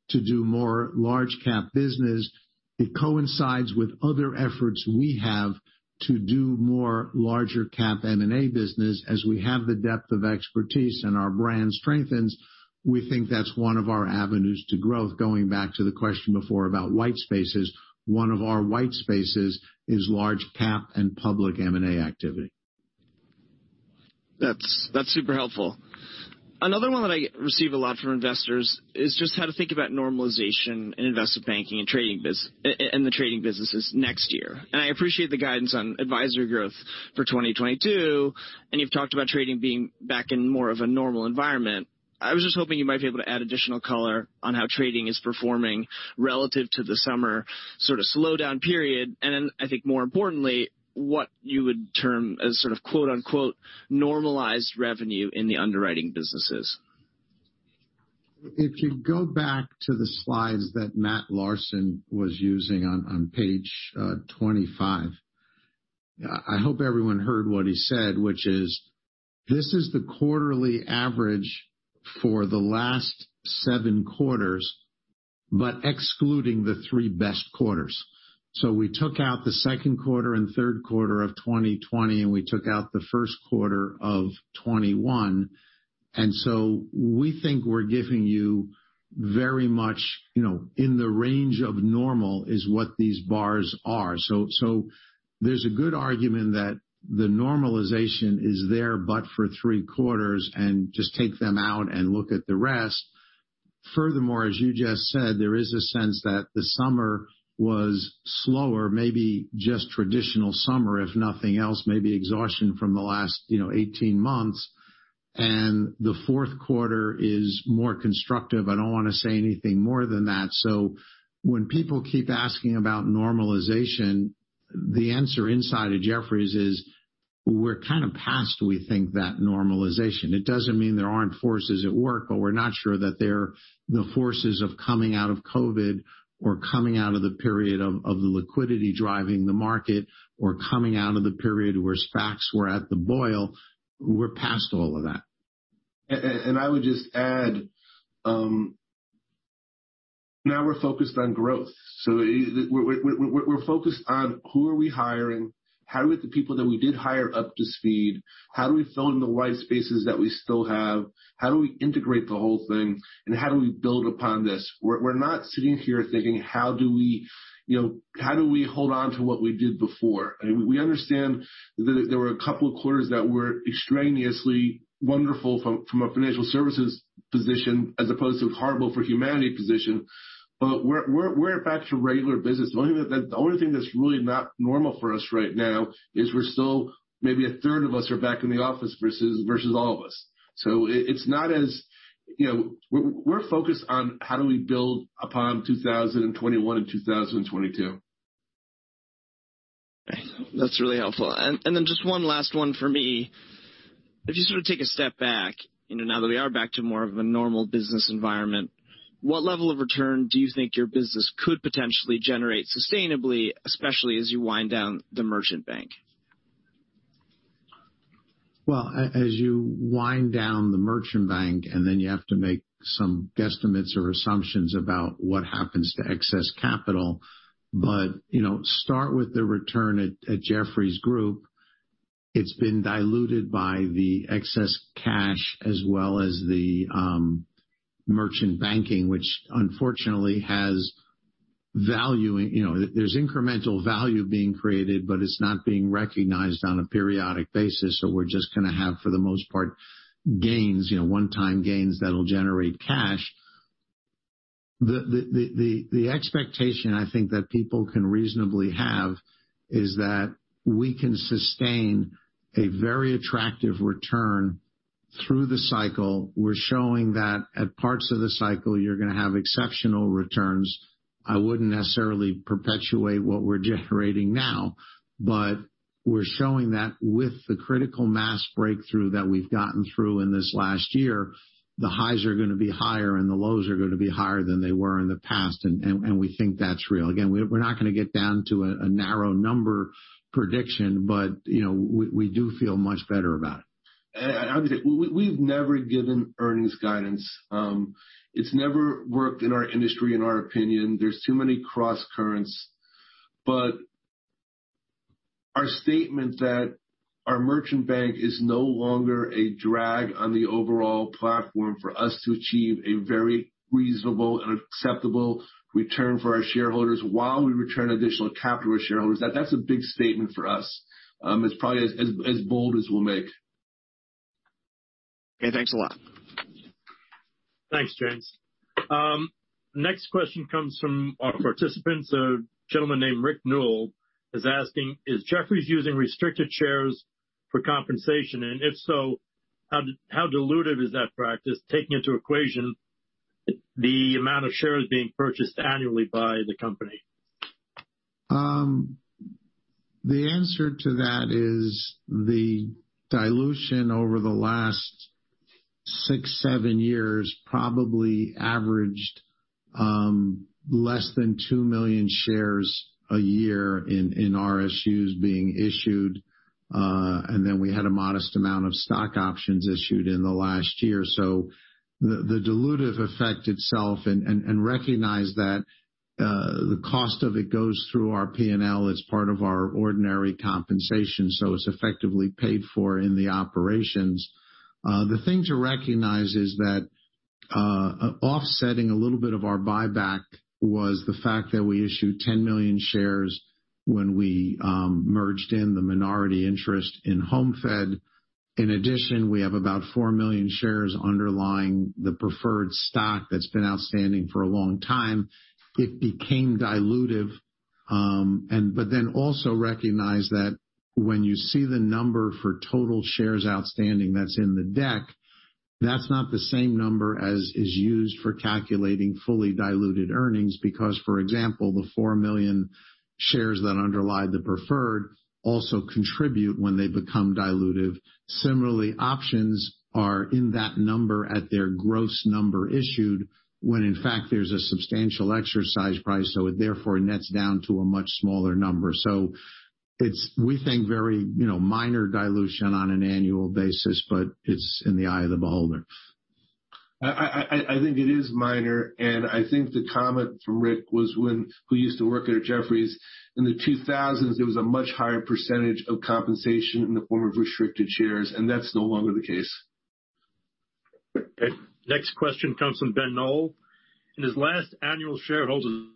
to do more large cap business. It coincides with other efforts we have to do more larger cap M&A business. As we have the depth of expertise and our brand strengthens, we think that's one of our avenues to growth. Going back to the question before about white spaces, one of our white spaces is large cap and public M&A activity. That's super helpful. Another one that I receive a lot from investors is just how to think about normalization in investment banking and trading and the trading businesses next year. I appreciate the guidance on advisory growth for 2022, and you've talked about trading being back in more of a normal environment. I was just hoping you might be able to add additional color on how trading is performing relative to the summer sort of slowdown period. I think more importantly, what you would term as sort of, "normalized revenue" in the underwriting businesses. If you go back to the slides that Matt Larson was using on page 25. I hope everyone heard what he said, which is, this is the quarterly average for the last seven quarters, but excluding the three best quarters. We took out the second quarter and third quarter of 2020, and we took out the first quarter of 2021. We think we're giving you very much, you know, in the range of normal is what these bars are. There's a good argument that the normalization is there, but for three quarters and just take them out and look at the rest. Furthermore, as you just said, there is a sense that the summer was slower, maybe just traditional summer, if nothing else, maybe exhaustion from the last, you know, 18 months. The fourth quarter is more constructive. I don't wanna say anything more than that. When people keep asking about normalization, the answer inside of Jefferies is we're kind of past, we think, that normalization. It doesn't mean there aren't forces at work, but we're not sure that they're the forces of coming out of COVID or coming out of the period of the liquidity driving the market or coming out of the period where SPACs were at the boil. We're past all of that. I would just add, Now we're focused on growth. we're focused on who are we hiring? How do we get the people that we did hire up to speed? How do we fill in the white spaces that we still have? How do we integrate the whole thing, how do we build upon this? We're not sitting here thinking, how do we, you know, how do we hold on to what we did before? I mean, we understand that there were a couple of quarters that were extraneously wonderful from a financial services position as opposed to horrible for humanity position. we're back to regular business. The only thing that's really not normal for us right now is we're still maybe a third of us are back in the office versus all of us. It's not as You know, we're focused on how do we build upon 2021 and 2022. That's really helpful. Just one last one for me. If you sort of take a step back, you know, now that we are back to more of a normal business environment, what level of return do you think your business could potentially generate sustainably, especially as you wind down the merchant bank? Well, as you wind down the merchant bank, and then you have to make some guesstimates or assumptions about what happens to excess capital. You know, start with the return at Jefferies Group. It's been diluted by the excess cash as well as the merchant banking, which unfortunately has value. You know, there's incremental value being created, but it's not being recognized on a periodic basis. We're just gonna have, for the most part, gains, you know, one-time gains that'll generate cash. The expectation I think that people can reasonably have is that we can sustain a very attractive return through the cycle. We're showing that at parts of the cycle you're gonna have exceptional returns. I wouldn't necessarily perpetuate what we're generating now, but we're showing that with the critical mass breakthrough that we've gotten through in this last year, the highs are gonna be higher and the lows are gonna be higher than they were in the past. We think that's real. Again, we're not gonna get down to a narrow number prediction, but, you know, we do feel much better about it. I would say we've never given earnings guidance. It's never worked in our industry, in our opinion. There's too many crosscurrents. Our statement that our merchant bank is no longer a drag on the overall platform for us to achieve a very reasonable and acceptable return for our shareholders while we return additional capital to shareholders, that's a big statement for us. It's probably as bold as we'll make. Okay, thanks a lot. Thanks, James. Next question comes from one of our participants, a gentleman named Rick Newell is asking, is Jefferies using restricted shares for compensation? And if so, how dilutive is that practice, taking into equation the amount of shares being purchased annually by the company? The answer to that is the dilution over the last six, seven years probably averaged less than 2 million shares a year in RSUs being issued. We had a modest amount of stock options issued in the last year. The dilutive effect itself and recognize that the cost of it goes through our P&L as part of our ordinary compensation, so it's effectively paid for in the operations. The thing to recognize is that offsetting a little bit of our buyback was the fact that we issued 10 million shares when we merged in the minority interest in HomeFed. In addition, we have about 4 million shares underlying the preferred stock that's been outstanding for a long time. It became dilutive. Also recognize that when you see the number for total shares outstanding that's in the deck, that's not the same number as is used for calculating fully diluted earnings. For example, the 4 million shares that underlie the preferred also contribute when they become dilutive. Similarly, options are in that number at their gross number issued, when in fact there's a substantial exercise price, so it therefore nets down to a much smaller number. It's we think very, you know, minor dilution on an annual basis, but it's in the eye of the beholder. I think it is minor, and I think the comment from Rick was when, who used to work at Jefferies in the 2000s, it was a much higher percentage of compensation in the form of restricted shares, and that's no longer the case. Okay. Next question comes from Ben Noll. In his last annual shareholders-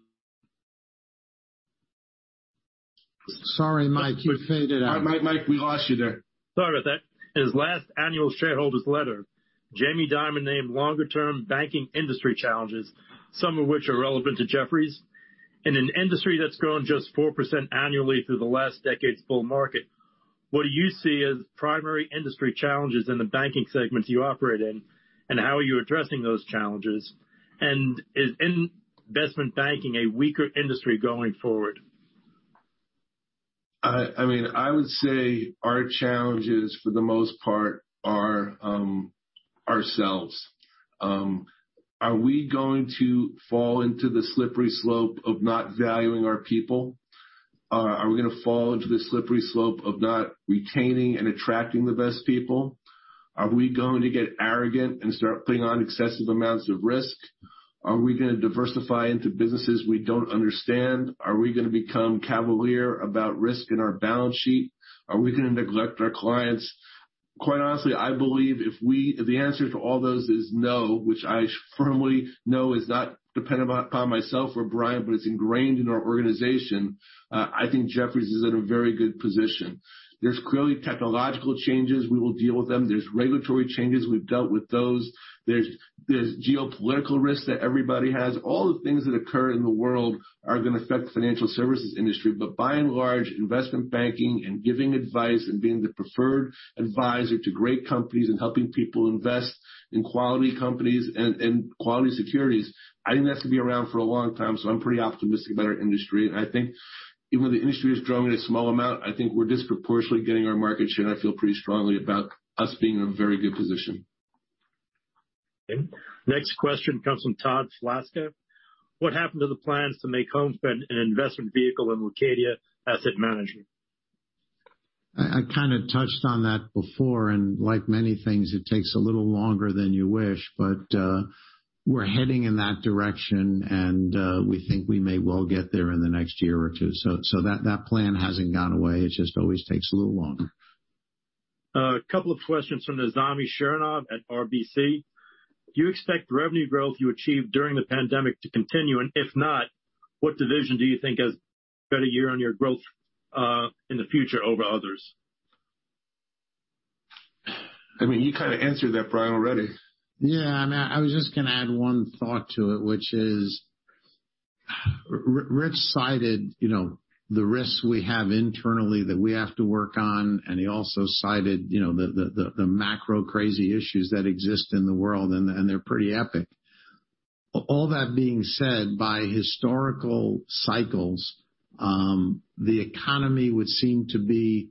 Sorry, Mike, you faded out. Mike, we lost you there. Sorry about that. In his last annual shareholders' letter, Jamie Dimon named longer term banking industry challenges, some of which are relevant to Jefferies. In an industry that's grown just 4% annually through the last decades bull market, what do you see as primary industry challenges in the banking segments you operate in, and how are you addressing those challenges? Is investment banking a weaker industry going forward? I mean, I would say our challenges, for the most part, are ourselves. Are we going to fall into the slippery slope of not valuing our people? Are we gonna fall into the slippery slope of not retaining and attracting the best people? Are we going to get arrogant and start putting on excessive amounts of risk? Are we gonna diversify into businesses we don't understand? Are we gonna become cavalier about risk in our balance sheet? Are we gonna neglect our clients? Quite honestly, I believe if the answer to all those is no, which I firmly know is not dependent upon myself or Brian, but it's ingrained in our organization, I think Jefferies is in a very good position. There's clearly technological changes. We will deal with them. There's regulatory changes. We've dealt with those. There's geopolitical risks that everybody has. All the things that occur in the world are gonna affect the financial services industry. By and large, investment banking and giving advice and being the preferred advisor to great companies and helping people invest in quality companies and quality securities, I think that's gonna be around for a long time, so I'm pretty optimistic about our industry. I think even though the industry is growing at a small amount, I think we're disproportionately gaining our market share, and I feel pretty strongly about us being in a very good position. Okay. Next question comes from Todd Slaska. What happened to the plans to make HomeFed an investment vehicle in Leucadia Asset Management? I kind of touched on that before. Like many things, it takes a little longer than you wish. We're heading in that direction, and we think we may well get there in the next year or two. So that plan hasn't gone away. It just always takes a little longer. A couple of questions from Nizami Shirinov at RBC. Do you expect revenue growth you achieved during the pandemic to continue? If not, what division do you think has got a year-on-year growth in the future over others? I mean, you kind of answered that, Brian, already. Yeah. I mean, I was just gonna add one thought to it, which is Rich cited, you know, the risks we have internally that we have to work on, and he also cited, you know, the macro crazy issues that exist in the world, and they're pretty epic. All that being said, by historical cycles, the economy would seem to be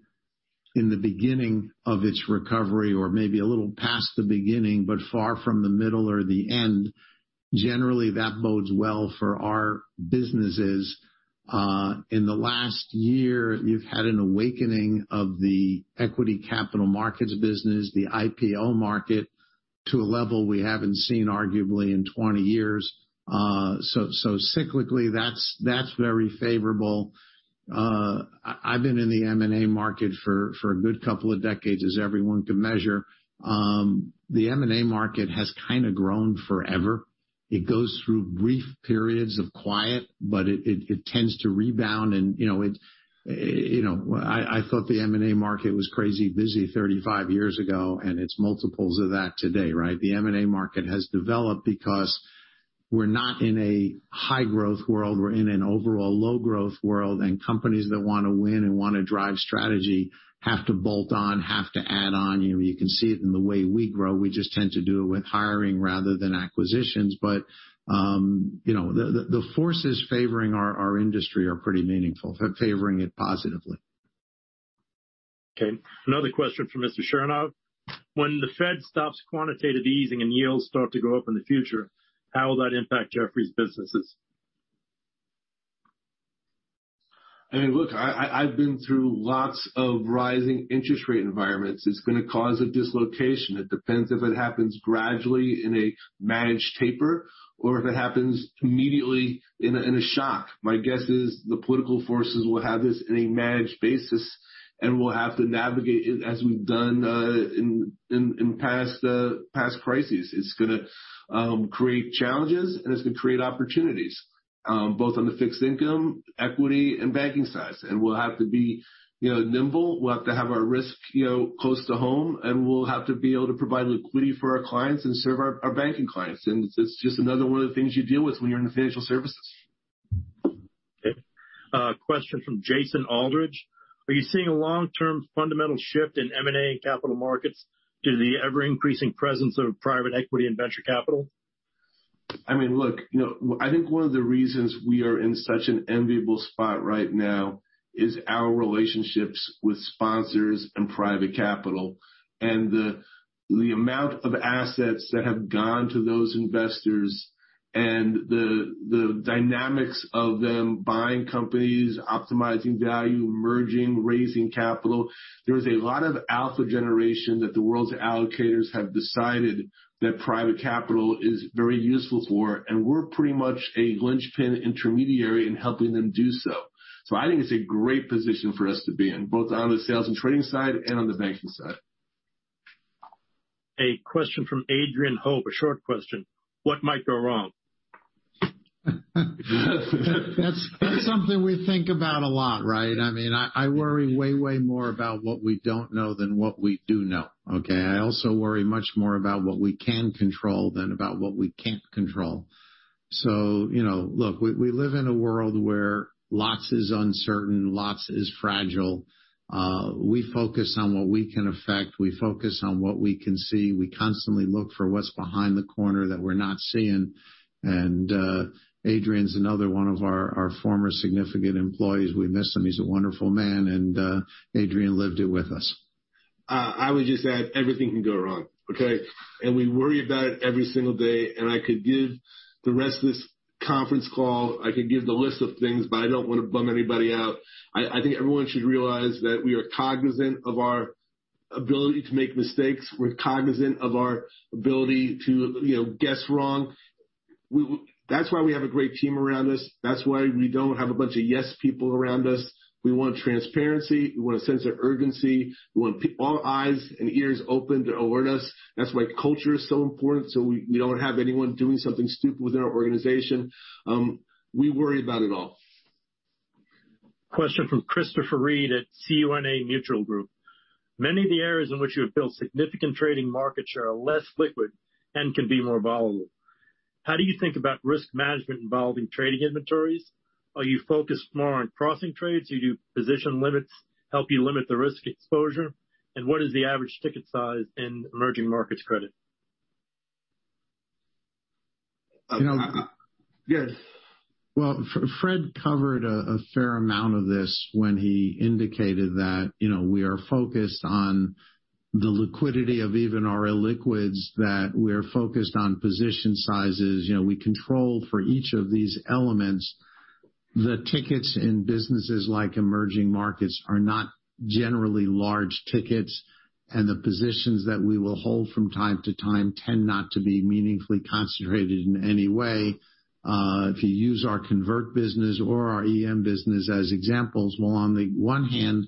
in the beginning of its recovery or maybe a little past the beginning, but far from the middle or the end. Generally, that bodes well for our businesses. In the last year, you've had an awakening of the equity capital markets business, the IPO market, to a level we haven't seen arguably in 20 years. Cyclically, that's very favorable. I've been in the M&A market for a good couple of decades, as everyone can measure. The M&A market has kind of grown forever. It goes through brief periods of quiet, but it tends to rebound and, you know, it, you know I thought the M&A market was crazy busy 35 years ago, and it's multiples of that today, right? The M&A market has developed because we're not in a high-growth world. We're in an overall low-growth world, and companies that wanna win and wanna drive strategy have to bolt on, have to add on. You know, you can see it in the way we grow. We just tend to do it with hiring rather than acquisitions. You know, the forces favoring our industry are pretty meaningful, favoring it positively. Okay. Another question from Mr. Shirinov. When the Fed stops quantitative easing and yields start to go up in the future, how will that impact Jefferies' businesses? I mean, look, I've been through lots of rising interest rate environments. It's gonna cause a dislocation. It depends if it happens gradually in a managed taper or if it happens immediately in a shock. My guess is the political forces will have this in a managed basis, and we'll have to navigate it as we've done in past crises. It's gonna create challenges, and it's gonna create opportunities, both on the fixed income, equity, and banking sides. We'll have to be, you know, nimble. We'll have to have our risk, you know, close to home, and we'll have to be able to provide liquidity for our clients and serve our banking clients. It's just another one of the things you deal with when you're in financial services. Okay. A question from Jason Aldridge. Are you seeing a long-term fundamental shift in M&A and capital markets due to the ever-increasing presence of private equity and venture capital? I mean, look, you know, I think one of the reasons we are in such an enviable spot right now is our relationships with sponsors and private capital and the amount of assets that have gone to those investors and the dynamics of them buying companies, optimizing value, merging, raising capital. There's a lot of alpha generation that the world's allocators have decided that private capital is very useful for, and we're pretty much a linchpin intermediary in helping them do so. I think it's a great position for us to be in, both on the sales and trading side and on the banking side. A question from Adrian Hope. A short question. What might go wrong? That's something we think about a lot, right? I mean, I worry way more about what we don't know than what we do know, okay? I also worry much more about what we can control than about what we can't control. You know, look, we live in a world where lots is uncertain, lots is fragile. We focus on what we can affect. We focus on what we can see. We constantly look for what's behind the corner that we're not seeing. Adrian's another one of our former significant employees. We miss him. He's a wonderful man, Adrian lived it with us. I would just add everything can go wrong. Okay? We worry about it every single day, I could give the rest of this conference call, I could give the list of things, I don't wanna bum anybody out. I think everyone should realize that we are cognizant of our ability to make mistakes. We're cognizant of our ability to, you know, guess wrong. That's why we have a great team around us. That's why we don't have a bunch of yes people around us. We want transparency. We want a sense of urgency. We want all eyes and ears open to alertness. That's why culture is so important, so we don't have anyone doing something stupid within our organization. We worry about it all. Question from Christopher Reed at CUNA Mutual Group. Many of the areas in which you have built significant trading market share are less liquid and can be more volatile. How do you think about risk management involving trading inventories? Are you focused more on crossing trades? Do you position limits help you limit the risk exposure? What is the average ticket size in emerging markets credit? Well, Fred covered a fair amount of this when he indicated that, you know, we are focused on the liquidity of even our illiquids, that we're focused on position sizes. You know, we control for each of these elements. The tickets in businesses like emerging markets are not generally large tickets, and the positions that we will hold from time to time tend not to be meaningfully concentrated in any way. If you use our convert business or our EM business as examples, while on the one hand,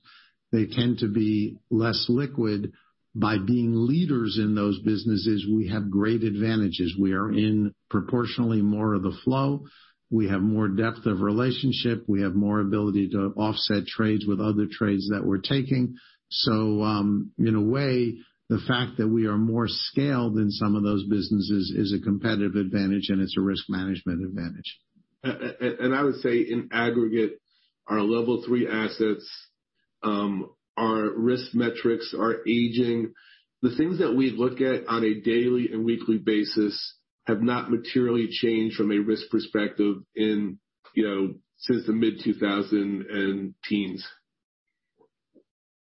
they tend to be less liquid, by being leaders in those businesses, we have great advantages. We are in proportionally more of the flow. We have more depth of relationship. We have more ability to offset trades with other trades that we're taking. In a way, the fact that we are more scaled in some of those businesses is a competitive advantage and it's a risk management advantage. I would say in aggregate, our level three assets, our risk metrics, our aging, the things that we look at on a daily and weekly basis have not materially changed from a risk perspective in, you know, since the mid-2010s.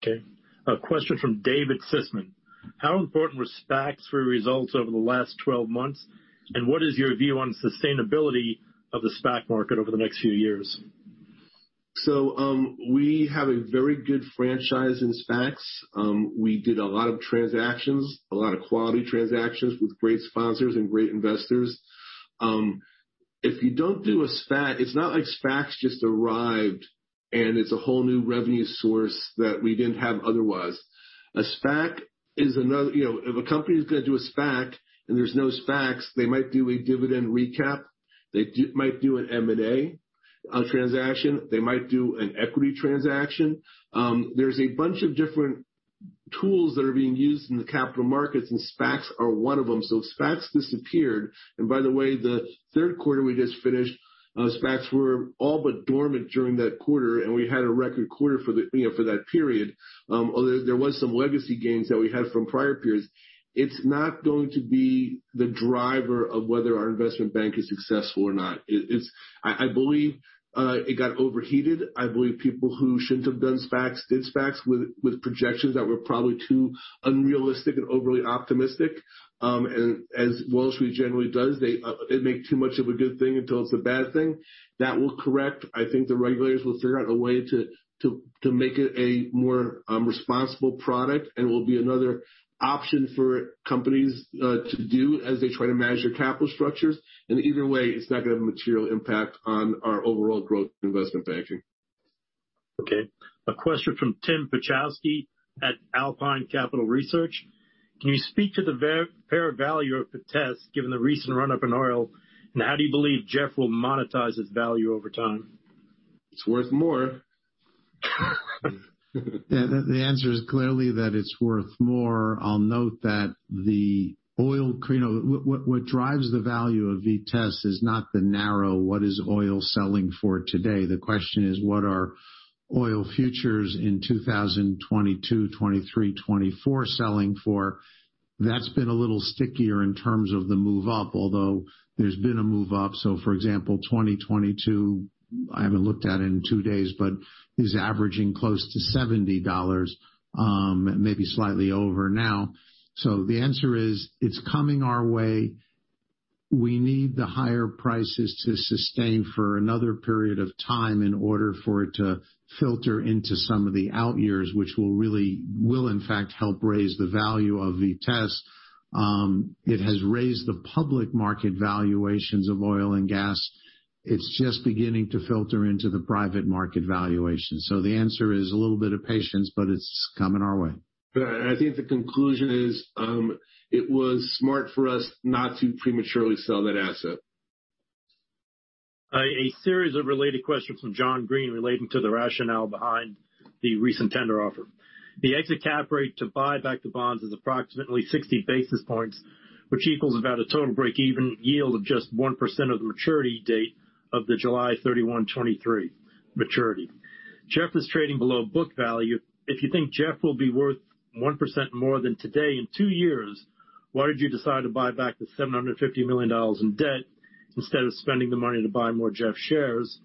Okay. A question from David Sisman. How important were SPACs for results over the last 12 months, and what is your view on sustainability of the SPAC market over the next few years? We have a very good franchise in SPACs. We did a lot of transactions, a lot of quality transactions with great sponsors and great investors. If you don't do a SPAC, it's not like SPACs just arrived, and it's a whole new revenue source that we didn't have otherwise. A SPAC is another You know, if a company is gonna do a SPAC, and there's no SPACs, they might do a dividend recap, they might do an M&A transaction, they might do an equity transaction. There's a bunch of different tools that are being used in the capital markets, and SPACs are one of them. If SPACs disappeared, and by the way, the third quarter we just finished, SPACs were all but dormant during that quarter, and we had a record quarter for the, you know, for that period. Although there was some legacy gains that we had from prior periods. It's not going to be the driver of whether our investment bank is successful or not. I believe it got overheated. I believe people who shouldn't have done SPACs did SPACs with projections that were probably too unrealistic and overly optimistic. As Wall Street generally does, they make too much of a good thing until it's a bad thing. That will correct. I think the regulators will figure out a way to make it a more responsible product and will be another option for companies to do as they try to manage their capital structures. Either way, it's not gonna have a material impact on our overall growth in investment banking. Okay. A question from Tim Piechowski at Alpine Capital Research. Can you speak to the fair value of Vitesse given the recent run-up in oil, and how do you believe JEFF will monetize its value over time? It's worth more. The answer is clearly that it's worth more. I'll note that the oil, you know, what drives the value of Vitesse Energy is not the narrow what is oil selling for today? The question is: What are oil futures in 2022, 2023, 2024 selling for? That's been a little stickier in terms of the move up, although there's been a move up. For example, 2022, I haven't looked at it in two days, but is averaging close to $70, maybe slightly over now. The answer is, it's coming our way. We need the higher prices to sustain for another period of time in order for it to filter into some of the out years, which will in fact help raise the value of Vitesse Energy. It has raised the public market valuations of oil and gas. It's just beginning to filter into the private market valuation. The answer is a little bit of patience, but it's coming our way. I think the conclusion is, it was smart for us not to prematurely sell that asset. A series of related questions from John Green relating to the rationale behind the recent tender offer. The exit cap rate to buy back the bonds is approximately 60 basis points, which equals about a total break-even yield of just 1% of the maturity date of the July 31, 2023 maturity. JEFF is trading below book value. If you think JEFF will be worth 1% more than today in two years, why did you decide to buy back the $750 million in debt instead of spending the money to buy more Jeff shares?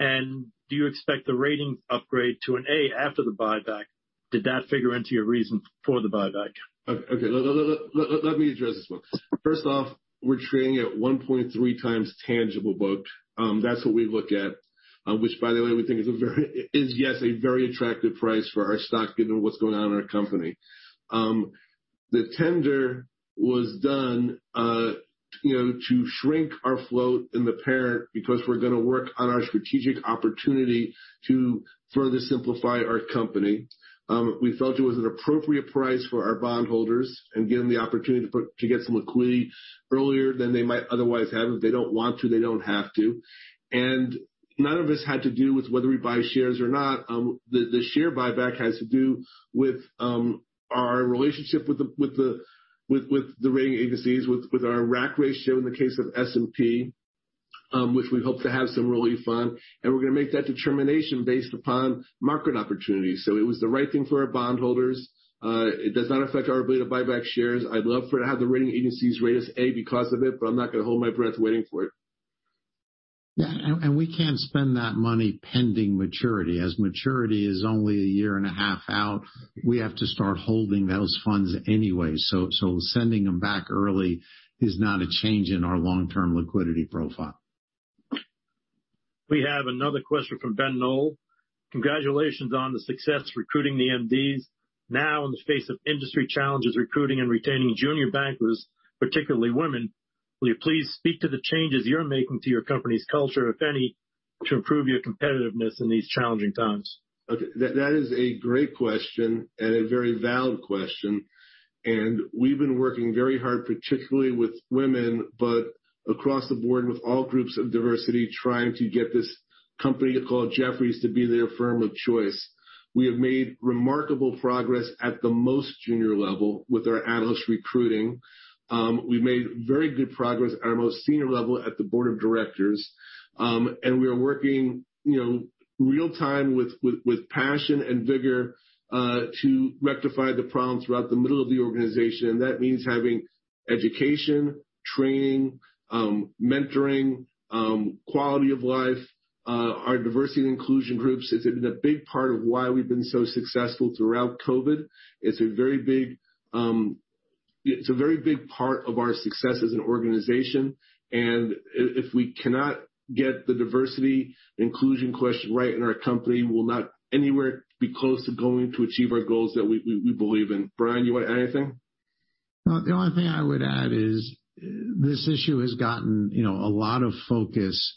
Do you expect the ratings upgrade to an A after the buyback? Did that figure into your reason for the buyback? Okay. Let me address this one. First off, we're trading at 1.3x tangible book. That's what we look at, which by the way, we think is yes, a very attractive price for our stock given what's going on in our company. The tender was done, you know, to shrink our float in the parent because we're gonna work on our strategic opportunity to further simplify our company. We felt it was an appropriate price for our bondholders and give them the opportunity to get some liquidity earlier than they might otherwise have. If they don't want to, they don't have to. None of this had to do with whether we buy shares or not. The share buyback has to do with our relationship with the rating agencies, with our RAC ratio in the case of S&P, which we hope to have some relief on, and we're gonna make that determination based upon market opportunities. It was the right thing for our bondholders. It does not affect our ability to buy back shares. I'd love for to have the rating agencies rate us A because of it, but I'm not gonna hold my breath waiting for it. Yeah. We can't spend that money pending maturity. As maturity is only a year and a half out, we have to start holding those funds anyway. Sending them back early is not a change in our long-term liquidity profile. We have another question from Ben Noll. Congratulations on the success recruiting the MDs. In the face of industry challenges, recruiting and retaining junior bankers, particularly women, will you please speak to the changes you're making to your company's culture, if any, to improve your competitiveness in these challenging times? Okay. That is a great question and a very valid question. We've been working very hard, particularly with women, but across the board with all groups of diversity, trying to get this company called Jefferies to be their firm of choice. We have made remarkable progress at the most junior level with our analyst recruiting. We've made very good progress at our most senior level at the board of directors. We are working, you know, real-time with passion and vigor to rectify the problems throughout the middle of the organization. That means having education, training, mentoring, quality of life, our diversity and inclusion groups. It's been a big part of why we've been so successful throughout COVID. It's a very big part of our success as an organization. If we cannot get the diversity inclusion question right in our company, we'll not anywhere be close to going to achieve our goals that we believe in. Brian, you want to add anything? No. The only thing I would add is this issue has gotten, you know, a lot of focus.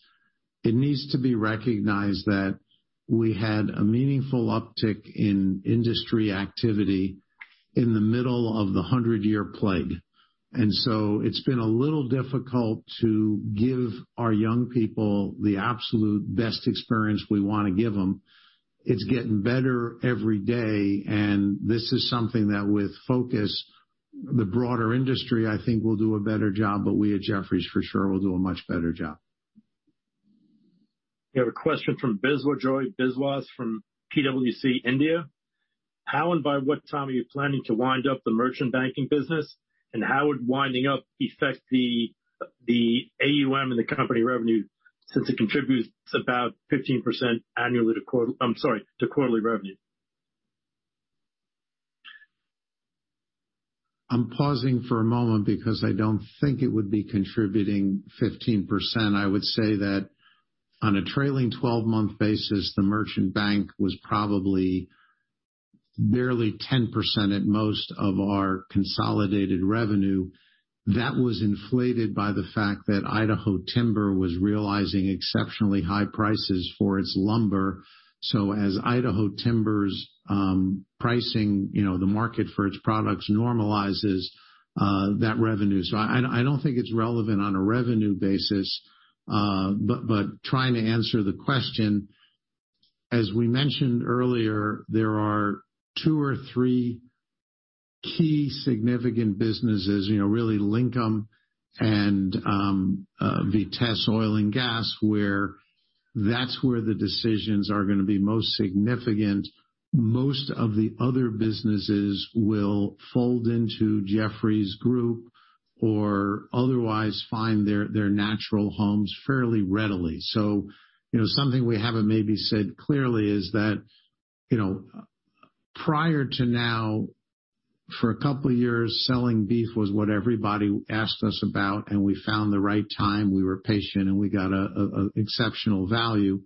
It needs to be recognized that we had a meaningful uptick in industry activity in the middle of the hundred-year plague. It's been a little difficult to give our young people the absolute best experience we wanna give them. It's getting better every day, This is something that with focus, the broader industry, I think, will do a better job, but we at Jefferies for sure will do a much better job. We have a question from Biswajoy Biswas from PwC India. How and by what time are you planning to wind up the merchant banking business? How would winding up affect the AUM and the company revenue since it contributes about 15% annually to quarterly revenue? I'm pausing for a moment because I don't think it would be contributing 15%. I would say that on a trailing 12-month basis, the merchant bank was probably barely 10% at most of our consolidated revenue. That was inflated by the fact that Idaho Timber was realizing exceptionally high prices for its lumber. As Idaho Timber's pricing, you know, the market for its products normalizes, that revenue. I don't think it's relevant on a revenue basis. Trying to answer the question, as we mentioned earlier, there are two or three key significant businesses, you know, really Linkem and Vitesse oil and gas, where that's where the decisions are going to be most significant. Most of the other businesses will fold into Jefferies Group or otherwise find their natural homes fairly readily. You know, something we haven't maybe said clearly is that, you know, prior to now, for a couple years, selling beef was what everybody asked us about, and we found the right time, we were patient, and we got an exceptional value.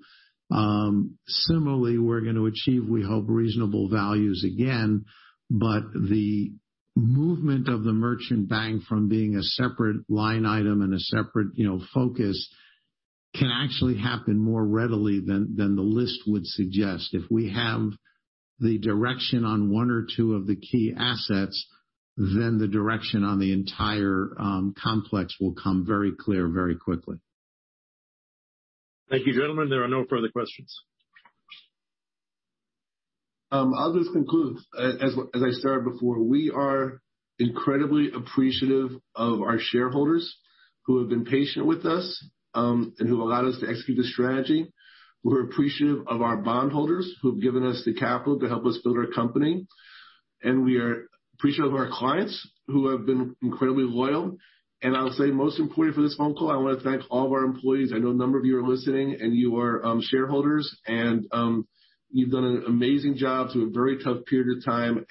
Similarly, we're gonna achieve, we hope, reasonable values again. The movement of the merchant bank from being a separate line item and a separate, you know, focus can actually happen more readily than the list would suggest. If we have the direction on one or two of the key assets, then the direction on the entire complex will come very clear very quickly. Thank you, gentlemen. There are no further questions. I'll just conclude. As I started before, we are incredibly appreciative of our shareholders who have been patient with us, and who allowed us to execute the strategy. We're appreciative of our bondholders who've given us the capital to help us build our company. We are appreciative of our clients who have been incredibly loyal. I'll say most importantly for this phone call, I wanna thank all of our employees. I know a number of you are listening, and you are shareholders, you've done an amazing job through a very tough period of time.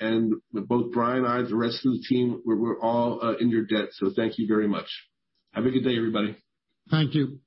Both Brian and I, the rest of the team, we're all in your debt. Thank you very much. Have a good day, everybody. Thank you.